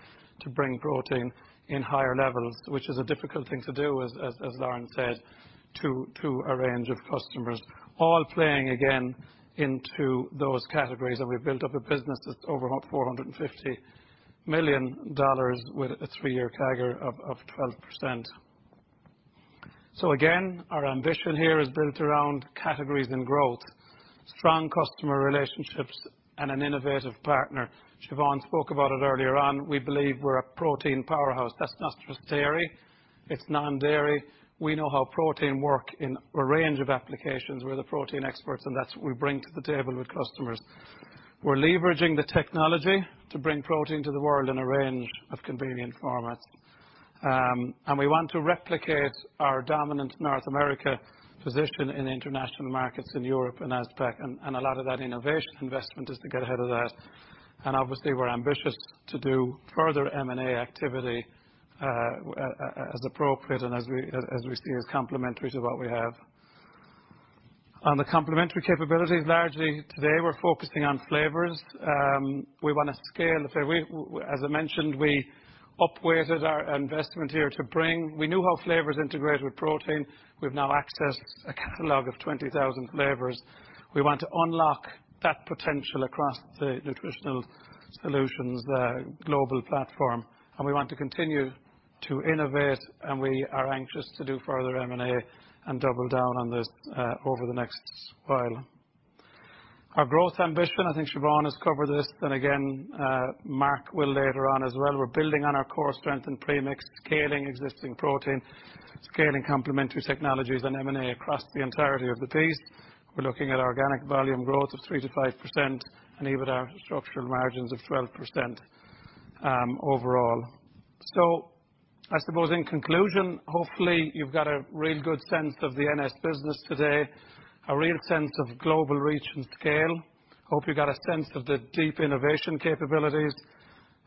to bring protein in higher levels, which is a difficult thing to do, as Lauren said, to a range of customers. All playing again into those categories that we built up a business that's over $450 million with a three-year CAGR of 12%. Our ambition here is built around categories and growth, strong customer relationships, and an innovative partner. Siobhan spoke about it earlier on. We believe we're a protein powerhouse. That's not just dairy, it's non-dairy. We know how protein work in a range of applications. We're the protein experts, and that's what we bring to the table with customers. We're leveraging the technology to bring protein to the world in a range of convenient formats. We want to replicate our dominant North America position in international markets in Europe and APAC, and a lot of that innovation investment is to get ahead of that. Obviously, we're ambitious to do further M&A activity, as appropriate and as we see as complementary to what we have. On the complementary capabilities, largely today we're focusing on flavors. We wanna scale the flavors. As I mentioned, we up weighted our investment here to bring. We knew how flavors integrated with protein. We've now accessed a catalog of 20,000 flavors. We want to unlock that potential across the nutritional solutions, the global platform, and we want to continue to innovate, and we are anxious to do further M&A and double down on this over the next while. Our growth ambition, I think Siobhan has covered this, then again, Mark will later on as well. We're building on our core strength in premix, scaling existing protein, scaling complementary technologies and M&A across the entirety of the piece. We're looking at organic volume growth of 3%-5% and EBITDA structural margins of 12%, overall. I suppose in conclusion, hopefully you've got a really good sense of the NS business today, a real sense of global reach and scale. Hope you got a sense of the deep innovation capabilities,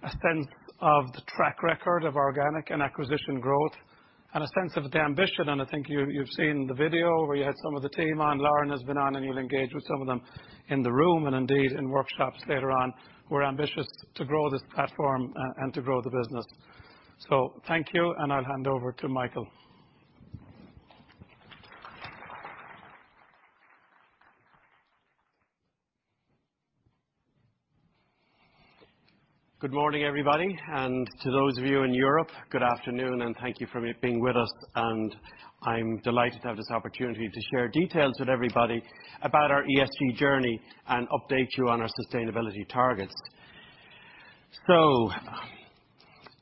a sense of the track record of organic and acquisition growth, and a sense of the ambition. I think you've seen the video where you had some of the team on, Lauren has been on, and you'll engage with some of them in the room and indeed in workshops later on. We're ambitious to grow this platform and to grow the business. Thank you, and I'll hand over to Michael. Good morning, everybody, and to those of you in Europe, good afternoon, and thank you for being with us. I'm delighted to have this opportunity to share details with everybody about our ESG journey and update you on our sustainability targets.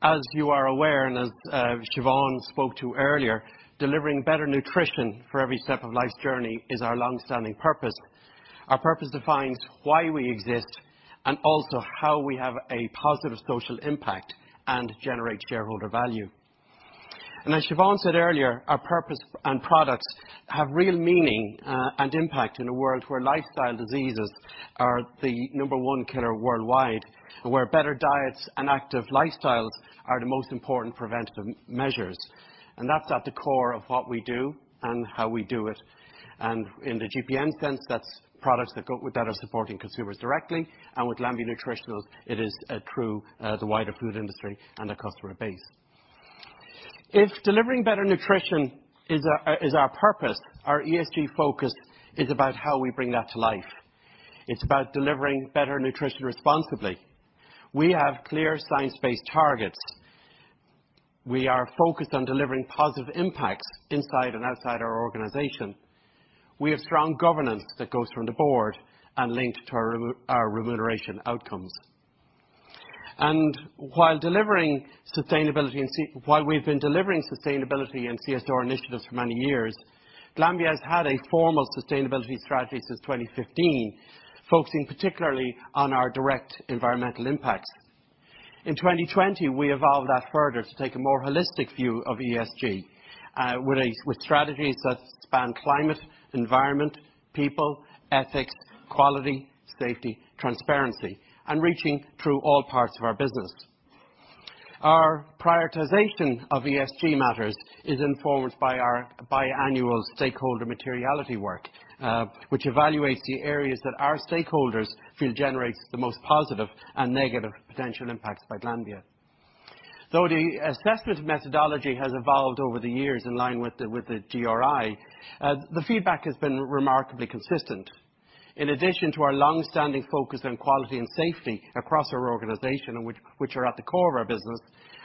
As you are aware, and as Siobhan spoke to earlier, delivering better nutrition for every step of life's journey is our long-standing purpose. Our purpose defines why we exist and also how we have a positive social impact and generate shareholder value. As Siobhan said earlier, our purpose and products have real meaning and impact in a world where lifestyle diseases are the number one killer worldwide, and where better diets and active lifestyles are the most important preventative measures. That's at the core of what we do and how we do it. In the GPN sense, that's products that go with better supporting consumers directly. With Glanbia Nutritionals, it is through the wider food industry and the customer base. If delivering better nutrition is our purpose, our ESG focus is about how we bring that to life. It's about delivering better nutrition responsibly. We have clear science-based targets. We are focused on delivering positive impacts inside and outside our organization. We have strong governance that goes from the board and linked to our remuneration outcomes. While we've been delivering sustainability and CSR initiatives for many years, Glanbia has had a formal sustainability strategy since 2015 focusing particularly on our direct environmental impacts. In 2020, we evolved that further to take a more holistic view of ESG with strategies that span climate, environment, people, ethics, quality, safety, transparency, and reaching through all parts of our business. Our prioritization of ESG matters is informed by our biannual stakeholder materiality work, which evaluates the areas that our stakeholders feel generates the most positive and negative potential impacts by Glanbia. Though the assessment methodology has evolved over the years in line with the GRI, the feedback has been remarkably consistent. In addition to our long-standing focus on quality and safety across our organization, which are at the core of our business,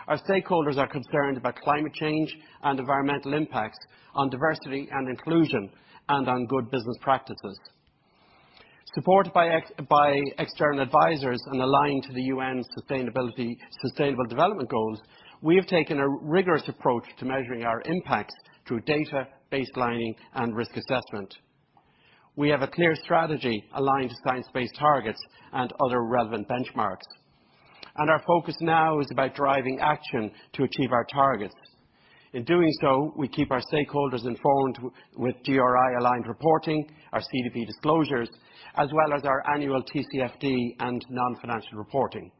our stakeholders are concerned about climate change and environmental impacts on diversity and inclusion and on good business practices. Supported by external advisors and aligned to the UN Sustainable Development Goals, we have taken a rigorous approach to measuring our impacts through data, baselining, and risk assessment. We have a clear strategy aligned to science-based targets and other relevant benchmarks. Our focus now is about driving action to achieve our targets. In doing so, we keep our stakeholders informed with GRI-aligned reporting, our CDP disclosures, as well as our annual TCFD and non-financial reporting.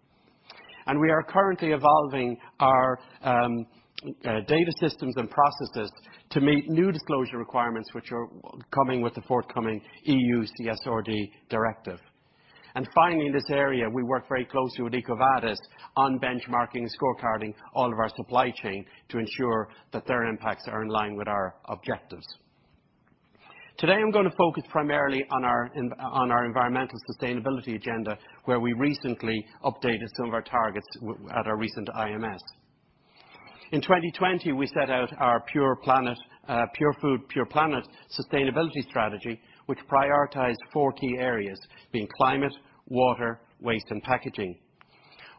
We are currently evolving our data systems and processes to meet new disclosure requirements, which are coming with the forthcoming EU CSRD directive. Finally, in this area, we work very closely with EcoVadis on benchmarking, scorecarding all of our supply chain to ensure that their impacts are in line with our objectives. Today, I'm gonna focus primarily on our environmental sustainability agenda, where we recently updated some of our targets at our recent IMS. In 2020, we set out our Pure Food, Pure Planet sustainability strategy, which prioritized four key areas, being climate, water, waste, and packaging.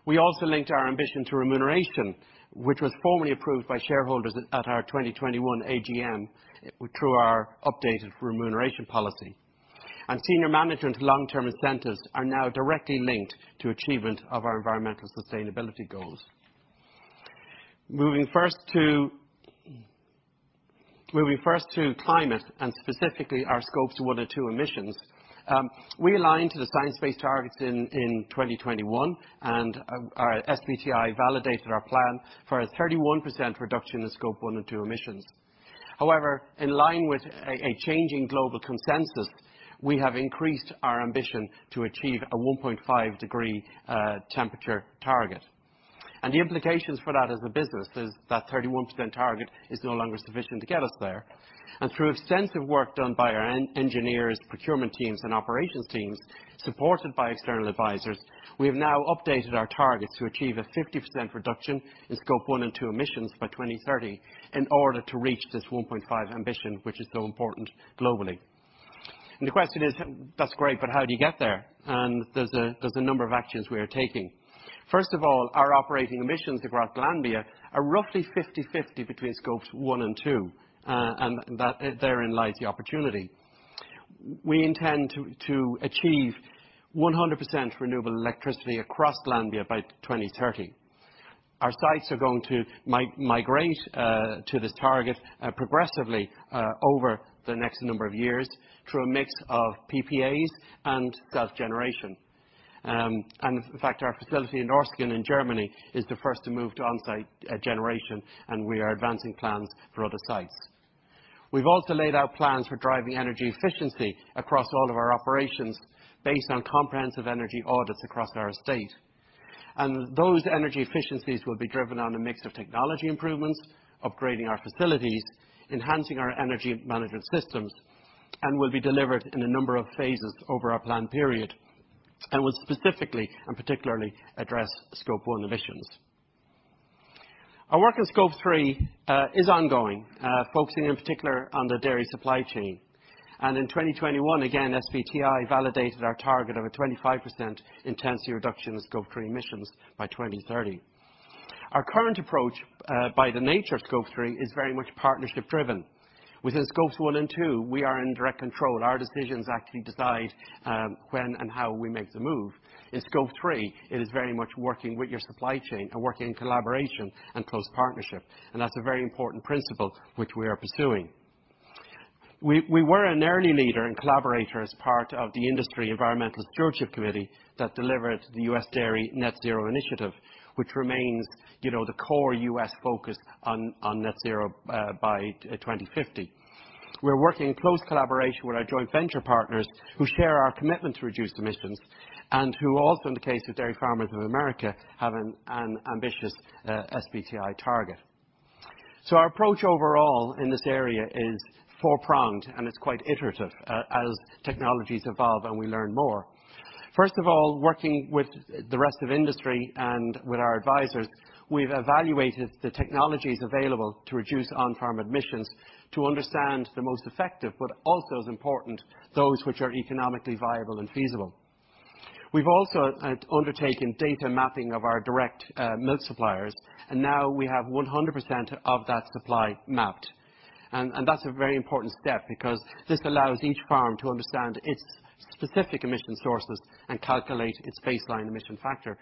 We also linked our ambition to remuneration, which was formally approved by shareholders at our 2021 AGM through our updated remuneration policy. Senior management long-term incentives are now directly linked to achievement of our environmental sustainability goals. Moving first to climate, and specifically our Scope 1 and 2 emissions, we aligned to the science-based targets in 2021, and our SBTi validated our plan for a 31% reduction in Scope 1 and 2 emissions. However, in line with a changing global consensus, we have increased our ambition to achieve a 1.5-degree temperature target. The implications for that as a business is that 31% target is no longer sufficient to get us there. Through extensive work done by our engineers, procurement teams, and operations teams, supported by external advisors, we have now updated our targets to achieve a 50% reduction in Scope one and two emissions by 2030 in order to reach this 1.5 ambition, which is so important globally. The question is, "That's great, but how do you get there?" There's a number of actions we are taking. First of all, our operating emissions across Glanbia are roughly 50/50 between Scopes 1 and 2, and that therein lies the opportunity. We intend to achieve 100% renewable electricity across Glanbia by 2030. Our sites are going to migrate to this target progressively over the next number of years through a mix of PPAs and self-generation. In fact, our facility in Orsingen, Germany, is the first to move to onsite generation, and we are advancing plans for other sites. We've also laid out plans for driving energy efficiency across all of our operations based on comprehensive energy audits across our estate. Those energy efficiencies will be driven on a mix of technology improvements, upgrading our facilities, enhancing our energy management systems, and will be delivered in a number of phases over our plan period and will specifically and particularly address Scope 1 emissions. Our work in Scope Three is ongoing, focusing in particular on the dairy supply chain. In 2021, again, SBTi validated our target of a 25% intensity reduction in Scope 3 emissions by 2030. Our current approach, by the nature of Scope 3, is very much partnership driven. Within Scopes 1 and 2, we are in direct control. Our decisions actually decide when and how we make the move. In Scope 3, it is very much working with your supply chain and working in collaboration and close partnership, and that's a very important principle which we are pursuing. We were an early leader and collaborator as part of the Industry Environmental Stewardship Committee that delivered the U.S. Dairy Net Zero Initiative, which remains, you know, the core U.S. focus on net zero by 2050. We're working in close collaboration with our joint venture partners who share our commitment to reduce emissions and who also, in the case of dairy farmers in America, have an ambitious SBTi target. Our approach overall in this area is four-pronged, and it's quite iterative as technologies evolve and we learn more. First of all, working with the rest of industry and with our advisors, we've evaluated the technologies available to reduce on-farm emissions to understand the most effective, but also as important, those which are economically viable and feasible. We've also undertaken data mapping of our direct milk suppliers, and now we have 100% of that supply mapped. That's a very important step because this allows each farm to understand its specific emission sources and calculate its baseline emission factor.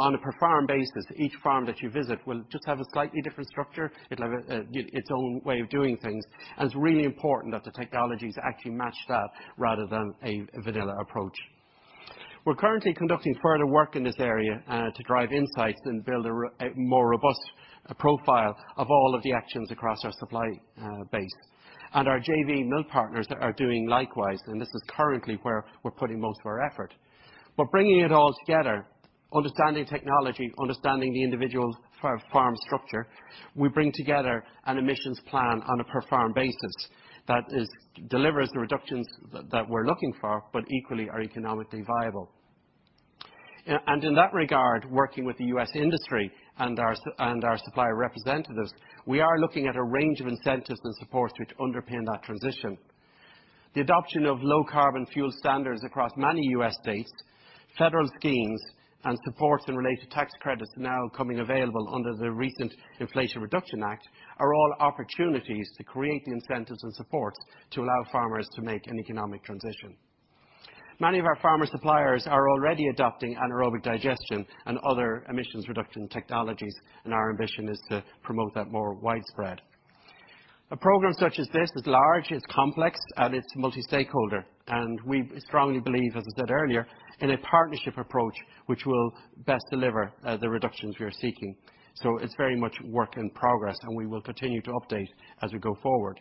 On a per farm basis, each farm that you visit will just have a slightly different structure. It'll have its own way of doing things, and it's really important that the technologies actually match that rather than a vanilla approach. We're currently conducting further work in this area to drive insights and build a more robust profile of all of the actions across our supply base. Our JV milk partners are doing likewise, and this is currently where we're putting most of our effort. Bringing it all together, understanding technology, understanding the individual's farm structure, we bring together an emissions plan on a per farm basis that delivers the reductions that we're looking for, but equally are economically viable. In that regard, working with the U.S. industry and our supplier representatives, we are looking at a range of incentives and supports which underpin that transition. The adoption of low carbon fuel standards across many U.S. states, federal schemes, and supports and related tax credits now coming available under the recent Inflation Reduction Act are all opportunities to create the incentives and supports to allow farmers to make an economic transition Many of our farmer suppliers are already adopting anaerobic digestion and other emissions reduction technologies, and our ambition is to promote that more widespread. A program such as this is large, it's complex, and it's multi-stakeholder, and we strongly believe, as I said earlier, in a partnership approach which will best deliver the reductions we are seeking. It's very much work in progress, and we will continue to update as we go forward.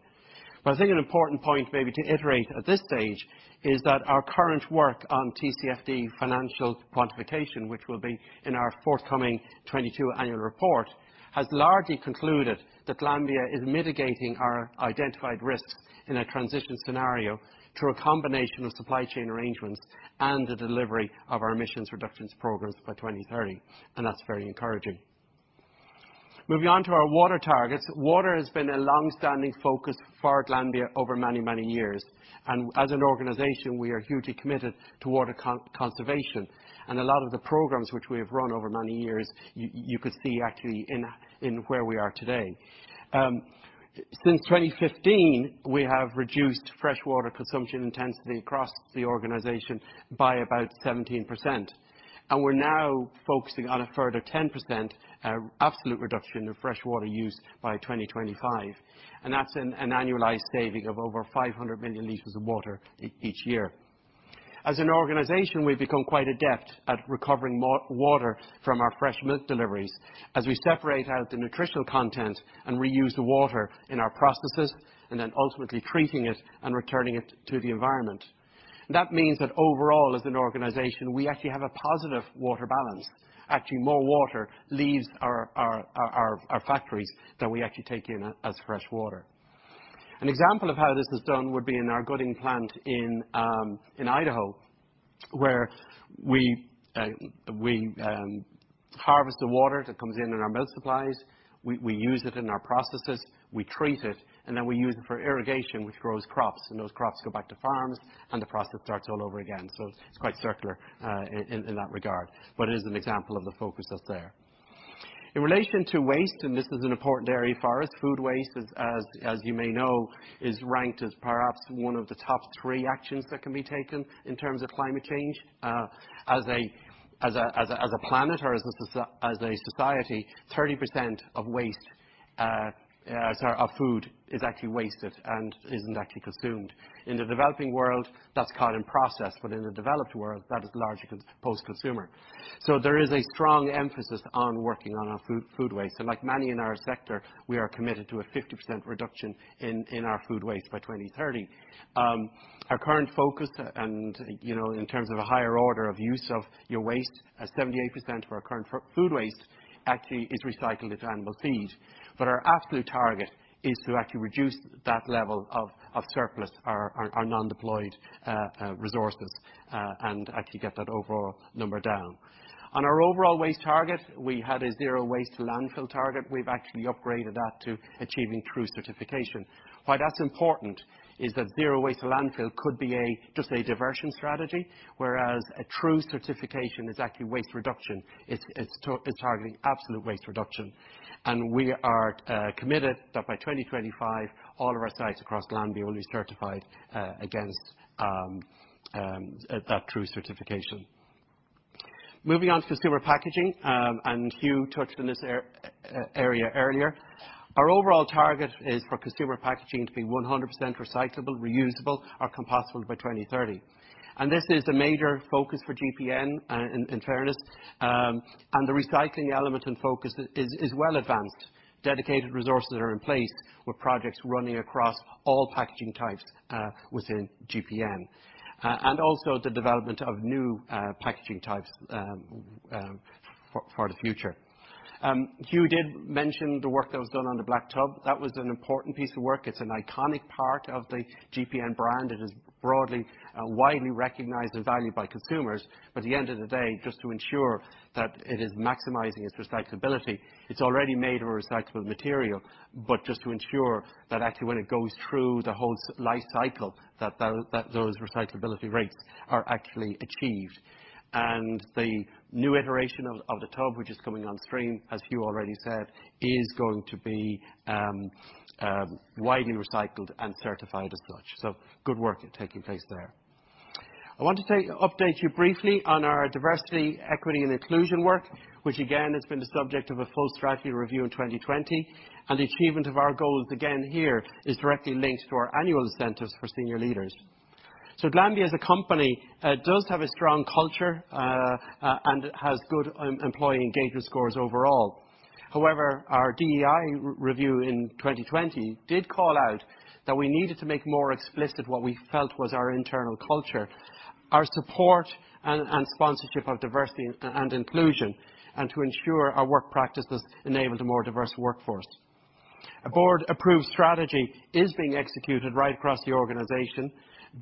I think an important point maybe to iterate at this stage is that our current work on TCFD financial quantification, which will be in our forthcoming 2022 annual report, has largely concluded that Glanbia is mitigating our identified risks in a transition scenario through a combination of supply chain arrangements and the delivery of our emissions reductions programs by 2030, and that's very encouraging. Moving on to our water targets. Water has been a long-standing focus for Glanbia over many, many years, and as an organization, we are hugely committed to water conservation. A lot of the programs which we have run over many years, you can see actually where we are today. Since 2015, we have reduced fresh water consumption intensity across the organization by about 17%, and we're now focusing on a further 10% absolute reduction of fresh water use by 2025. That's an annualized saving of over 500 million liters of water each year. As an organization, we've become quite adept at recovering water from our fresh milk deliveries as we separate out the nutritional content and reuse the water in our processes and then ultimately treating it and returning it to the environment. That means that overall as an organization, we actually have a positive water balance. Actually, more water leaves our factories than we actually take in as fresh water. An example of how this is done would be in our Gooding plant in Idaho, where we harvest the water that comes in our milk supplies. We use it in our processes, we treat it, and then we use it for irrigation, which grows crops, and those crops go back to farms, and the process starts all over again. It's quite circular in that regard. It is an example of the focus that's there. In relation to waste, and this is an important area for us, food waste, as you may know, is ranked as perhaps one of the top three actions that can be taken in terms of climate change. As a planet or as a society, 30% of food is actually wasted and isn't actually consumed. In the developing world, that's caught in process, but in the developed world, that is largely post-consumer. There is a strong emphasis on working on our food waste. Like many in our sector, we are committed to a 50% reduction in our food waste by 2030. Our current focus, you know, in terms of a higher order of use of our waste, as 78% of our current food waste actually is recycled into animal feed. Our absolute target is to actually reduce that level of surplus, our non-deployed resources, and actually get that overall number down. On our overall waste target, we had a zero waste to landfill target. We've actually upgraded that to achieving TRUE certification. Why that's important is that zero waste to landfill could be just a diversion strategy, whereas a TRUE certification is actually waste reduction. It's targeting absolute waste reduction. We are committed that by 2025 all of our sites across Glanbia will be certified against that TRUE certification. Moving on to consumer packaging, and Hugh touched on this area earlier. Our overall target is for consumer packaging to be 100% recyclable, reusable, or compostable by 2030. This is a major focus for GPN, in fairness. The recycling element and focus is well advanced. Dedicated resources are in place with projects running across all packaging types within GPN. Also the development of new packaging types for the future. Hugh did mention the work that was done on the black tub. That was an important piece of work. It's an iconic part of the GPN brand. It is broadly, widely recognized and valued by consumers. At the end of the day, just to ensure that it is maximizing its recyclability, it's already made of a recyclable material, but just to ensure that actually when it goes through the whole life cycle, that those recyclability rates are actually achieved. The new iteration of the tub, which is coming on stream, as Hugh already said, is going to be widely recycled and certified as such. Good work taking place there. I want to update you briefly on our diversity, equity, and inclusion work, which again has been the subject of a full strategy review in 2020. The achievement of our goals, again here, is directly linked to our annual incentives for senior leaders. Glanbia as a company does have a strong culture, and it has good employee engagement scores overall. However, our DEI review in 2020 did call out that we needed to make more explicit what we felt was our internal culture. Our support and sponsorship of diversity and inclusion, and to ensure our work practices enabled a more diverse workforce. A board-approved strategy is being executed right across the organization,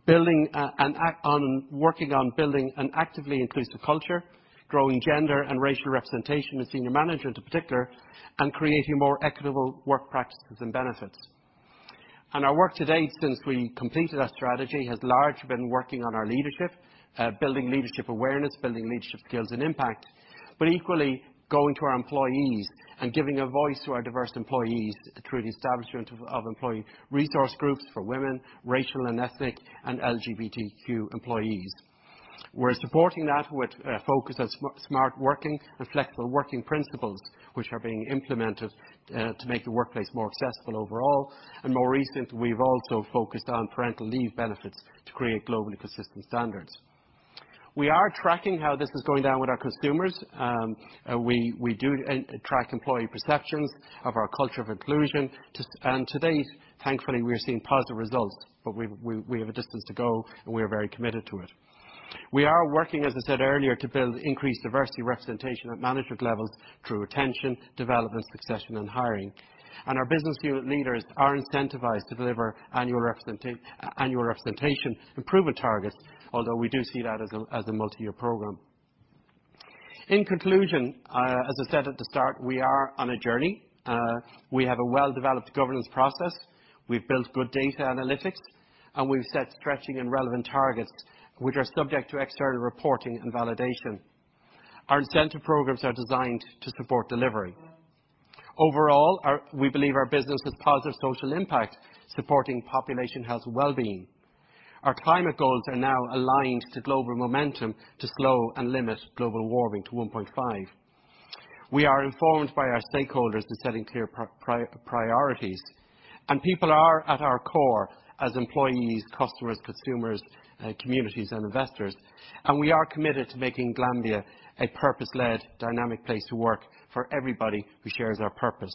building on. Working on building an actively inclusive culture, growing gender and racial representation in senior management in particular, and creating more equitable work practices and benefits. Our work to date since we completed that strategy has largely been working on our leadership, building leadership awareness, building leadership skills and impact, but equally going to our employees and giving a voice to our diverse employees through the establishment of employee resource groups for women, racial and ethnic, and LGBTQ employees. We're supporting that with a focus on smart working and flexible working principles, which are being implemented to make the workplace more accessible overall. More recently, we've also focused on parental leave benefits to create global consistent standards. We are tracking how this is going down with our consumers. We do track employee perceptions of our culture of inclusion. To date, thankfully, we are seeing positive results, but we have a distance to go, and we are very committed to it. We are working, as I said earlier, to build increased diversity representation at management levels through retention, development, succession, and hiring. Our business unit leaders are incentivized to deliver annual representation improvement targets, although we do see that as a multi-year program. In conclusion, as I said at the start, we are on a journey. We have a well-developed governance process. We've built good data analytics, and we've set stretching and relevant targets, which are subject to external reporting and validation. Our incentive programs are designed to support delivery. Overall, we believe our business has positive social impact, supporting population health and well-being. Our climate goals are now aligned to global momentum to slow and limit global warming to 1.5. We are informed by our stakeholders in setting clear priorities. People are at our core as employees, customers, consumers, communities, and investors. We are committed to making Glanbia a purpose-led, dynamic place to work for everybody who shares our purpose.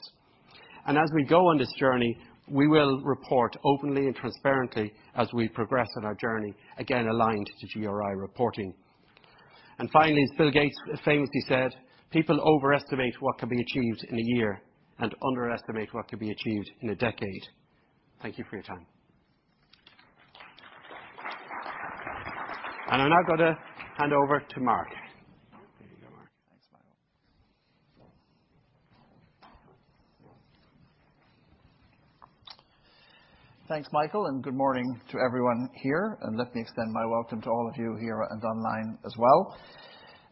As we go on this journey, we will report openly and transparently as we progress on our journey, again, aligned to GRI reporting. Finally, as Bill Gates famously said, "People overestimate what can be achieved in a year and underestimate what can be achieved in a decade." Thank you for your time. I'm now gonna hand over to Mark. There you go, Mark. Thanks, Michael. Thanks, Michael, and good morning to everyone here, and let me extend my welcome to all of you here and online as well.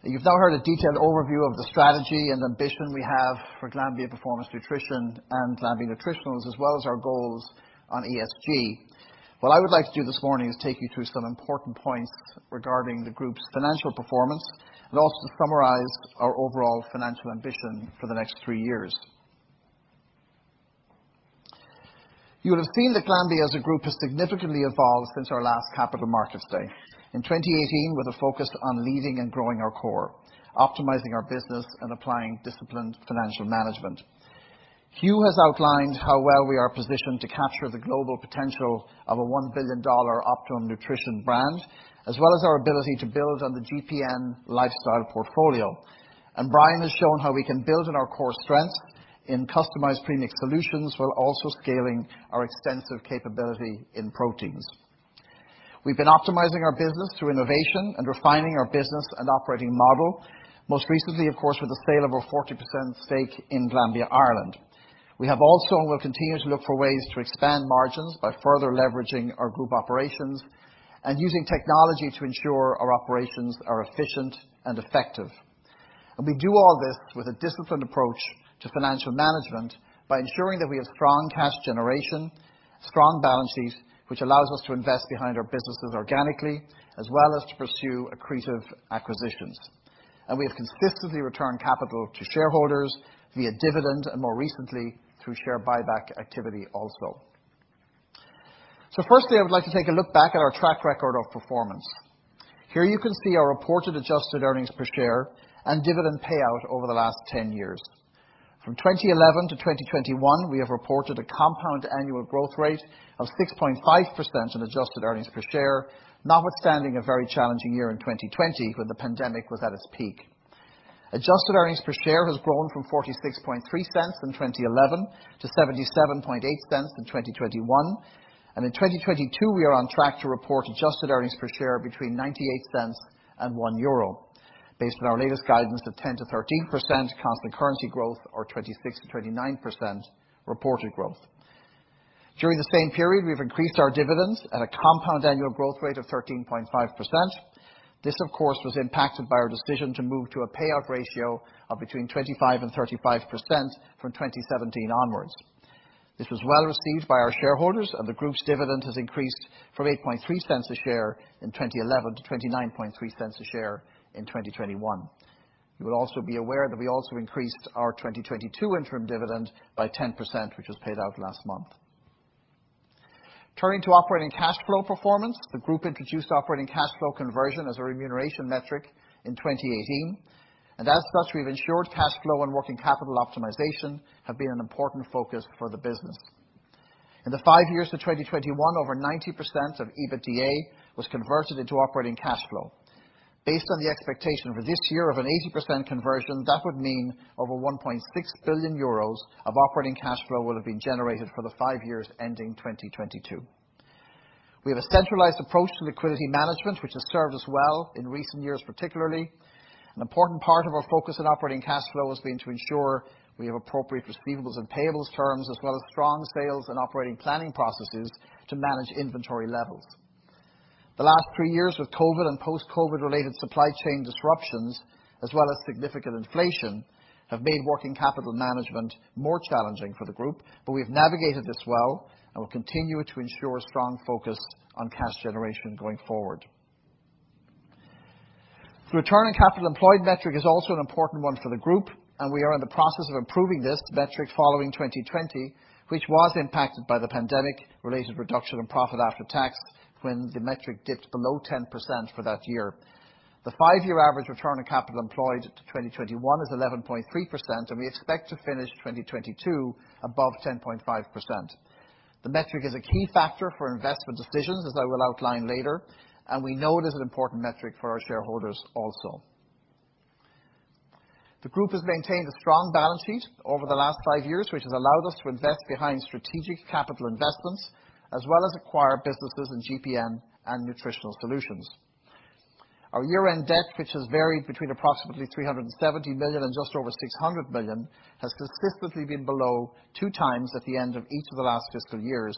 You've now heard a detailed overview of the strategy and ambition we have for Glanbia Performance Nutrition and Glanbia Nutritionals, as well as our goals on ESG. What I would like to do this morning is take you through some important points regarding the group's financial performance and also to summarize our overall financial ambition for the next three years. You'll have seen that Glanbia as a group has signifi cantly evolved since our last Capital Markets Day. In 2018, with a focus on leading and growing our core, optimizing our business, and applying disciplined financial management. Hugh has outlined how well we are positioned to capture the global potential of a $1 billion Optimum Nutrition brand, as well as our ability to build on the GPN lifestyle portfolio. Brian has shown how we can build on our core strengths in customized premix solutions while also scaling our extensive capability in proteins. We've been optimizing our business through innovation and refining our business and operating model, most recently, of course, with the sale of our 40% stake in Glanbia Ireland. We have also and will continue to look for ways to expand margins by further leveraging our group operations and using technology to ensure our operations are efficient and effective. We do all this with a disciplined approach to financial management by ensuring that we have strong cash generation, strong balance sheet, which allows us to invest behind our businesses organically, as well as to pursue accretive acquisitions. We have consistently returned capital to shareholders via dividend, and more recently, through share buyback activity also. Firstly, I would like to take a look back at our track record of performance. Here you can see our reported adjusted earnings per share and dividend payout over the last 10 years. From 2011 to 2021, we have reported a compound annual growth rate of 6.5% in adjusted earnings per share, notwithstanding a very challenging year in 2020 when the pandemic was at its peak. Adjusted earnings per share has grown from €0.463 in 2011 to €0.778 in 2021. In 2022, we are on track to report adjusted earnings per share between €0.98 and €1, based on our latest guidance of 10%-13% constant currency growth or 26%-29% reported growth. During the same period, we've increased our dividends at a compound annual growth rate of 13.5%. This, of course, was impacted by our decision to move to a payout ratio of between 25% and 35% from 2017 onwards. This was well received by our shareholders, and the group's dividend has increased from €0.083 a share in 2011 to €0.293 a share in 2021. You will also be aware that we also increased our 2022 interim dividend by 10%, which was paid out last month. Turning to operating cash flow performance, the group introduced operating cash flow conversion as a remuneration metric in 2018, and as such, we've ensured cash flow and working capital optimization have been an important focus for the business. In the five years to 2021, over 90% of EBITDA was converted into operating cash flow. Based on the expectation for this year of an 80% conversion, that would mean over 1.6 billion euros of operating cash flow will have been generated for the five years ending 2022. We have a centralized approach to liquidity management, which has served us well in recent years, particularly. An important part of our focus on operating cash flow has been to ensure we have appropriate receivables and payables terms, as well as strong sales and operating planning processes to manage inventory levels. The last three years with COVID and post-COVID related supply chain disruptions, as well as significant inflation, have made working capital management more challenging for the group, but we've navigated this well and will continue to ensure strong focus on cash generation going forward. The return on capital employed metric is also an important one for the group, and we are in the process of improving this metric following 2020, which was impacted by the pandemic-related reduction in profit after tax when the metric dipped below 10% for that year. The five-year average return on capital employed to 2021 is 11.3%, and we expect to finish 2022 above 10.5%. The metric is a key factor for investment decisions, as I will outline later, and we know it is an important metric for our shareholders also. The group has maintained a strong balance sheet over the last five years, which has allowed us to invest behind strategic capital investments as well as acquire businesses in GPN and Nutritional Solutions. Our year-end debt, which has varied between approximately 370 million and just over 600 million, has consistently been below 2x at the end of each of the last fiscal years,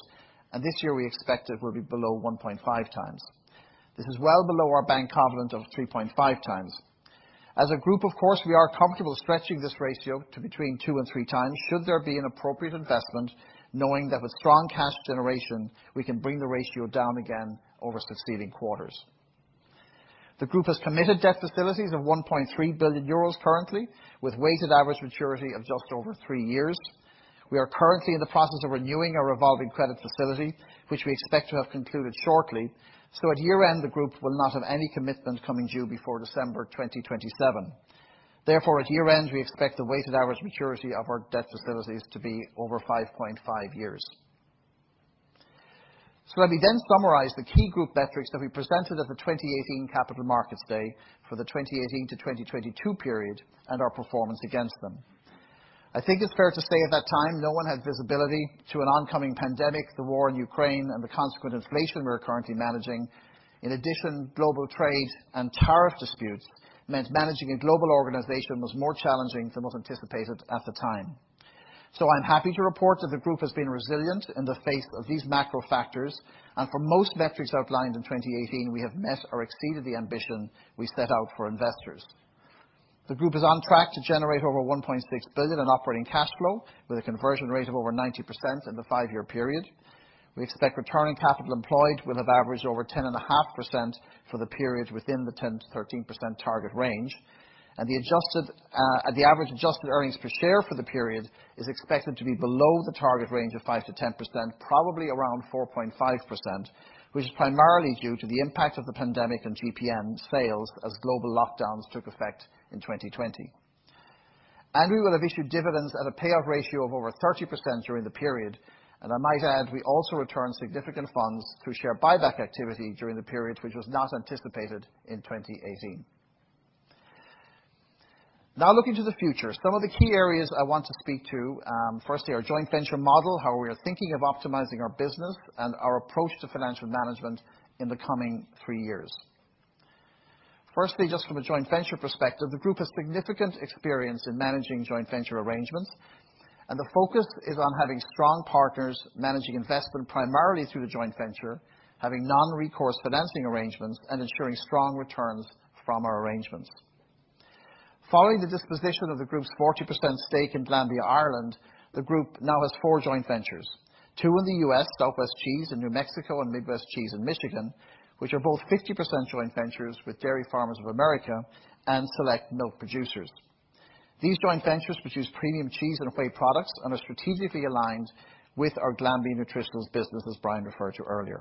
and this year we expect it will be below 1.5x. This is well below our bank covenant of 3.5x. As a group, of course, we are comfortable stretching this ratio to between 2-3 times should there be an appropriate investment, knowing that with strong cash generation, we can bring the ratio down again over succeeding quarters. The group has committed debt facilities of 1.3 billion euros currently, with weighted average maturity of just over three years. We are currently in the process of renewing our revolving credit facility, which we expect to have concluded shortly. At year-end, the group will not have any commitments coming due before December 2027. Therefore, at year-end, we expect the weighted average maturity of our debt facilities to be over 5.5 years. Let me then summarize the key group metrics that we presented at the 2018 Capital Markets Day for the 2018-2022 period and our performance against them. I think it's fair to say at that time, no one had visibility to an oncoming pandemic, the war in Ukraine, and the consequent inflation we're currently managing. In addition, global trade and tariff disputes meant managing a global organization was more challenging than was anticipated at the time. I'm happy to report that the group has been resilient in the face of these macro factors, and for most metrics outlined in 2018, we have met or exceeded the ambition we set out for investors. The group is on track to generate over 1.6 billion in operating cash flow, with a conversion rate of over 90% in the five-year period. We expect return on capital employed will have averaged over 10.5% for the period within the 10%-13% target range. The average adjusted earnings per share for the period is expected to be below the target range of 5%-10%, probably around 4.5%, which is primarily due to the impact of the pandemic on GPN sales as global lockdowns took effect in 2020. We will have issued dividends at a payout ratio of over 30% during the period. I might add, we also returned significant funds through share buyback activity during the period which was not anticipated in 2018. Now looking to the future, some of the key areas I want to speak to, firstly, our joint venture model, how we are thinking of optimizing our business and our approach to financial management in the coming three years. Firstly, just from a joint venture perspective, the group has significant experience in managing joint venture arrangements, and the focus is on having strong partners managing investment primarily through the joint venture, having non-recourse financing arrangements and ensuring strong returns from our arrangements. Following the disposition of the group's 40% stake in Glanbia Ireland, the group now has four joint ventures. Two in the U.S., Southwest Cheese in New Mexico and Midwest Cheese in Michigan, which are both 50% joint ventures with Dairy Farmers of America and Select Milk Producers. These joint ventures produce premium cheese and whey products and are strategically aligned with our Glanbia Nutritionals business, as Brian referred to earlier.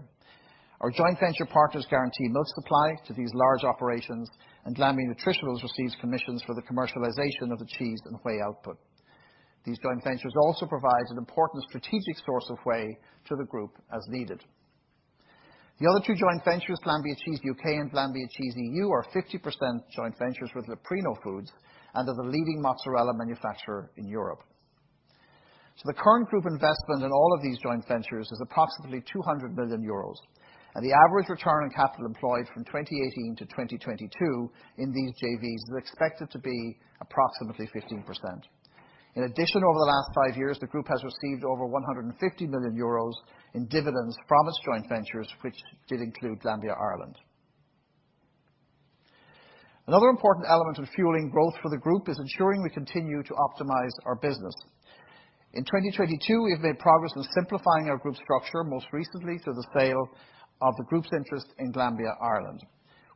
Our joint venture partners guarantee milk supply to these large operations, and Glanbia Nutritionals receives commissions for the commercialization of the cheese and whey output. These joint ventures also provides an important strategic source of whey to the group as needed. The other two joint ventures, Glanbia Cheese UK and Glanbia Cheese EU, are fifty percent joint ventures with Leprino Foods and are the leading mozzarella manufacturer in Europe. The current group investment in all of these joint ventures is approximately 200 million euros, and the average return on capital employed from 2018 to 2022 in these JVs is expected to be approximately 15%. In addition, over the last five years, the group has received over 150 million euros in dividends from its joint ventures, which did include Glanbia Ireland. Another important element of fueling growth for the group is ensuring we continue to optimize our business. In 2022, we have made progress in simplifying our group structure, most recently through the sale of the group's interest in Glanbia Ireland.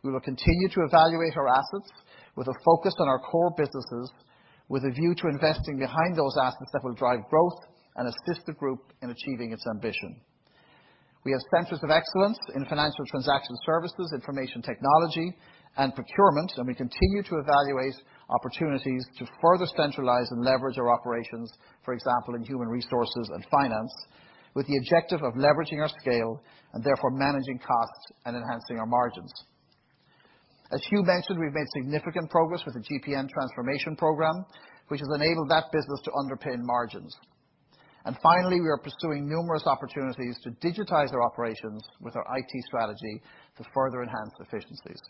We will continue to evaluate our assets with a focus on our core businesses, with a view to investing behind those assets that will drive growth and assist the group in achieving its ambition. We have centers of excellence in financial transaction services, information technology and procurement, and we continue to evaluate opportunities to further centralize and leverage our operations, for example, in human resources and finance, with the objective of leveraging our scale and therefore managing costs and enhancing our margins. As Hugh mentioned, we've made significant progress with the GPN transformation program, which has enabled that business to underpin margins. We are pursuing numerous opportunities to digitize our operations with our IT strategy to further enhance efficiencies.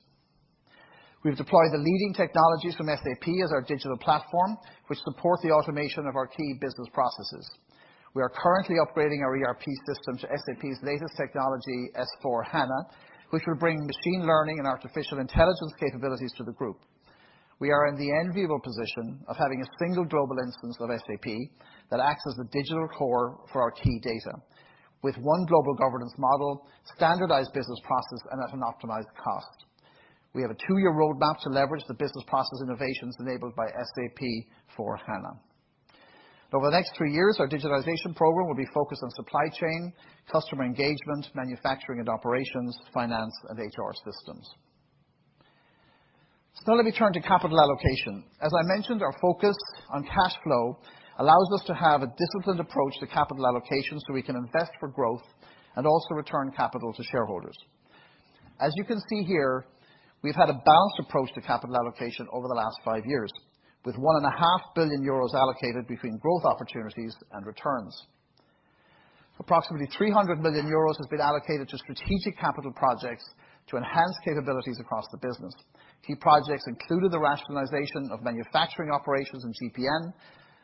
We've deployed the leading technologies from SAP as our digital platform, which support the automation of our key business processes. We are currently upgrading our ERP system to SAP's latest technology, S/4HANA, which will bring machine learning and artificial intelligence capabilities to the group. We are in the enviable position of having a single global instance of SAP that acts as the digital core for our key data with one global governance model, standardized business process and at an optimized cost. We have a two-year roadmap to leverage the business process innovations enabled by SAP S/4HANA. Over the next three years, our digitalization program will be focused on supply chain, customer engagement, manufacturing and operations, finance and HR systems. Now let me turn to capital allocation. As I mentioned, our focus on cash flow allows us to have a disciplined approach to capital allocation, so we can invest for growth and also return capital to shareholders. As you can see here, we've had a balanced approach to capital allocation over the last five years with one and a half billion euros allocated between growth opportunities and returns. Approximately 300 million euros has been allocated to strategic capital projects to enhance capabilities across the business. Key projects included the rationalization of manufacturing operations in GPN,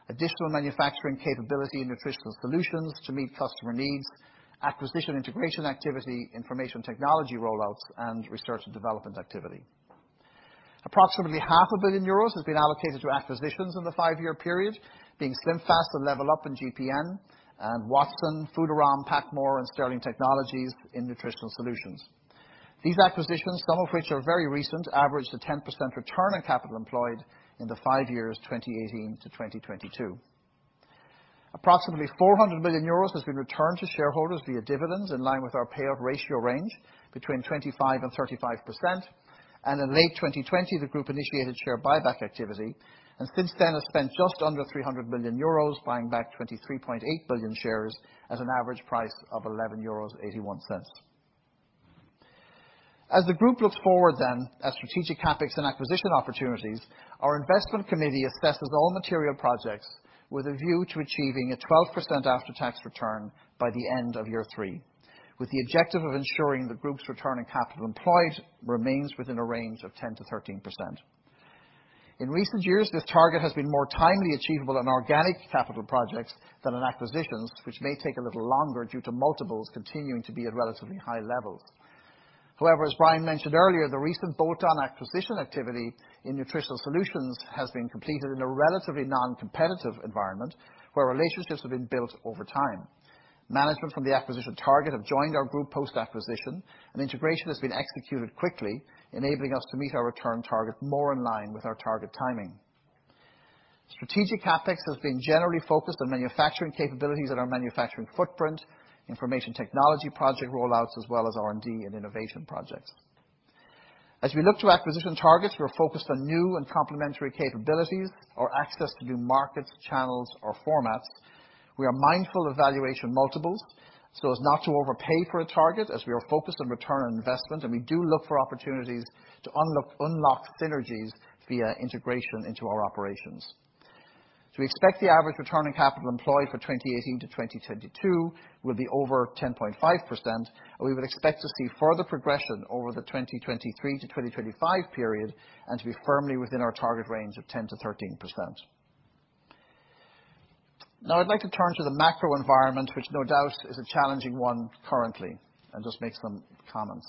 additional manufacturing capability in Nutritional Solutions to meet customer needs, acquisition integration activity, information technology rollouts, and research and development activity. Approximately EUR half a billion has been allocated to acquisitions in the five-year period, being SlimFast and LevlUp in GPN and Watson, Foodarom, PacMoore and Sterling Technology in Nutritional Solutions. These acquisitions, some of which are very recent, averaged a 10% return on capital employed in the 5 years 2018-2022. Approximately 400 million euros has been returned to shareholders via dividends in line with our payout ratio range between 25% and 35%. In late 2020, the group initiated share buyback activity, and since then has spent just under 300 million euros buying back 23.8 million shares at an average price of 11.81 euros. As the group looks forward then at strategic CapEx and acquisition opportunities, our investment committee assesses all material projects with a view to achieving a 12% after-tax return by the end of year three, with the objective of ensuring the group's return on capital employed remains within a range of 10%-13%. In recent years, this target has been more timely achievable on organic capital projects than on acquisitions, which may take a little longer due to multiples continuing to be at relatively high levels. However, as Brian mentioned earlier, the recent bolt-on acquisition activity in Nutritional Solutions has been completed in a relatively non-competitive environment where relationships have been built over time. Management from the acquisition target have joined our group post-acquisition, and integration has been executed quickly, enabling us to meet our return target more in line with our target timing. Strategic CapEx has been generally focused on manufacturing capabilities and our manufacturing footprint, information technology project rollouts, as well as R&D and innovation projects. As we look to acquisition targets, we're focused on new and complementary capabilities or access to new markets, channels, or formats. We are mindful of valuation multiples so as not to overpay for a target as we are focused on return on investment, and we do look for opportunities to unlock synergies via integration into our operations. We expect the average return on capital employed for 2018-2022 will be over 10.5%, and we would expect to see further progression over the 2023-2025 period and to be firmly within our target range of 10%-13%. Now I'd like to turn to the macro environment, which no doubt is a challenging one currently, and just make some comments.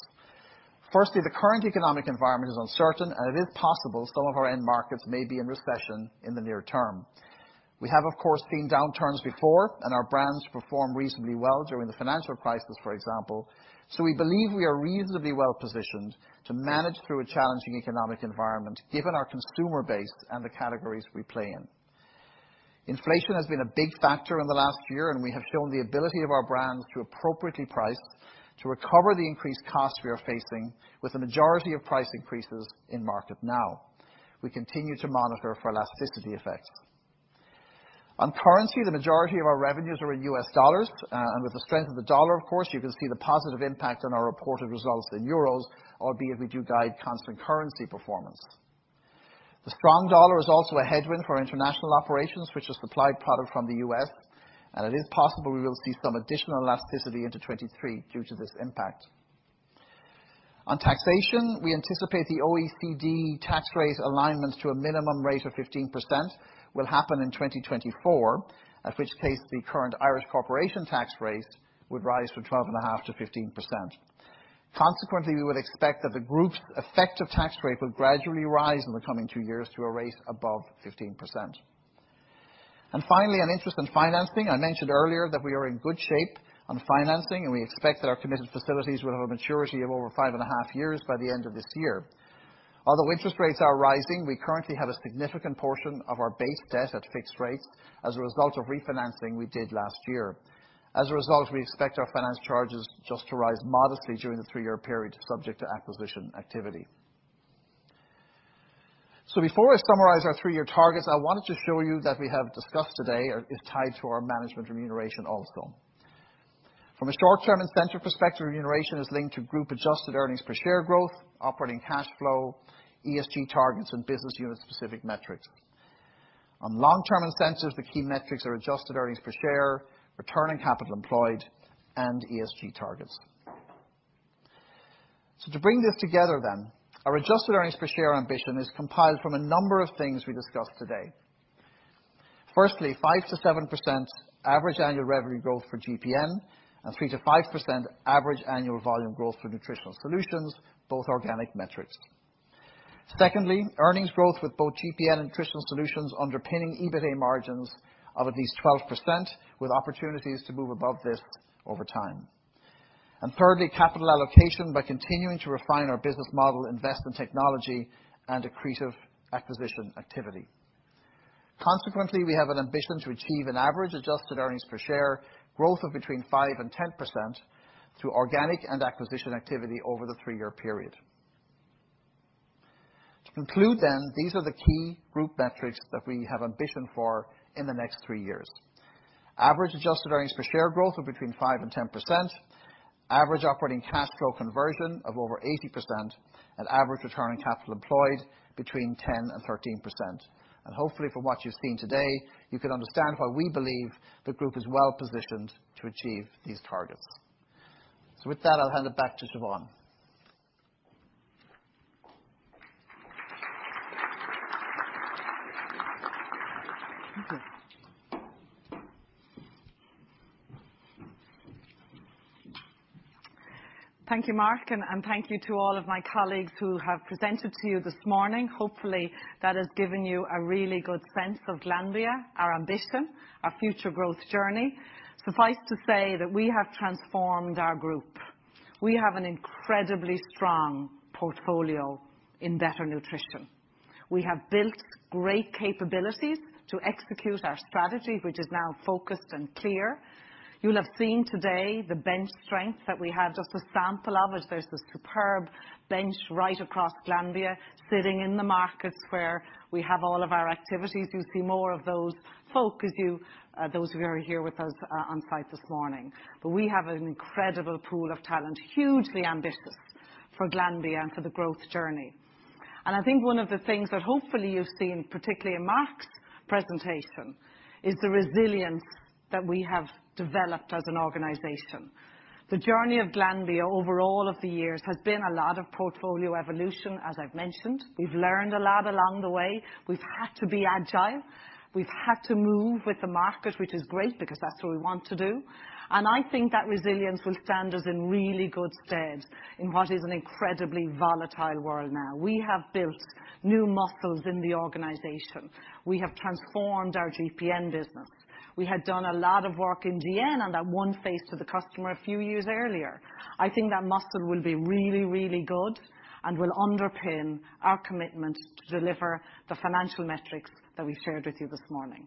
Firstly, the current economic environment is uncertain, and it is possible some of our end markets may be in recession in the near term. We have, of course, seen downturns before, and our brands performed reasonably well during the financial crisis, for example. We believe we are reasonably well positioned to manage through a challenging economic environment given our consumer base and the categories we play in. Inflation has been a big factor in the last year, and we have shown the ability of our brands to appropriately price to recover the increased costs we are facing with the majority of price increases in market now. We continue to monitor for elasticity effect. On currency, the majority of our revenues are in US dollars. With the strength of the dollar, of course, you can see the positive impact on our reported results in euros, albeit we do guide constant currency performance. The strong dollar is also a headwind for international operations, which has supplied product from the U.S., and it is possible we will see some additional elasticity into 2023 due to this impact. On taxation, we anticipate the OECD tax rate alignments to a minimum rate of 15% will happen in 2024, in which case the current Irish corporation tax rate would rise from 12.5%-15%. Consequently, we would expect that the group's effective tax rate will gradually rise in the coming two years to a rate above 15%. Finally, on interest and financing. I mentioned earlier that we are in good shape on financing, and we expect that our committed facilities will have a maturity of over five and a half years by the end of this year. Although interest rates are rising, we currently have a significant portion of our base debt at fixed rates as a result of refinancing we did last year. As a result, we expect our finance charges just to rise modestly during the three-year period, subject to acquisition activity. Before I summarize our three-year targets, I wanted to show you that we have discussed today is tied to our management remuneration also. From a short-term incentive perspective, remuneration is linked to group adjusted earnings per share growth, operating cash flow, ESG targets, and business unit specific metrics. On long-term incentives, the key metrics are adjusted earnings per share, return on capital employed, and ESG targets. To bring this together, our adjusted earnings per share ambition is compiled from a number of things we discussed today. Firstly, 5%-7% average annual revenue growth for GPN and 3%-5% average annual volume growth for Nutritional Solutions, both organic metrics. Secondly, earnings growth with both GPN and Nutritional Solutions underpinning EBITA margins of at least 12% with opportunities to move above this over time. Thirdly, capital allocation by continuing to refine our business model, invest in technology, and accretive acquisition activity. Consequently, we have an ambition to achieve an average adjusted earnings per share growth of between 5% and 10% through organic and acquisition activity over the three-year period. To conclude then, these are the key group metrics that we have ambition for in the next three years. Average adjusted earnings per share growth of between 5% and 10%, average operating cash flow conversion of over 80%, and average return on capital employed between 10% and 13%. Hopefully from what you've seen today, you can understand why we believe the group is well positioned to achieve these targets. With that, I'll hand it back to Siobhan. Thank you. Thank you, Mark, and thank you to all of my colleagues who have presented to you this morning. Hopefully, that has given you a really good sense of Glanbia, our ambition, our future growth journey. Suffice to say that we have transformed our group. We have an incredibly strong portfolio in better nutrition. We have built great capabilities to execute our strategy, which is now focused and clear. You'll have seen today the bench strength that we have just a sample of. There's a superb bench right across Glanbia sitting in the markets where we have all of our activities. You'll see more of those folk as you, those who are here with us, on site this morning. We have an incredible pool of talent, hugely ambitious for Glanbia and for the growth journey. I think one of the things that hopefully you've seen, particularly in Mark's presentation, is the resilience that we have developed as an organization. The journey of Glanbia over all of the years has been a lot of portfolio evolution, as I've mentioned. We've learned a lot along the way. We've had to be agile. We've had to move with the market, which is great because that's what we want to do. I think that resilience will stand us in really good stead in what is an incredibly volatile world now. We have built new muscles in the organization. We have transformed our GPN business. We had done a lot of work in GN on that one face to the customer a few years earlier. I think that muscle will be really, really good and will underpin our commitment to deliver the financial metrics that we've shared with you this morning.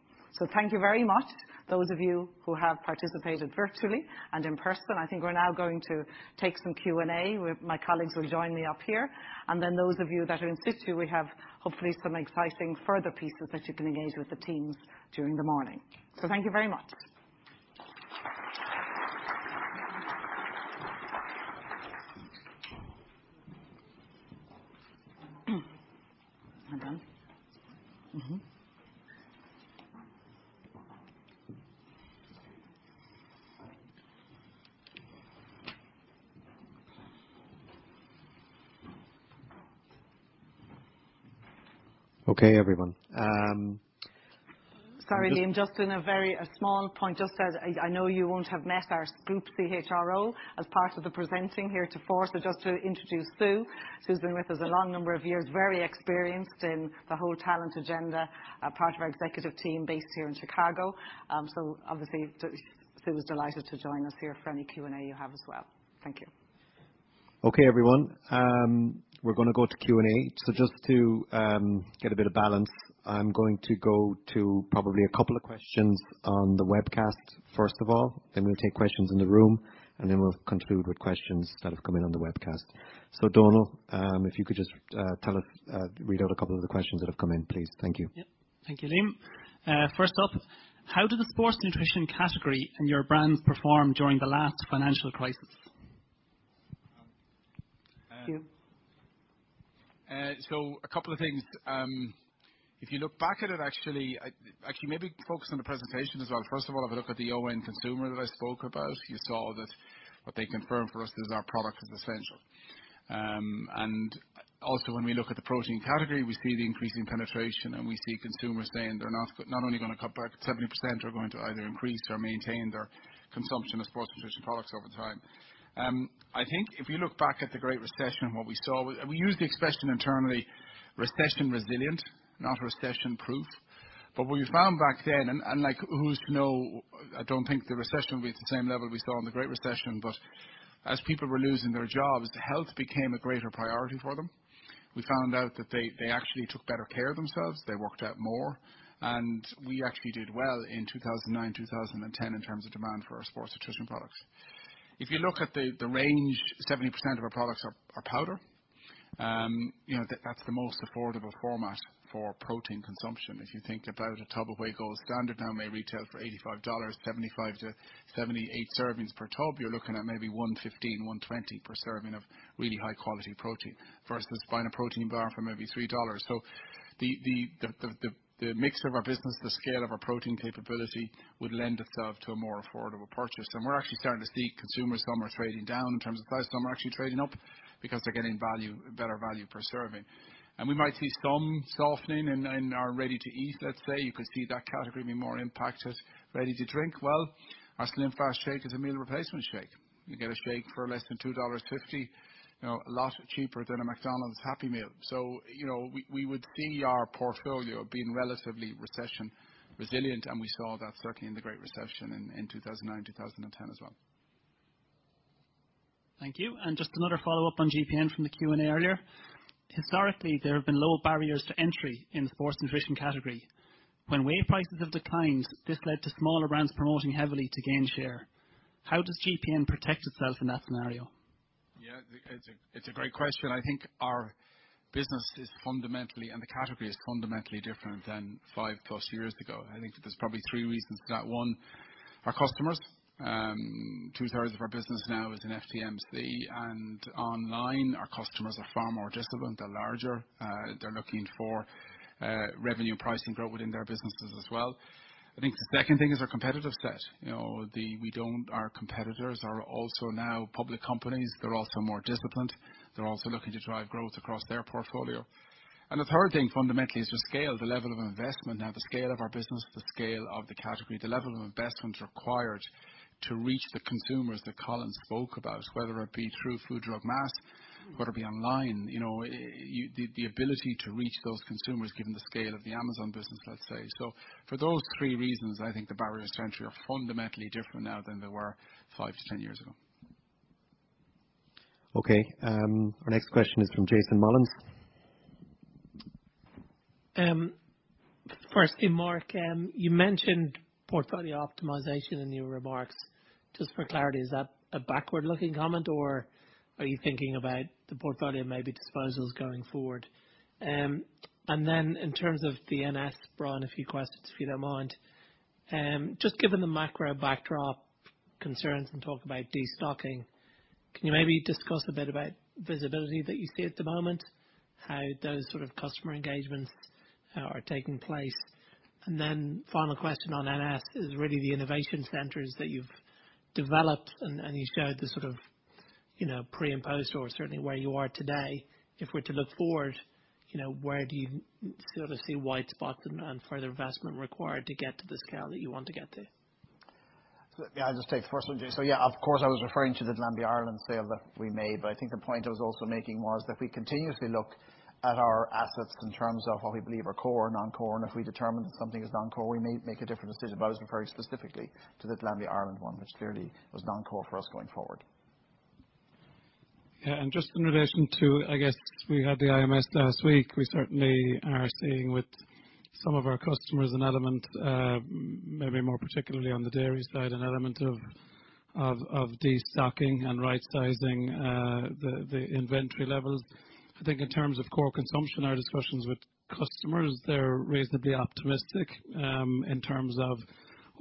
Thank you very much, those of you who have participated virtually and in person. I think we're now going to take some Q&A with my colleagues will join me up here. Then those of you that are in situ, we have hopefully some exciting further pieces that you can engage with the teams during the morning. Thank you very much. Hold on. Okay, everyone. Sorry, Liam, just a small point. Just as I know you won't have met our group CHRO as part of the presenting team here today. Just to introduce Sue. Sue's been with us a long number of years, very experienced in the whole talent agenda, a part of our executive team based here in Chicago. Obviously, Sue was delighted to join us here for any Q&A you have as well. Thank you. Okay, everyone. We're gonna go to Q&A. Just to get a bit of balance, I'm going to go to probably a couple of questions on the webcast, first of all, then we'll take questions in the room, and then we'll conclude with questions that have come in on the webcast. Donal, if you could just read out a couple of the questions that have come in, please. Thank you. Yep. Thank you, Liam. First up, how did the sports nutrition category and your brands perform during the last financial crisis? A couple of things. If you look back at it, actually, maybe focus on the presentation as well. First of all, have a look at the ON consumer that I spoke about. You saw that what they confirmed for us is our product is essential. When we look at the protein category, we see the increase in penetration, and we see consumers saying they're not only gonna cut back, 70% are going to either increase or maintain their consumption of sports nutrition products over time. I think if you look back at the Great Recession and what we saw, we use the expression internally, recession resilient, not recession-proof. what we found back then, like who's to know, I don't think the recession will be at the same level we saw in the Great Recession, but as people were losing their jobs, the health became a greater priority for them. We found out that they actually took better care of themselves. They worked out more. we actually did well in 2009, 2010 in terms of demand for our sports nutrition products. If you look at the range, 70% of our products are powder. you know, that's the most affordable format for protein consumption. If you think about a tub of Gold Standard Whey now may retail for $85, 75-78 servings per tub, you're looking at maybe $1.15, $1.20 per serving of really high quality protein versus buying a protein bar for maybe $3. The mix of our business, the scale of our protein capability would lend itself to a more affordable purchase. We're actually starting to see consumers, some are trading down in terms of size, some are actually trading up because they're getting value, better value per serving. We might see some softening in our ready-to-eat, let's say. You could see that category be more impacted, ready-to-drink. Well, our SlimFast shake is a meal replacement shake. You get a shake for less than $2.50, you know, a lot cheaper than a McDonald's Happy Meal. You know, we would see our portfolio being relatively recession resilient, and we saw that certainly in the Great Recession in 2009, 2010 as well. Thank you. Just another follow-up on GPN from the Q&A earlier. Historically, there have been low barriers to entry in the sports nutrition category. When whey prices have declined, this led to smaller brands promoting heavily to gain share. How does GPN protect itself in that scenario? It's a great question. I think our business is fundamentally, and the category is fundamentally different than 5+ years ago. I think there's probably three reasons for that. One, our customers. Two-thirds of our business now is in FDM and online. Our customers are far more disciplined. They're larger. They're looking for revenue pricing growth within their businesses as well. I think the second thing is our competitive set. You know, our competitors are also now public companies. They're also more disciplined. They're also looking to drive growth across their portfolio. The third thing fundamentally is the scale, the level of investment. Now, the scale of our business, the scale of the category, the level of investment required to reach the consumers that Colin spoke about, whether it be through food, drug, mass, whether it be online. You know, the ability to reach those consumers given the scale of the Amazon business, let's say. For those three reasons, I think the barriers to entry are fundamentally different now than they were 5-10 years ago. Okay, our next question is from Jason Mullins. Firstly, Mark, you mentioned portfolio optimization in your remarks. Just for clarity, is that a backward-looking comment, or are you thinking about the portfolio maybe disposals going forward? Then in terms of the NS, Brian, a few questions, if you don't mind. Just given the macro backdrop concerns and talk about destocking, can you maybe discuss a bit about visibility that you see at the moment, how those sort of customer engagements are taking place? Then final question on NS is really the innovation centers that you've developed and you showed the sort of, you know, pre and post or certainly where you are today. If we're to look forward, you know, where do you sort of see white spots and further investment required to get to the scale that you want to get to? Yeah, I'll just take the first one, Jason. Yeah, of course, I was referring to the Glanbia Ireland sale that we made, but I think the point I was also making was that we continuously look at our assets in terms of what we believe are core and non-core. If we determine that something is non-core, we may make a different decision. I was referring specifically to the Glanbia Ireland one, which clearly was non-core for us going forward. Just in relation to, I guess, we had the IMS last week, we certainly are seeing with some of our customers an element, maybe more particularly on the dairy side, an element of destocking and right sizing the inventory levels. I think in terms of core consumption, our discussions with customers, they're reasonably optimistic in terms of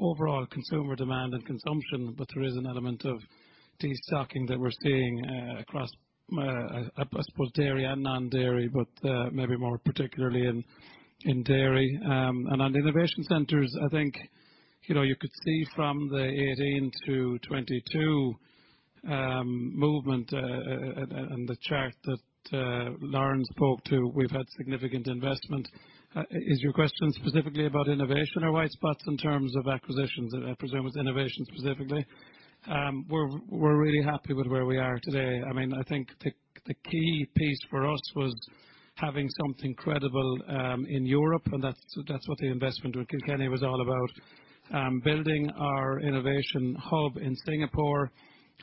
overall consumer demand and consumption, but there is an element of destocking that we're seeing across, I suppose dairy and non-dairy, but maybe more particularly in dairy. On the innovation centers, I think, you know, you could see from the 2018-2022 movement and the chart that Lauren spoke to, we've had significant investment. Is your question specifically about innovation or white space in terms of acquisitions? I presume it's innovation specifically. We're really happy with where we are today. I mean, I think the key piece for us was having something credible in Europe, and that's what the investment with Kilkenny was all about. Building our innovation hub in Singapore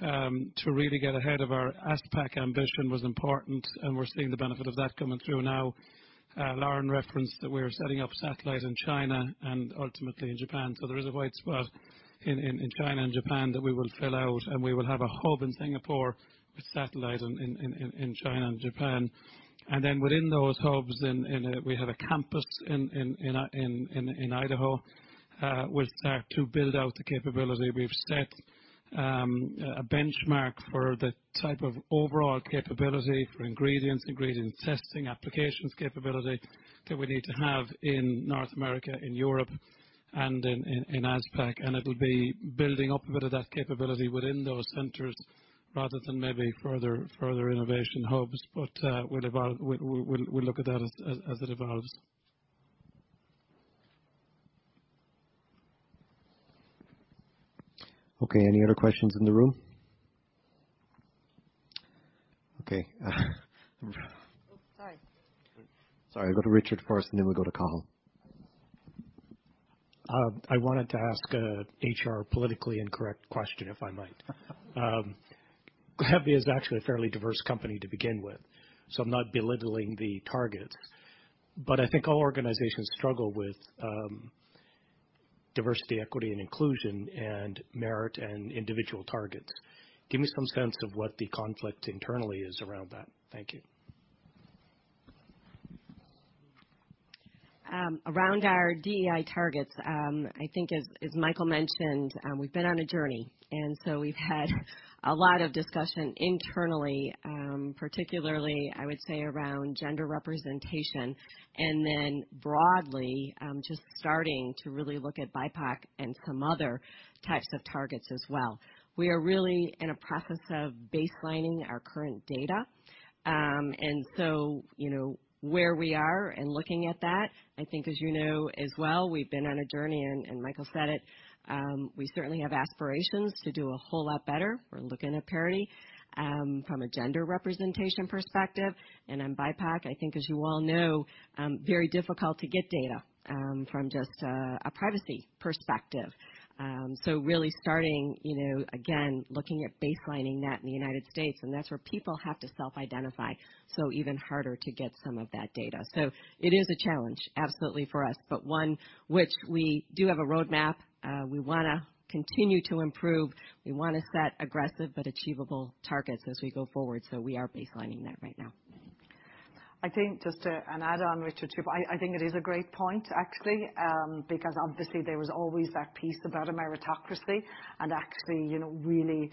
to really get ahead of our APAC ambition was important, and we're seeing the benefit of that coming through now. Lauren referenced that we're setting up satellite in China and ultimately in Japan. There is a white space in China and Japan that we will fill out, and we will have a hub in Singapore with satellite in China and Japan. Then within those hubs, we have a campus in Idaho, we'll start to build out the capability. We've set a benchmark for the type of overall capability for ingredients, ingredient testing, applications capability that we need to have in North America, in Europe and in APAC. It'll be building up a bit of that capability within those centers rather than maybe further innovation hubs. We'll look at that as it evolves. Okay. Any other questions in the room? Okay. Sorry. Go to Richard first, and then we'll go to Cathal. I wanted to ask a rather politically incorrect question, if I might. Glanbia is actually a fairly diverse company to begin with, so I'm not belittling the targets, but I think all organizations struggle with diversity, equity, and inclusion and merit and individual targets. Give me some sense of what the conflict internally is around that. Thank you. Around our DEI targets, I think as Michael mentioned, we've been on a journey, and so we've had a lot of discussion internally, particularly, I would say, around gender representation, and then broadly, just starting to really look at BIPOC and some other types of targets as well. We are really in a process of baselining our current data, and so, you know, where we are and looking at that, I think as you know as well, we've been on a journey, and Michael said it, we certainly have aspirations to do a whole lot better. We're looking at parity, from a gender representation perspective and on BIPOC, I think as you well know, very difficult to get data, from just a privacy perspective. Really starting, you know, again, looking at baselining that in the United States, and that's where people have to self-identify, so even harder to get some of that data. It is a challenge, absolutely for us, but one which we do have a roadmap. We wanna continue to improve. We wanna set aggressive but achievable targets as we go forward, so we are baselining that right now. I think just an add-on, Richard. I think it is a great point actually, because obviously there was always that piece about a meritocracy and actually, you know, really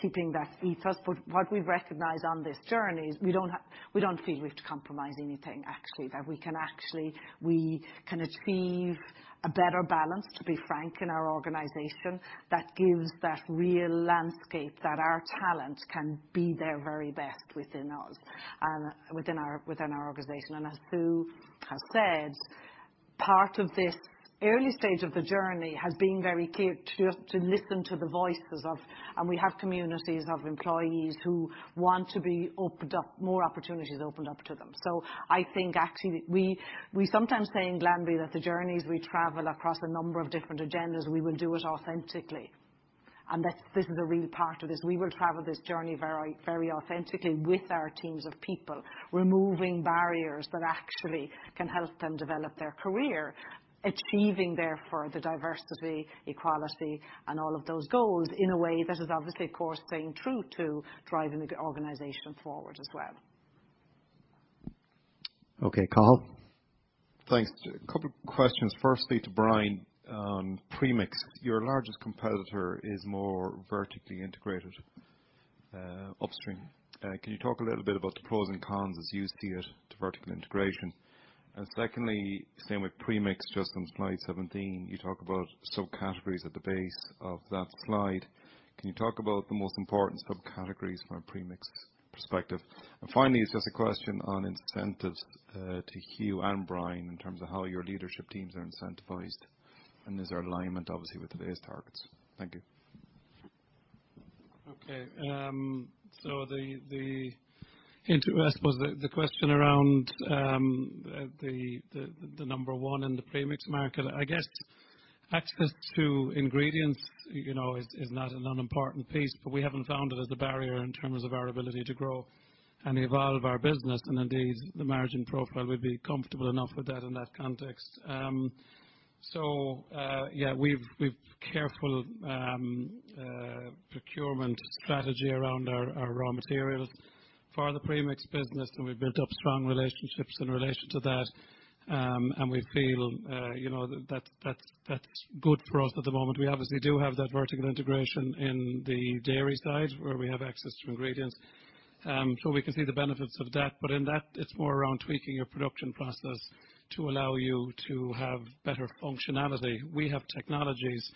keeping that ethos. But what we've recognized on this journey is we don't feel we have to compromise anything actually. That we can actually achieve a better balance, to be frank, in our organization that gives that real landscape that our talent can be their very best within us and within our organization. As Sue has said, part of this early stage of the journey has been very clear to listen to the voices of and we have communities of employees who want to be opened up, more opportunities opened up to them. I think actually we sometimes say in Glanbia that the journeys we travel across a number of different agendas, we will do it authentically, and that this is a real part of this. We will travel this journey very, very authentically with our teams of people, removing barriers that actually can help them develop their career, achieving therefore the diversity, equality, and all of those goals in a way that is obviously, of course, staying true to driving the Glanbia organization forward as well. Okay, Cathal. Thanks. A couple questions firstly to Brian on premix. Your largest competitor is more vertically integrated, upstream. Can you talk a little bit about the pros and cons as you see it to vertical integration? And secondly, same with premix, just on slide 17, you talk about subcategories at the base of that slide. Can you talk about the most important subcategories from a premix perspective? And finally, it's just a question on incentives, to Hugh and Brian in terms of how your leadership teams are incentivized, and is there alignment obviously with today's targets? Thank you. To, I suppose, the number one in the premix market, I guess. Access to ingredients, you know, is not an unimportant piece, but we haven't found it as a barrier in terms of our ability to grow and evolve our business. Indeed, the margin profile would be comfortable enough with that in that context. We have a careful procurement strategy around our raw materials for the premix business, and we've built up strong relationships in relation to that. We feel, you know, that that's good for us at the moment. We obviously do have that vertical integration in the dairy side, where we have access to ingredients. We can see the benefits of that, but in that, it's more around tweaking your production process to allow you to have better functionality. We have technologies,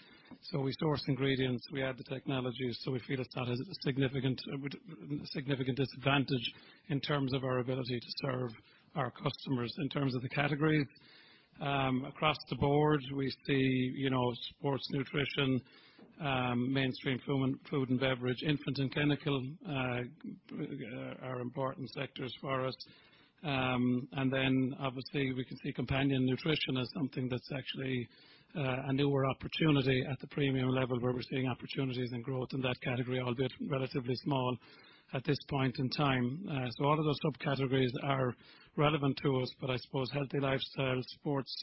so we source ingredients, we add the technologies, so we feel it's not a significant disadvantage in terms of our ability to serve our customers. In terms of the category, across the board, we see, you know, sports nutrition, mainstream food and beverage, infant and clinical are important sectors for us. Then obviously we can see companion nutrition as something that's actually a newer opportunity at the premium level, where we're seeing opportunities and growth in that category, albeit relatively small at this point in time. All of those subcategories are relevant to us, but I suppose healthy lifestyle, sports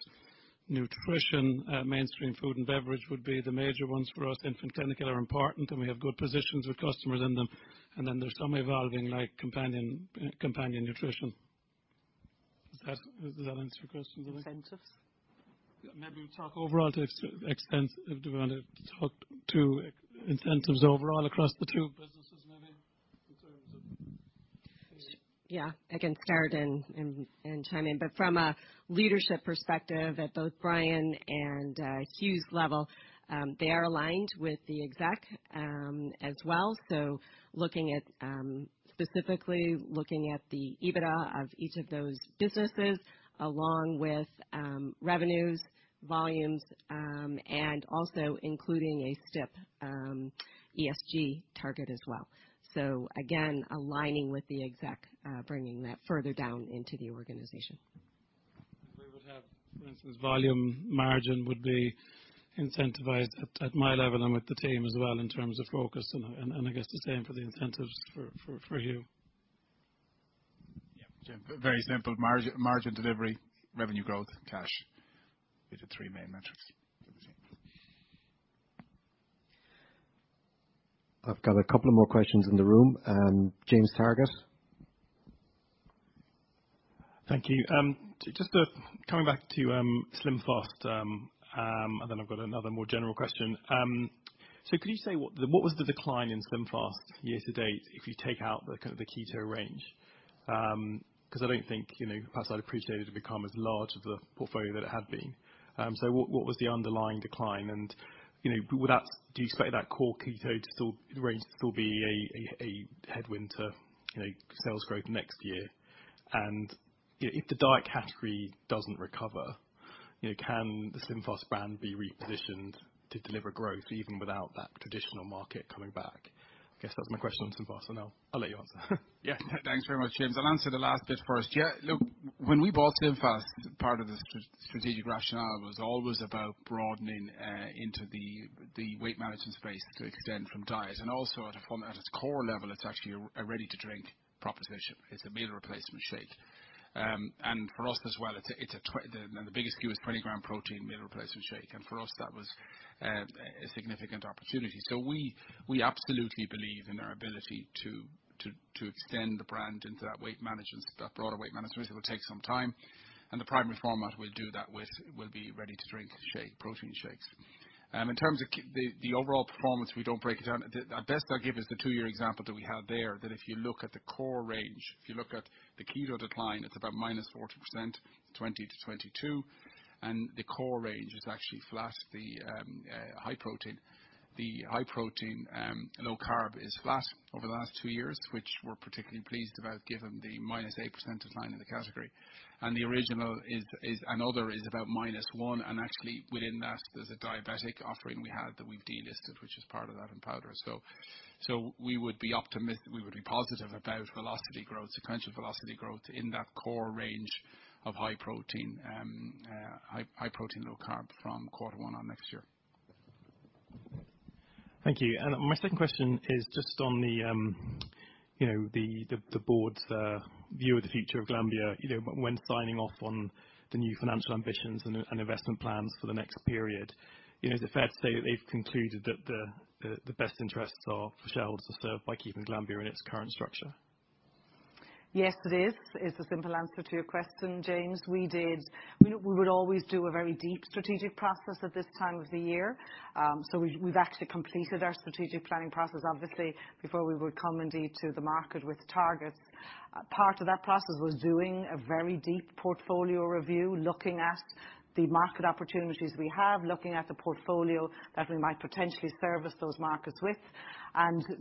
nutrition, mainstream food and beverage would be the major ones for us. Infant, clinical are important, and we have good positions with customers in them. Then there's some evolving like companion nutrition. Does that answer your question? Incentives. Do we wanna talk to incentives overall across the two businesses maybe in terms of? Yeah. I can start and chime in. From a leadership perspective at both Brian and Hugh's level, they are aligned with the exec as well. Specifically looking at the EBITDA of each of those businesses along with revenues, volumes, and also including a step ESG target as well. Again, aligning with the exec, bringing that further down into the organization. We would have, for instance, volume margin would be incentivized at my level and with the team as well in terms of focus and I guess the same for the incentives for Hugh. Yeah. Very simple. Margin, margin delivery, revenue growth, cash will be the three main metrics for the team. I've got a couple more questions in the room. James Targett. Thank you. Just coming back to SlimFast, and then I've got another more general question. So could you say what the decline in SlimFast year to date was if you take out the keto range? 'Cause I don't think, you know, perhaps it's not as large a part of the portfolio that it had been. So what was the underlying decline? And, you know, do you expect the core keto range to still be a headwind to sales growth next year? And if the diet category doesn't recover, you know, can the SlimFast brand be repositioned to deliver growth even without that traditional market coming back? I guess that's my question on SlimFast, and I'll let you answer. Yeah. Thanks very much, James. I'll answer the last bit first. Yeah, look, when we bought SlimFast, part of the strategic rationale was always about broadening into the weight management space to extend from diet, and also at a form, at its core level, it's actually a ready-to-drink proposition. It's a meal replacement shake. For us as well, the biggest key is 20-gram protein meal replacement shake. For us, that was a significant opportunity. We absolutely believe in our ability to extend the brand into that weight management, that broader weight management. It will take some time, and the primary format we'll do that with will be ready-to-drink shake, protein shakes. In terms of the overall performance, we don't break it down. The best I'll give is the two-year example that we had there, that if you look at the core range, if you look at the keto decline, it's about minus 40%, 2020 to 2022. The core range is actually flat. The high protein low carb is flat over the last two years, which we're particularly pleased about given the minus 8% decline in the category. The original is about minus 1%. Actually, within that, there's a diabetic offering we had that we've delisted, which is part of that in powder. We would be positive about velocity growth, sequential velocity growth in that core range of high protein low carb from quarter one on next year. Thank you. My second question is just on the, you know, the board's view of the future of Glanbia, you know, when signing off on the new financial ambitions and investment plans for the next period. You know, is it fair to say that they've concluded that the best interests of shareholders are served by keeping Glanbia in its current structure? Yes, it is the simple answer to your question, James. We would always do a very deep strategic process at this time of the year. So we've actually completed our strategic planning process, obviously, before we would come indeed to the market with targets. Part of that process was doing a very deep portfolio review, looking at the market opportunities we have, looking at the portfolio that we might potentially service those markets with.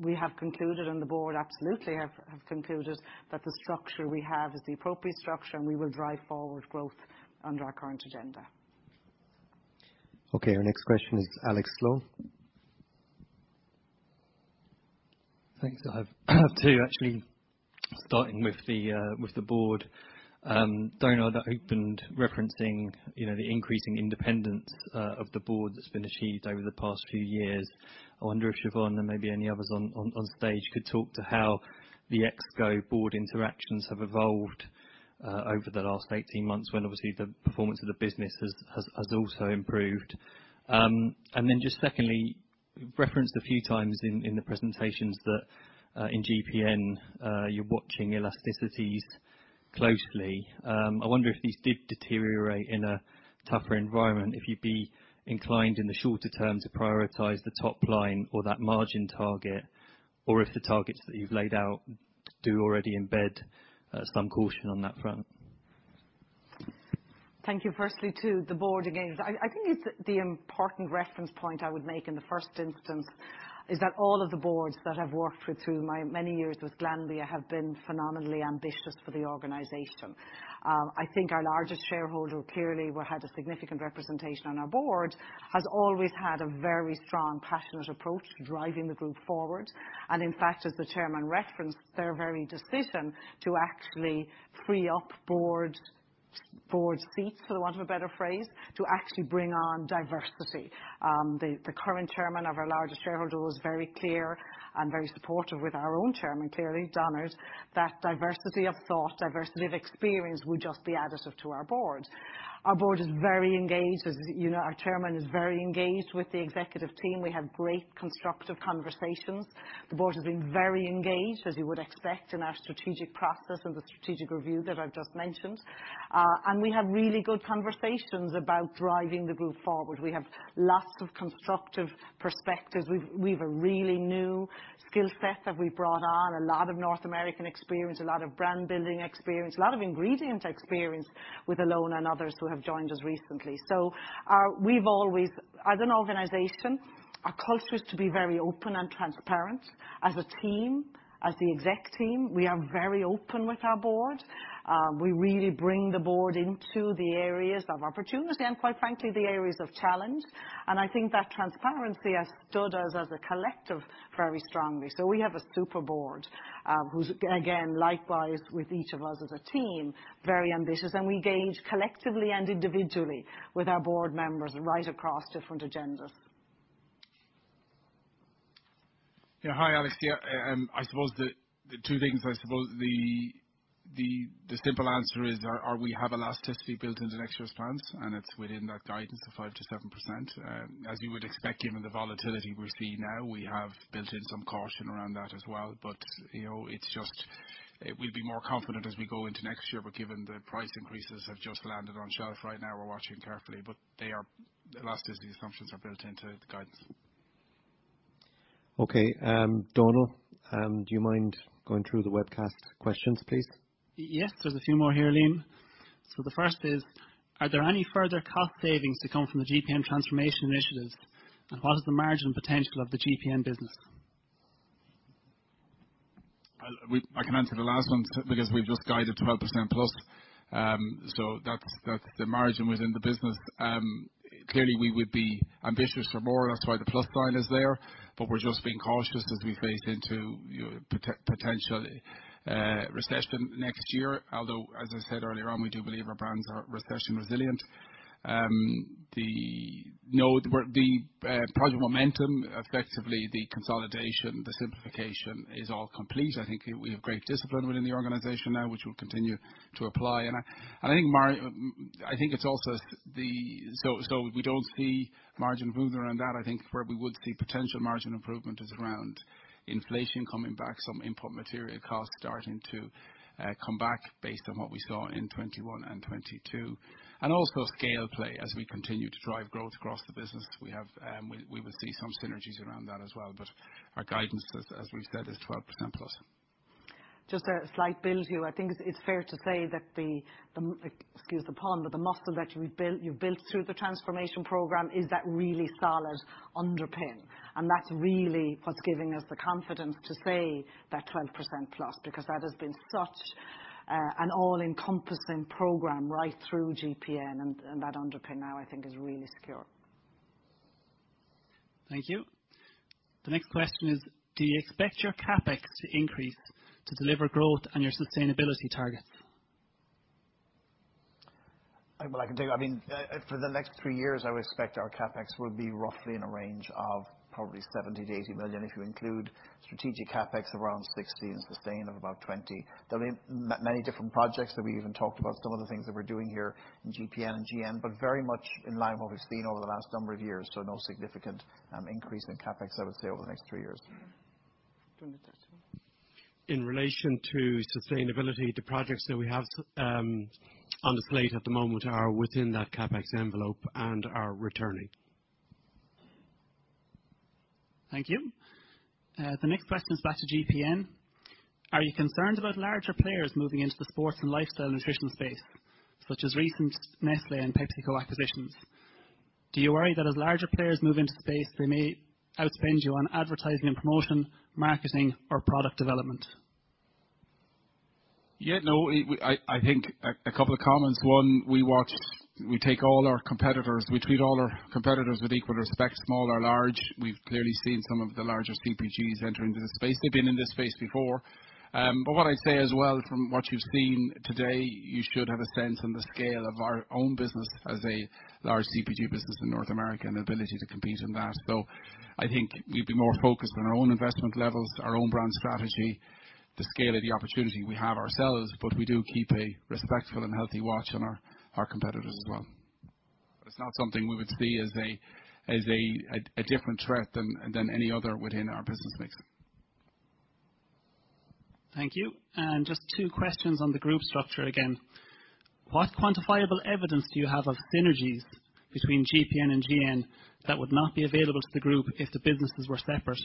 We have concluded, and the board absolutely have concluded, that the structure we have is the appropriate structure, and we will drive forward growth under our current agenda. Okay. Our next question is Alex Sloane. Thanks. I have two actually. Starting with the board, Donal opened referencing, you know, the increasing independence of the board that's been achieved over the past few years. I wonder if Siobhan and maybe any others on stage could talk to how the ExCo board interactions have evolved over the last 18 months when obviously the performance of the business has also improved. Just secondly, you've referenced a few times in the presentations that in GPN you're watching elasticities closely. I wonder if these did deteriorate in a tougher environment, if you'd be inclined in the shorter term to prioritize the top line or that margin target, or if the targets that you've laid out do already embed some caution on that front. Thank you. Firstly to the board, again, I think it's the important reference point I would make in the first instance is that all of the boards that I've worked with through my many years with Glanbia have been phenomenally ambitious for the organization. I think our largest shareholder, clearly, we had a significant representation on our board, has always had a very strong, passionate approach to driving the group forward. In fact, as the chairman referenced, their very decision to actually free up board seats, for want of a better phrase, to actually bring on diversity. The current chairman of our largest shareholder was very clear and very supportive with our own chairman, clearly, Donal, that diversity of thought, diversity of experience would just be additive to our board. Our board is very engaged, as you know. Our chairman is very engaged with the executive team. We have great constructive conversations. The board has been very engaged, as you would expect, in our strategic process and the strategic review that I've just mentioned. We have really good conversations about driving the group forward. We have lots of constructive perspectives. We've a really new skill set that we've brought on, a lot of North American experience, a lot of brand building experience, a lot of ingredient experience with Ilona and others who have joined us recently. We've always, as an organization, our culture is to be very open and transparent. As a team, as the exec team, we are very open with our board. We really bring the board into the areas of opportunity and, quite frankly, the areas of challenge. I think that transparency has stood us as a collective very strongly. We have a superb board who, again, likewise with each of us as a team, very ambitious. We engage collectively and individually with our board members right across different agendas. Yeah, hi, Alex, yeah. I suppose the two things. I suppose the simple answer is we have elasticity built into next year's plans, and it's within that guidance of 5%-7%. As you would expect, given the volatility we're seeing now, we have built in some caution around that as well. You know, it's just we'll be more confident as we go into next year, but given the price increases have just landed on shelf right now, we're watching carefully. They are elasticity assumptions built into the guidance. Okay, Donal, do you mind going through the webcast questions, please? Yes, there's a few more here, Liam. The first is: Are there any further cost savings to come from the GPN transformation initiatives? And what is the margin potential of the GPN business? I can answer the last one because we've just guided 12%+. That's the margin within the business. Clearly we would be ambitious for more, that's why the plus sign is there. We're just being cautious as we face into potential recession next year. Although, as I said earlier on, we do believe our brands are recession resilient. No, the work, the Project Momentum, effectively, the consolidation, the simplification is all complete. I think we have great discipline within the organization now, which we'll continue to apply. I think it's also the margin. We don't see margin movement around that. I think where we would see potential margin improvement is around inflation coming back, some input material costs starting to come back based on what we saw in 2021 and 2022. Also scale play as we continue to drive growth across the business because we will see some synergies around that as well. Our guidance as we've said is 12%+. Just a slight build here. I think it's fair to say that the excuse the pun, but the muscle that you've built through the transformation program is that really solid underpin. That's really what's giving us the confidence to say that 12%+, because that has been such an all-encompassing program right through GPN, and that underpin now I think is really secure. Thank you. The next question is, do you expect your CapEx to increase to deliver growth on your sustainability targets? Well, I can take it. I mean, for the next three years, I would expect our CapEx would be roughly in a range of probably 70-80 million, if you include strategic CapEx around 60 million and sustain of about 20 million. There'll be many different projects that we even talked about, some of the things that we're doing here in GPN and GN, but very much in line with what we've seen over the last number of years, so no significant increase in CapEx, I would say, over the next three years. Do you want to take that one? In relation to sustainability, the projects that we have on the slate at the moment are within that CapEx envelope and are returning. Thank you. The next question is back to GPN. Are you concerned about larger players moving into the sports and lifestyle nutritional space, such as recent Nestlé and PepsiCo acquisitions? Do you worry that as larger players move into the space, they may outspend you on advertising and promotion, marketing or product development? I think a couple of comments. One, we take all our competitors. We treat all our competitors with equal respect, small or large. We've clearly seen some of the larger CPGs enter into this space. They've been in this space before. What I'd say as well from what you've seen today, you should have a sense on the scale of our own business as a large CPG business in North America and ability to compete in that. I think we'd be more focused on our own investment levels, our own brand strategy, the scale of the opportunity we have ourselves, but we do keep a respectful and healthy watch on our competitors as well. It's not something we would see as a different threat than any other within our business mix. Thank you. Just two questions on the group structure again. What quantifiable evidence do you have of synergies between GPN and GN that would not be available to the group if the businesses were separate?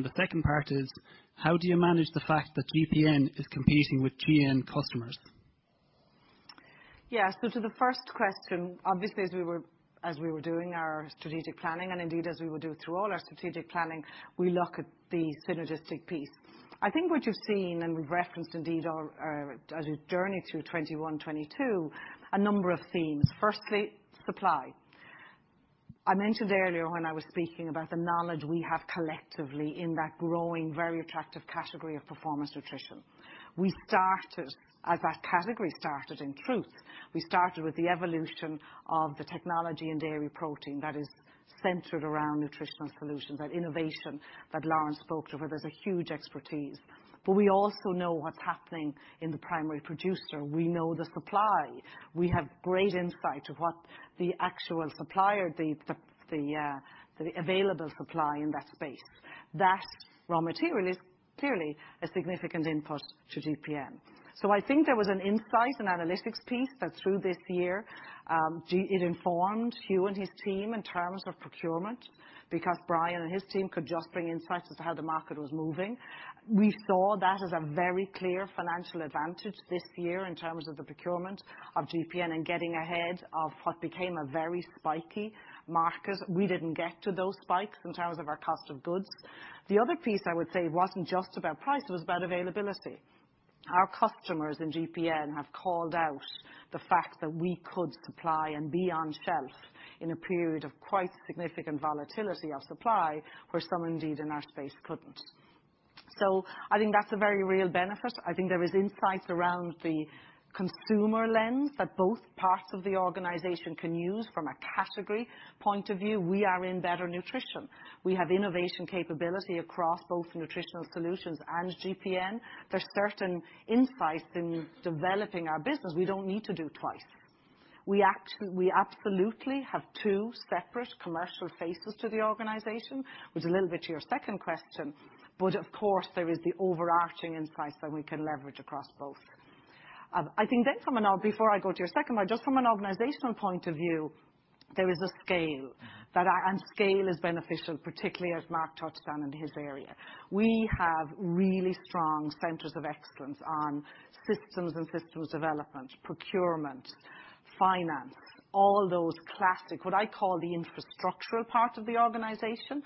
The second part is, how do you manage the fact that GPN is competing with GN customers? Yeah. To the first question, obviously, as we were doing our strategic planning, and indeed as we will do through all our strategic planning, we look at the synergistic piece. I think what you've seen, and we've referenced indeed our as we've journeyed through 2021, 2022, a number of themes. Firstly, supply. I mentioned earlier when I was speaking about the knowledge we have collectively in that growing, very attractive category of performance nutrition. We started as that category started in truth. We started with the evolution of the technology and dairy protein that is centered around nutritional solutions, that innovation that Lauren spoke to, where there's a huge expertise. But we also know what's happening in the primary producer. We know the supply. We have great insight to what the actual supplier, the available supply in that space. That raw material is clearly a significant input to GPN. I think there was an insight and analytics piece that through this year, it informed Hugh and his team in terms of procurement because Brian and his team could just bring insights as to how the market was moving. We saw that as a very clear financial advantage this year in terms of the procurement of GPN and getting ahead of what became a very spiky market. We didn't get to those spikes in terms of our cost of goods. The other piece I would say wasn't just about price, it was about availability. Our customers in GPN have called out the fact that we could supply and be on shelf in a period of quite significant volatility of supply, where some indeed in our space couldn't. I think that's a very real benefit. I think there is insights around the consumer lens that both parts of the organization can use. From a category point of view, we are in better nutrition. We have innovation capability across both Nutritional Solutions and GPN. There's certain insights in developing our business we don't need to do twice. We absolutely have two separate commercial faces to the organization, which a little bit to your second question, but of course there is the overarching insights that we can leverage across both. Before I go to your second one, just from an organizational point of view, there is a scale. Scale is beneficial, particularly as Mark touched on in his area. We have really strong centers of excellence on systems and systems development, procurement, finance, all those classic, what I call the infrastructural parts of the organization.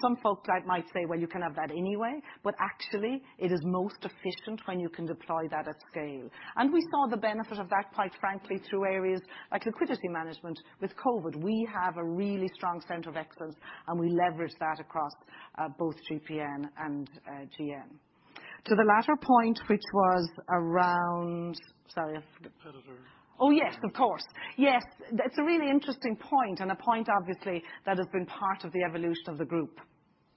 Some folks might say, "Well, you can have that anyway." Actually, it is most efficient when you can deploy that at scale. We saw the benefit of that, quite frankly, through areas like liquidity management with COVID. We have a really strong center of excellence, and we leverage that across both GPN and GN. To the latter point, which was around. Sorry, I forgot. Oh, yes, of course. Yes. That's a really interesting point, and a point obviously that has been part of the evolution of the group.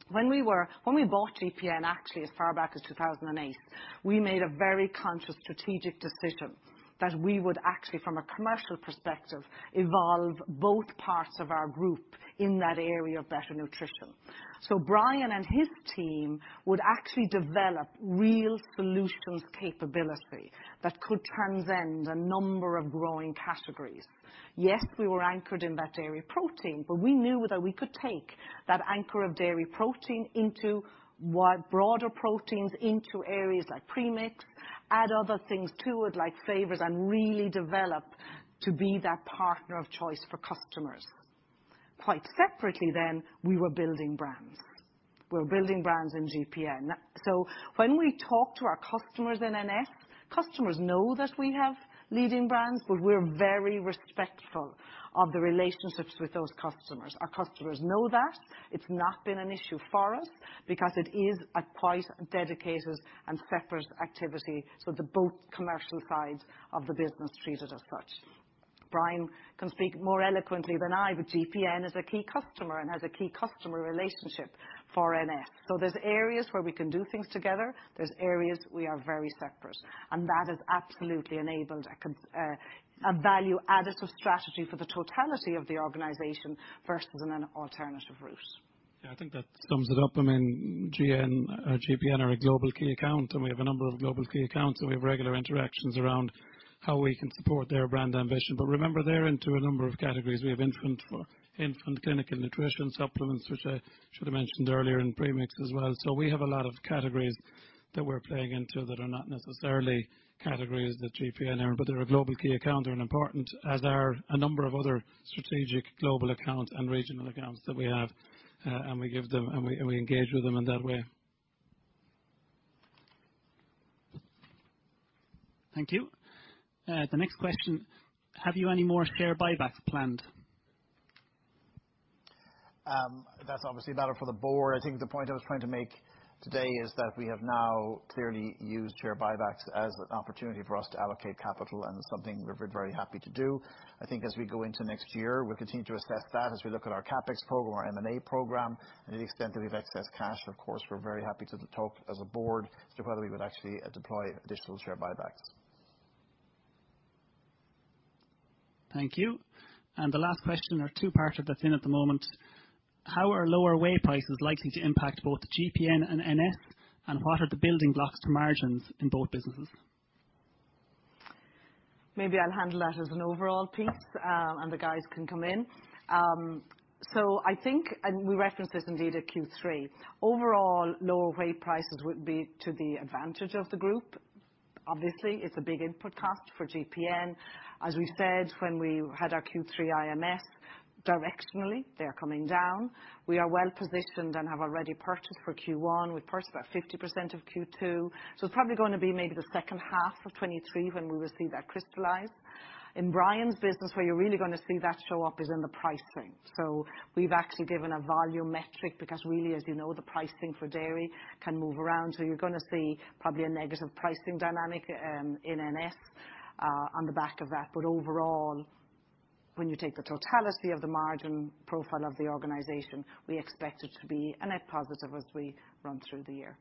When we bought GPN actually as far back as 2008, we made a very conscious strategic decision that we would actually, from a commercial perspective, evolve both parts of our group in that area of better nutrition. So Brian and his team would actually develop real solutions capability that could transcend a number of growing categories. Yes, we were anchored in that dairy protein, but we knew that we could take that anchor of dairy protein into broader proteins, into areas like premix, add other things to it, like flavors, and really develop to be that partner of choice for customers. Quite separately then, we were building brands. We were building brands in GPN. When we talk to our customers in NF, customers know that we have leading brands, but we're very respectful of the relationships with those customers. Our customers know that. It's not been an issue for us because it is a quite dedicated and separate activity, so the both commercial sides of the business treat it as such. Brian can speak more eloquently than I, but GPN is a key customer and has a key customer relationship for NF. There's areas where we can do things together, there's areas we are very separate, and that has absolutely enabled a value additive strategy for the totality of the organization versus an alternative route. Yeah, I think that sums it up. I mean, GN, GPN are a global key account, and we have a number of global key accounts, and we have regular interactions around how we can support their brand ambition. Remember, they're into a number of categories. We have infant formula and clinical nutrition supplements, which I should have mentioned earlier, and premix as well. We have a lot of categories that we're playing into that are not necessarily categories that GPN are in, but they're a global key account. They're an important, as are a number of other strategic global accounts and regional accounts that we have. And we give them, and engage with them in that way. Thank you. The next question: Have you any more share buybacks planned? That's obviously a matter for the board. I think the point I was trying to make today is that we have now clearly used share buybacks as an opportunity for us to allocate capital, and it's something we're very happy to do. I think as we go into next year, we'll continue to assess that as we look at our CapEx program, our M&A program. To the extent that we have excess cash, of course, we're very happy to talk as a board as to whether we would actually deploy additional share buybacks. Thank you. The last question, a two-parter that's in at the moment: How are lower whey prices likely to impact both GPN and NS? What are the building blocks to margins in both businesses? Maybe I'll handle that as an overall piece, and the guys can come in. I think we referenced this indeed at Q3. Overall lower whey prices would be to the advantage of the group. Obviously, it's a big input cost for GPN. As we said when we had our Q3 IMS, directionally, they are coming down. We are well positioned and have already purchased for Q1. We've purchased about 50% of Q2. It's probably gonna be maybe the second half of 2023 when we will see that crystallize. In Brian's business, where you're really gonna see that show up is in the pricing. We've actually given a volume metric because really, as you know, the pricing for dairy can move around. You're gonna see probably a negative pricing dynamic in NS on the back of that. Overall, when you take the totality of the margin profile of the organization, we expect it to be a net positive as we run through the year.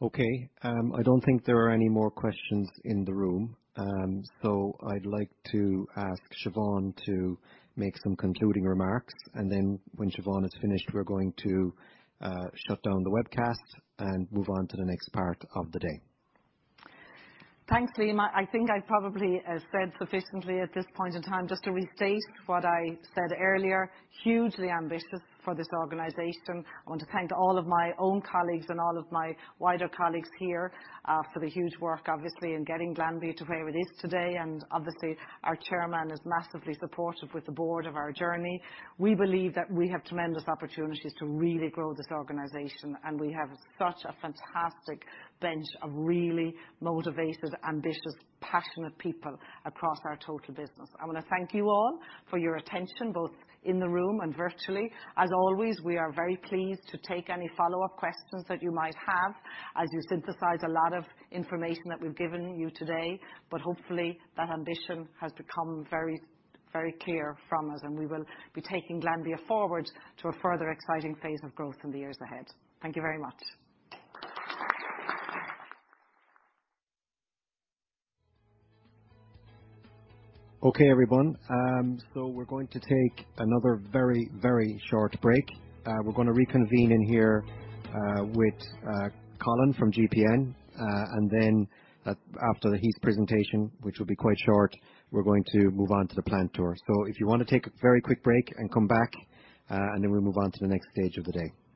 Okay. I don't think there are any more questions in the room. I'd like to ask Siobhan to make some concluding remarks, and then when Siobhan is finished, we're going to shut down the webcast and move on to the next part of the day. Thanks, Liam. I think I've probably said sufficiently at this point in time. Just to restate what I said earlier, hugely ambitious for this organization. I want to thank all of my own colleagues and all of my wider colleagues here for the huge work obviously in getting Glanbia to where it is today. Obviously, our chairman is massively supportive with the board of our journey. We believe that we have tremendous opportunities to really grow this organization, and we have such a fantastic bench of really motivated, ambitious, passionate people across our total business. I wanna thank you all for your attention, both in the room and virtually. As always, we are very pleased to take any follow-up questions that you might have as you synthesize a lot of information that we've given you today. Hopefully, that ambition has become very, very clear from us, and we will be taking Glanbia forward to a further exciting phase of growth in the years ahead. Thank you very much. Okay, everyone. We're going to take another very, very short break. We're gonna reconvene in here with Colin Westcott-Pitt from GPN. After his presentation, which will be quite short, we're going to move on to the plant tour. If you wanna take a very quick break and come back, and then we'll move on to the next stage of the day. Thank you.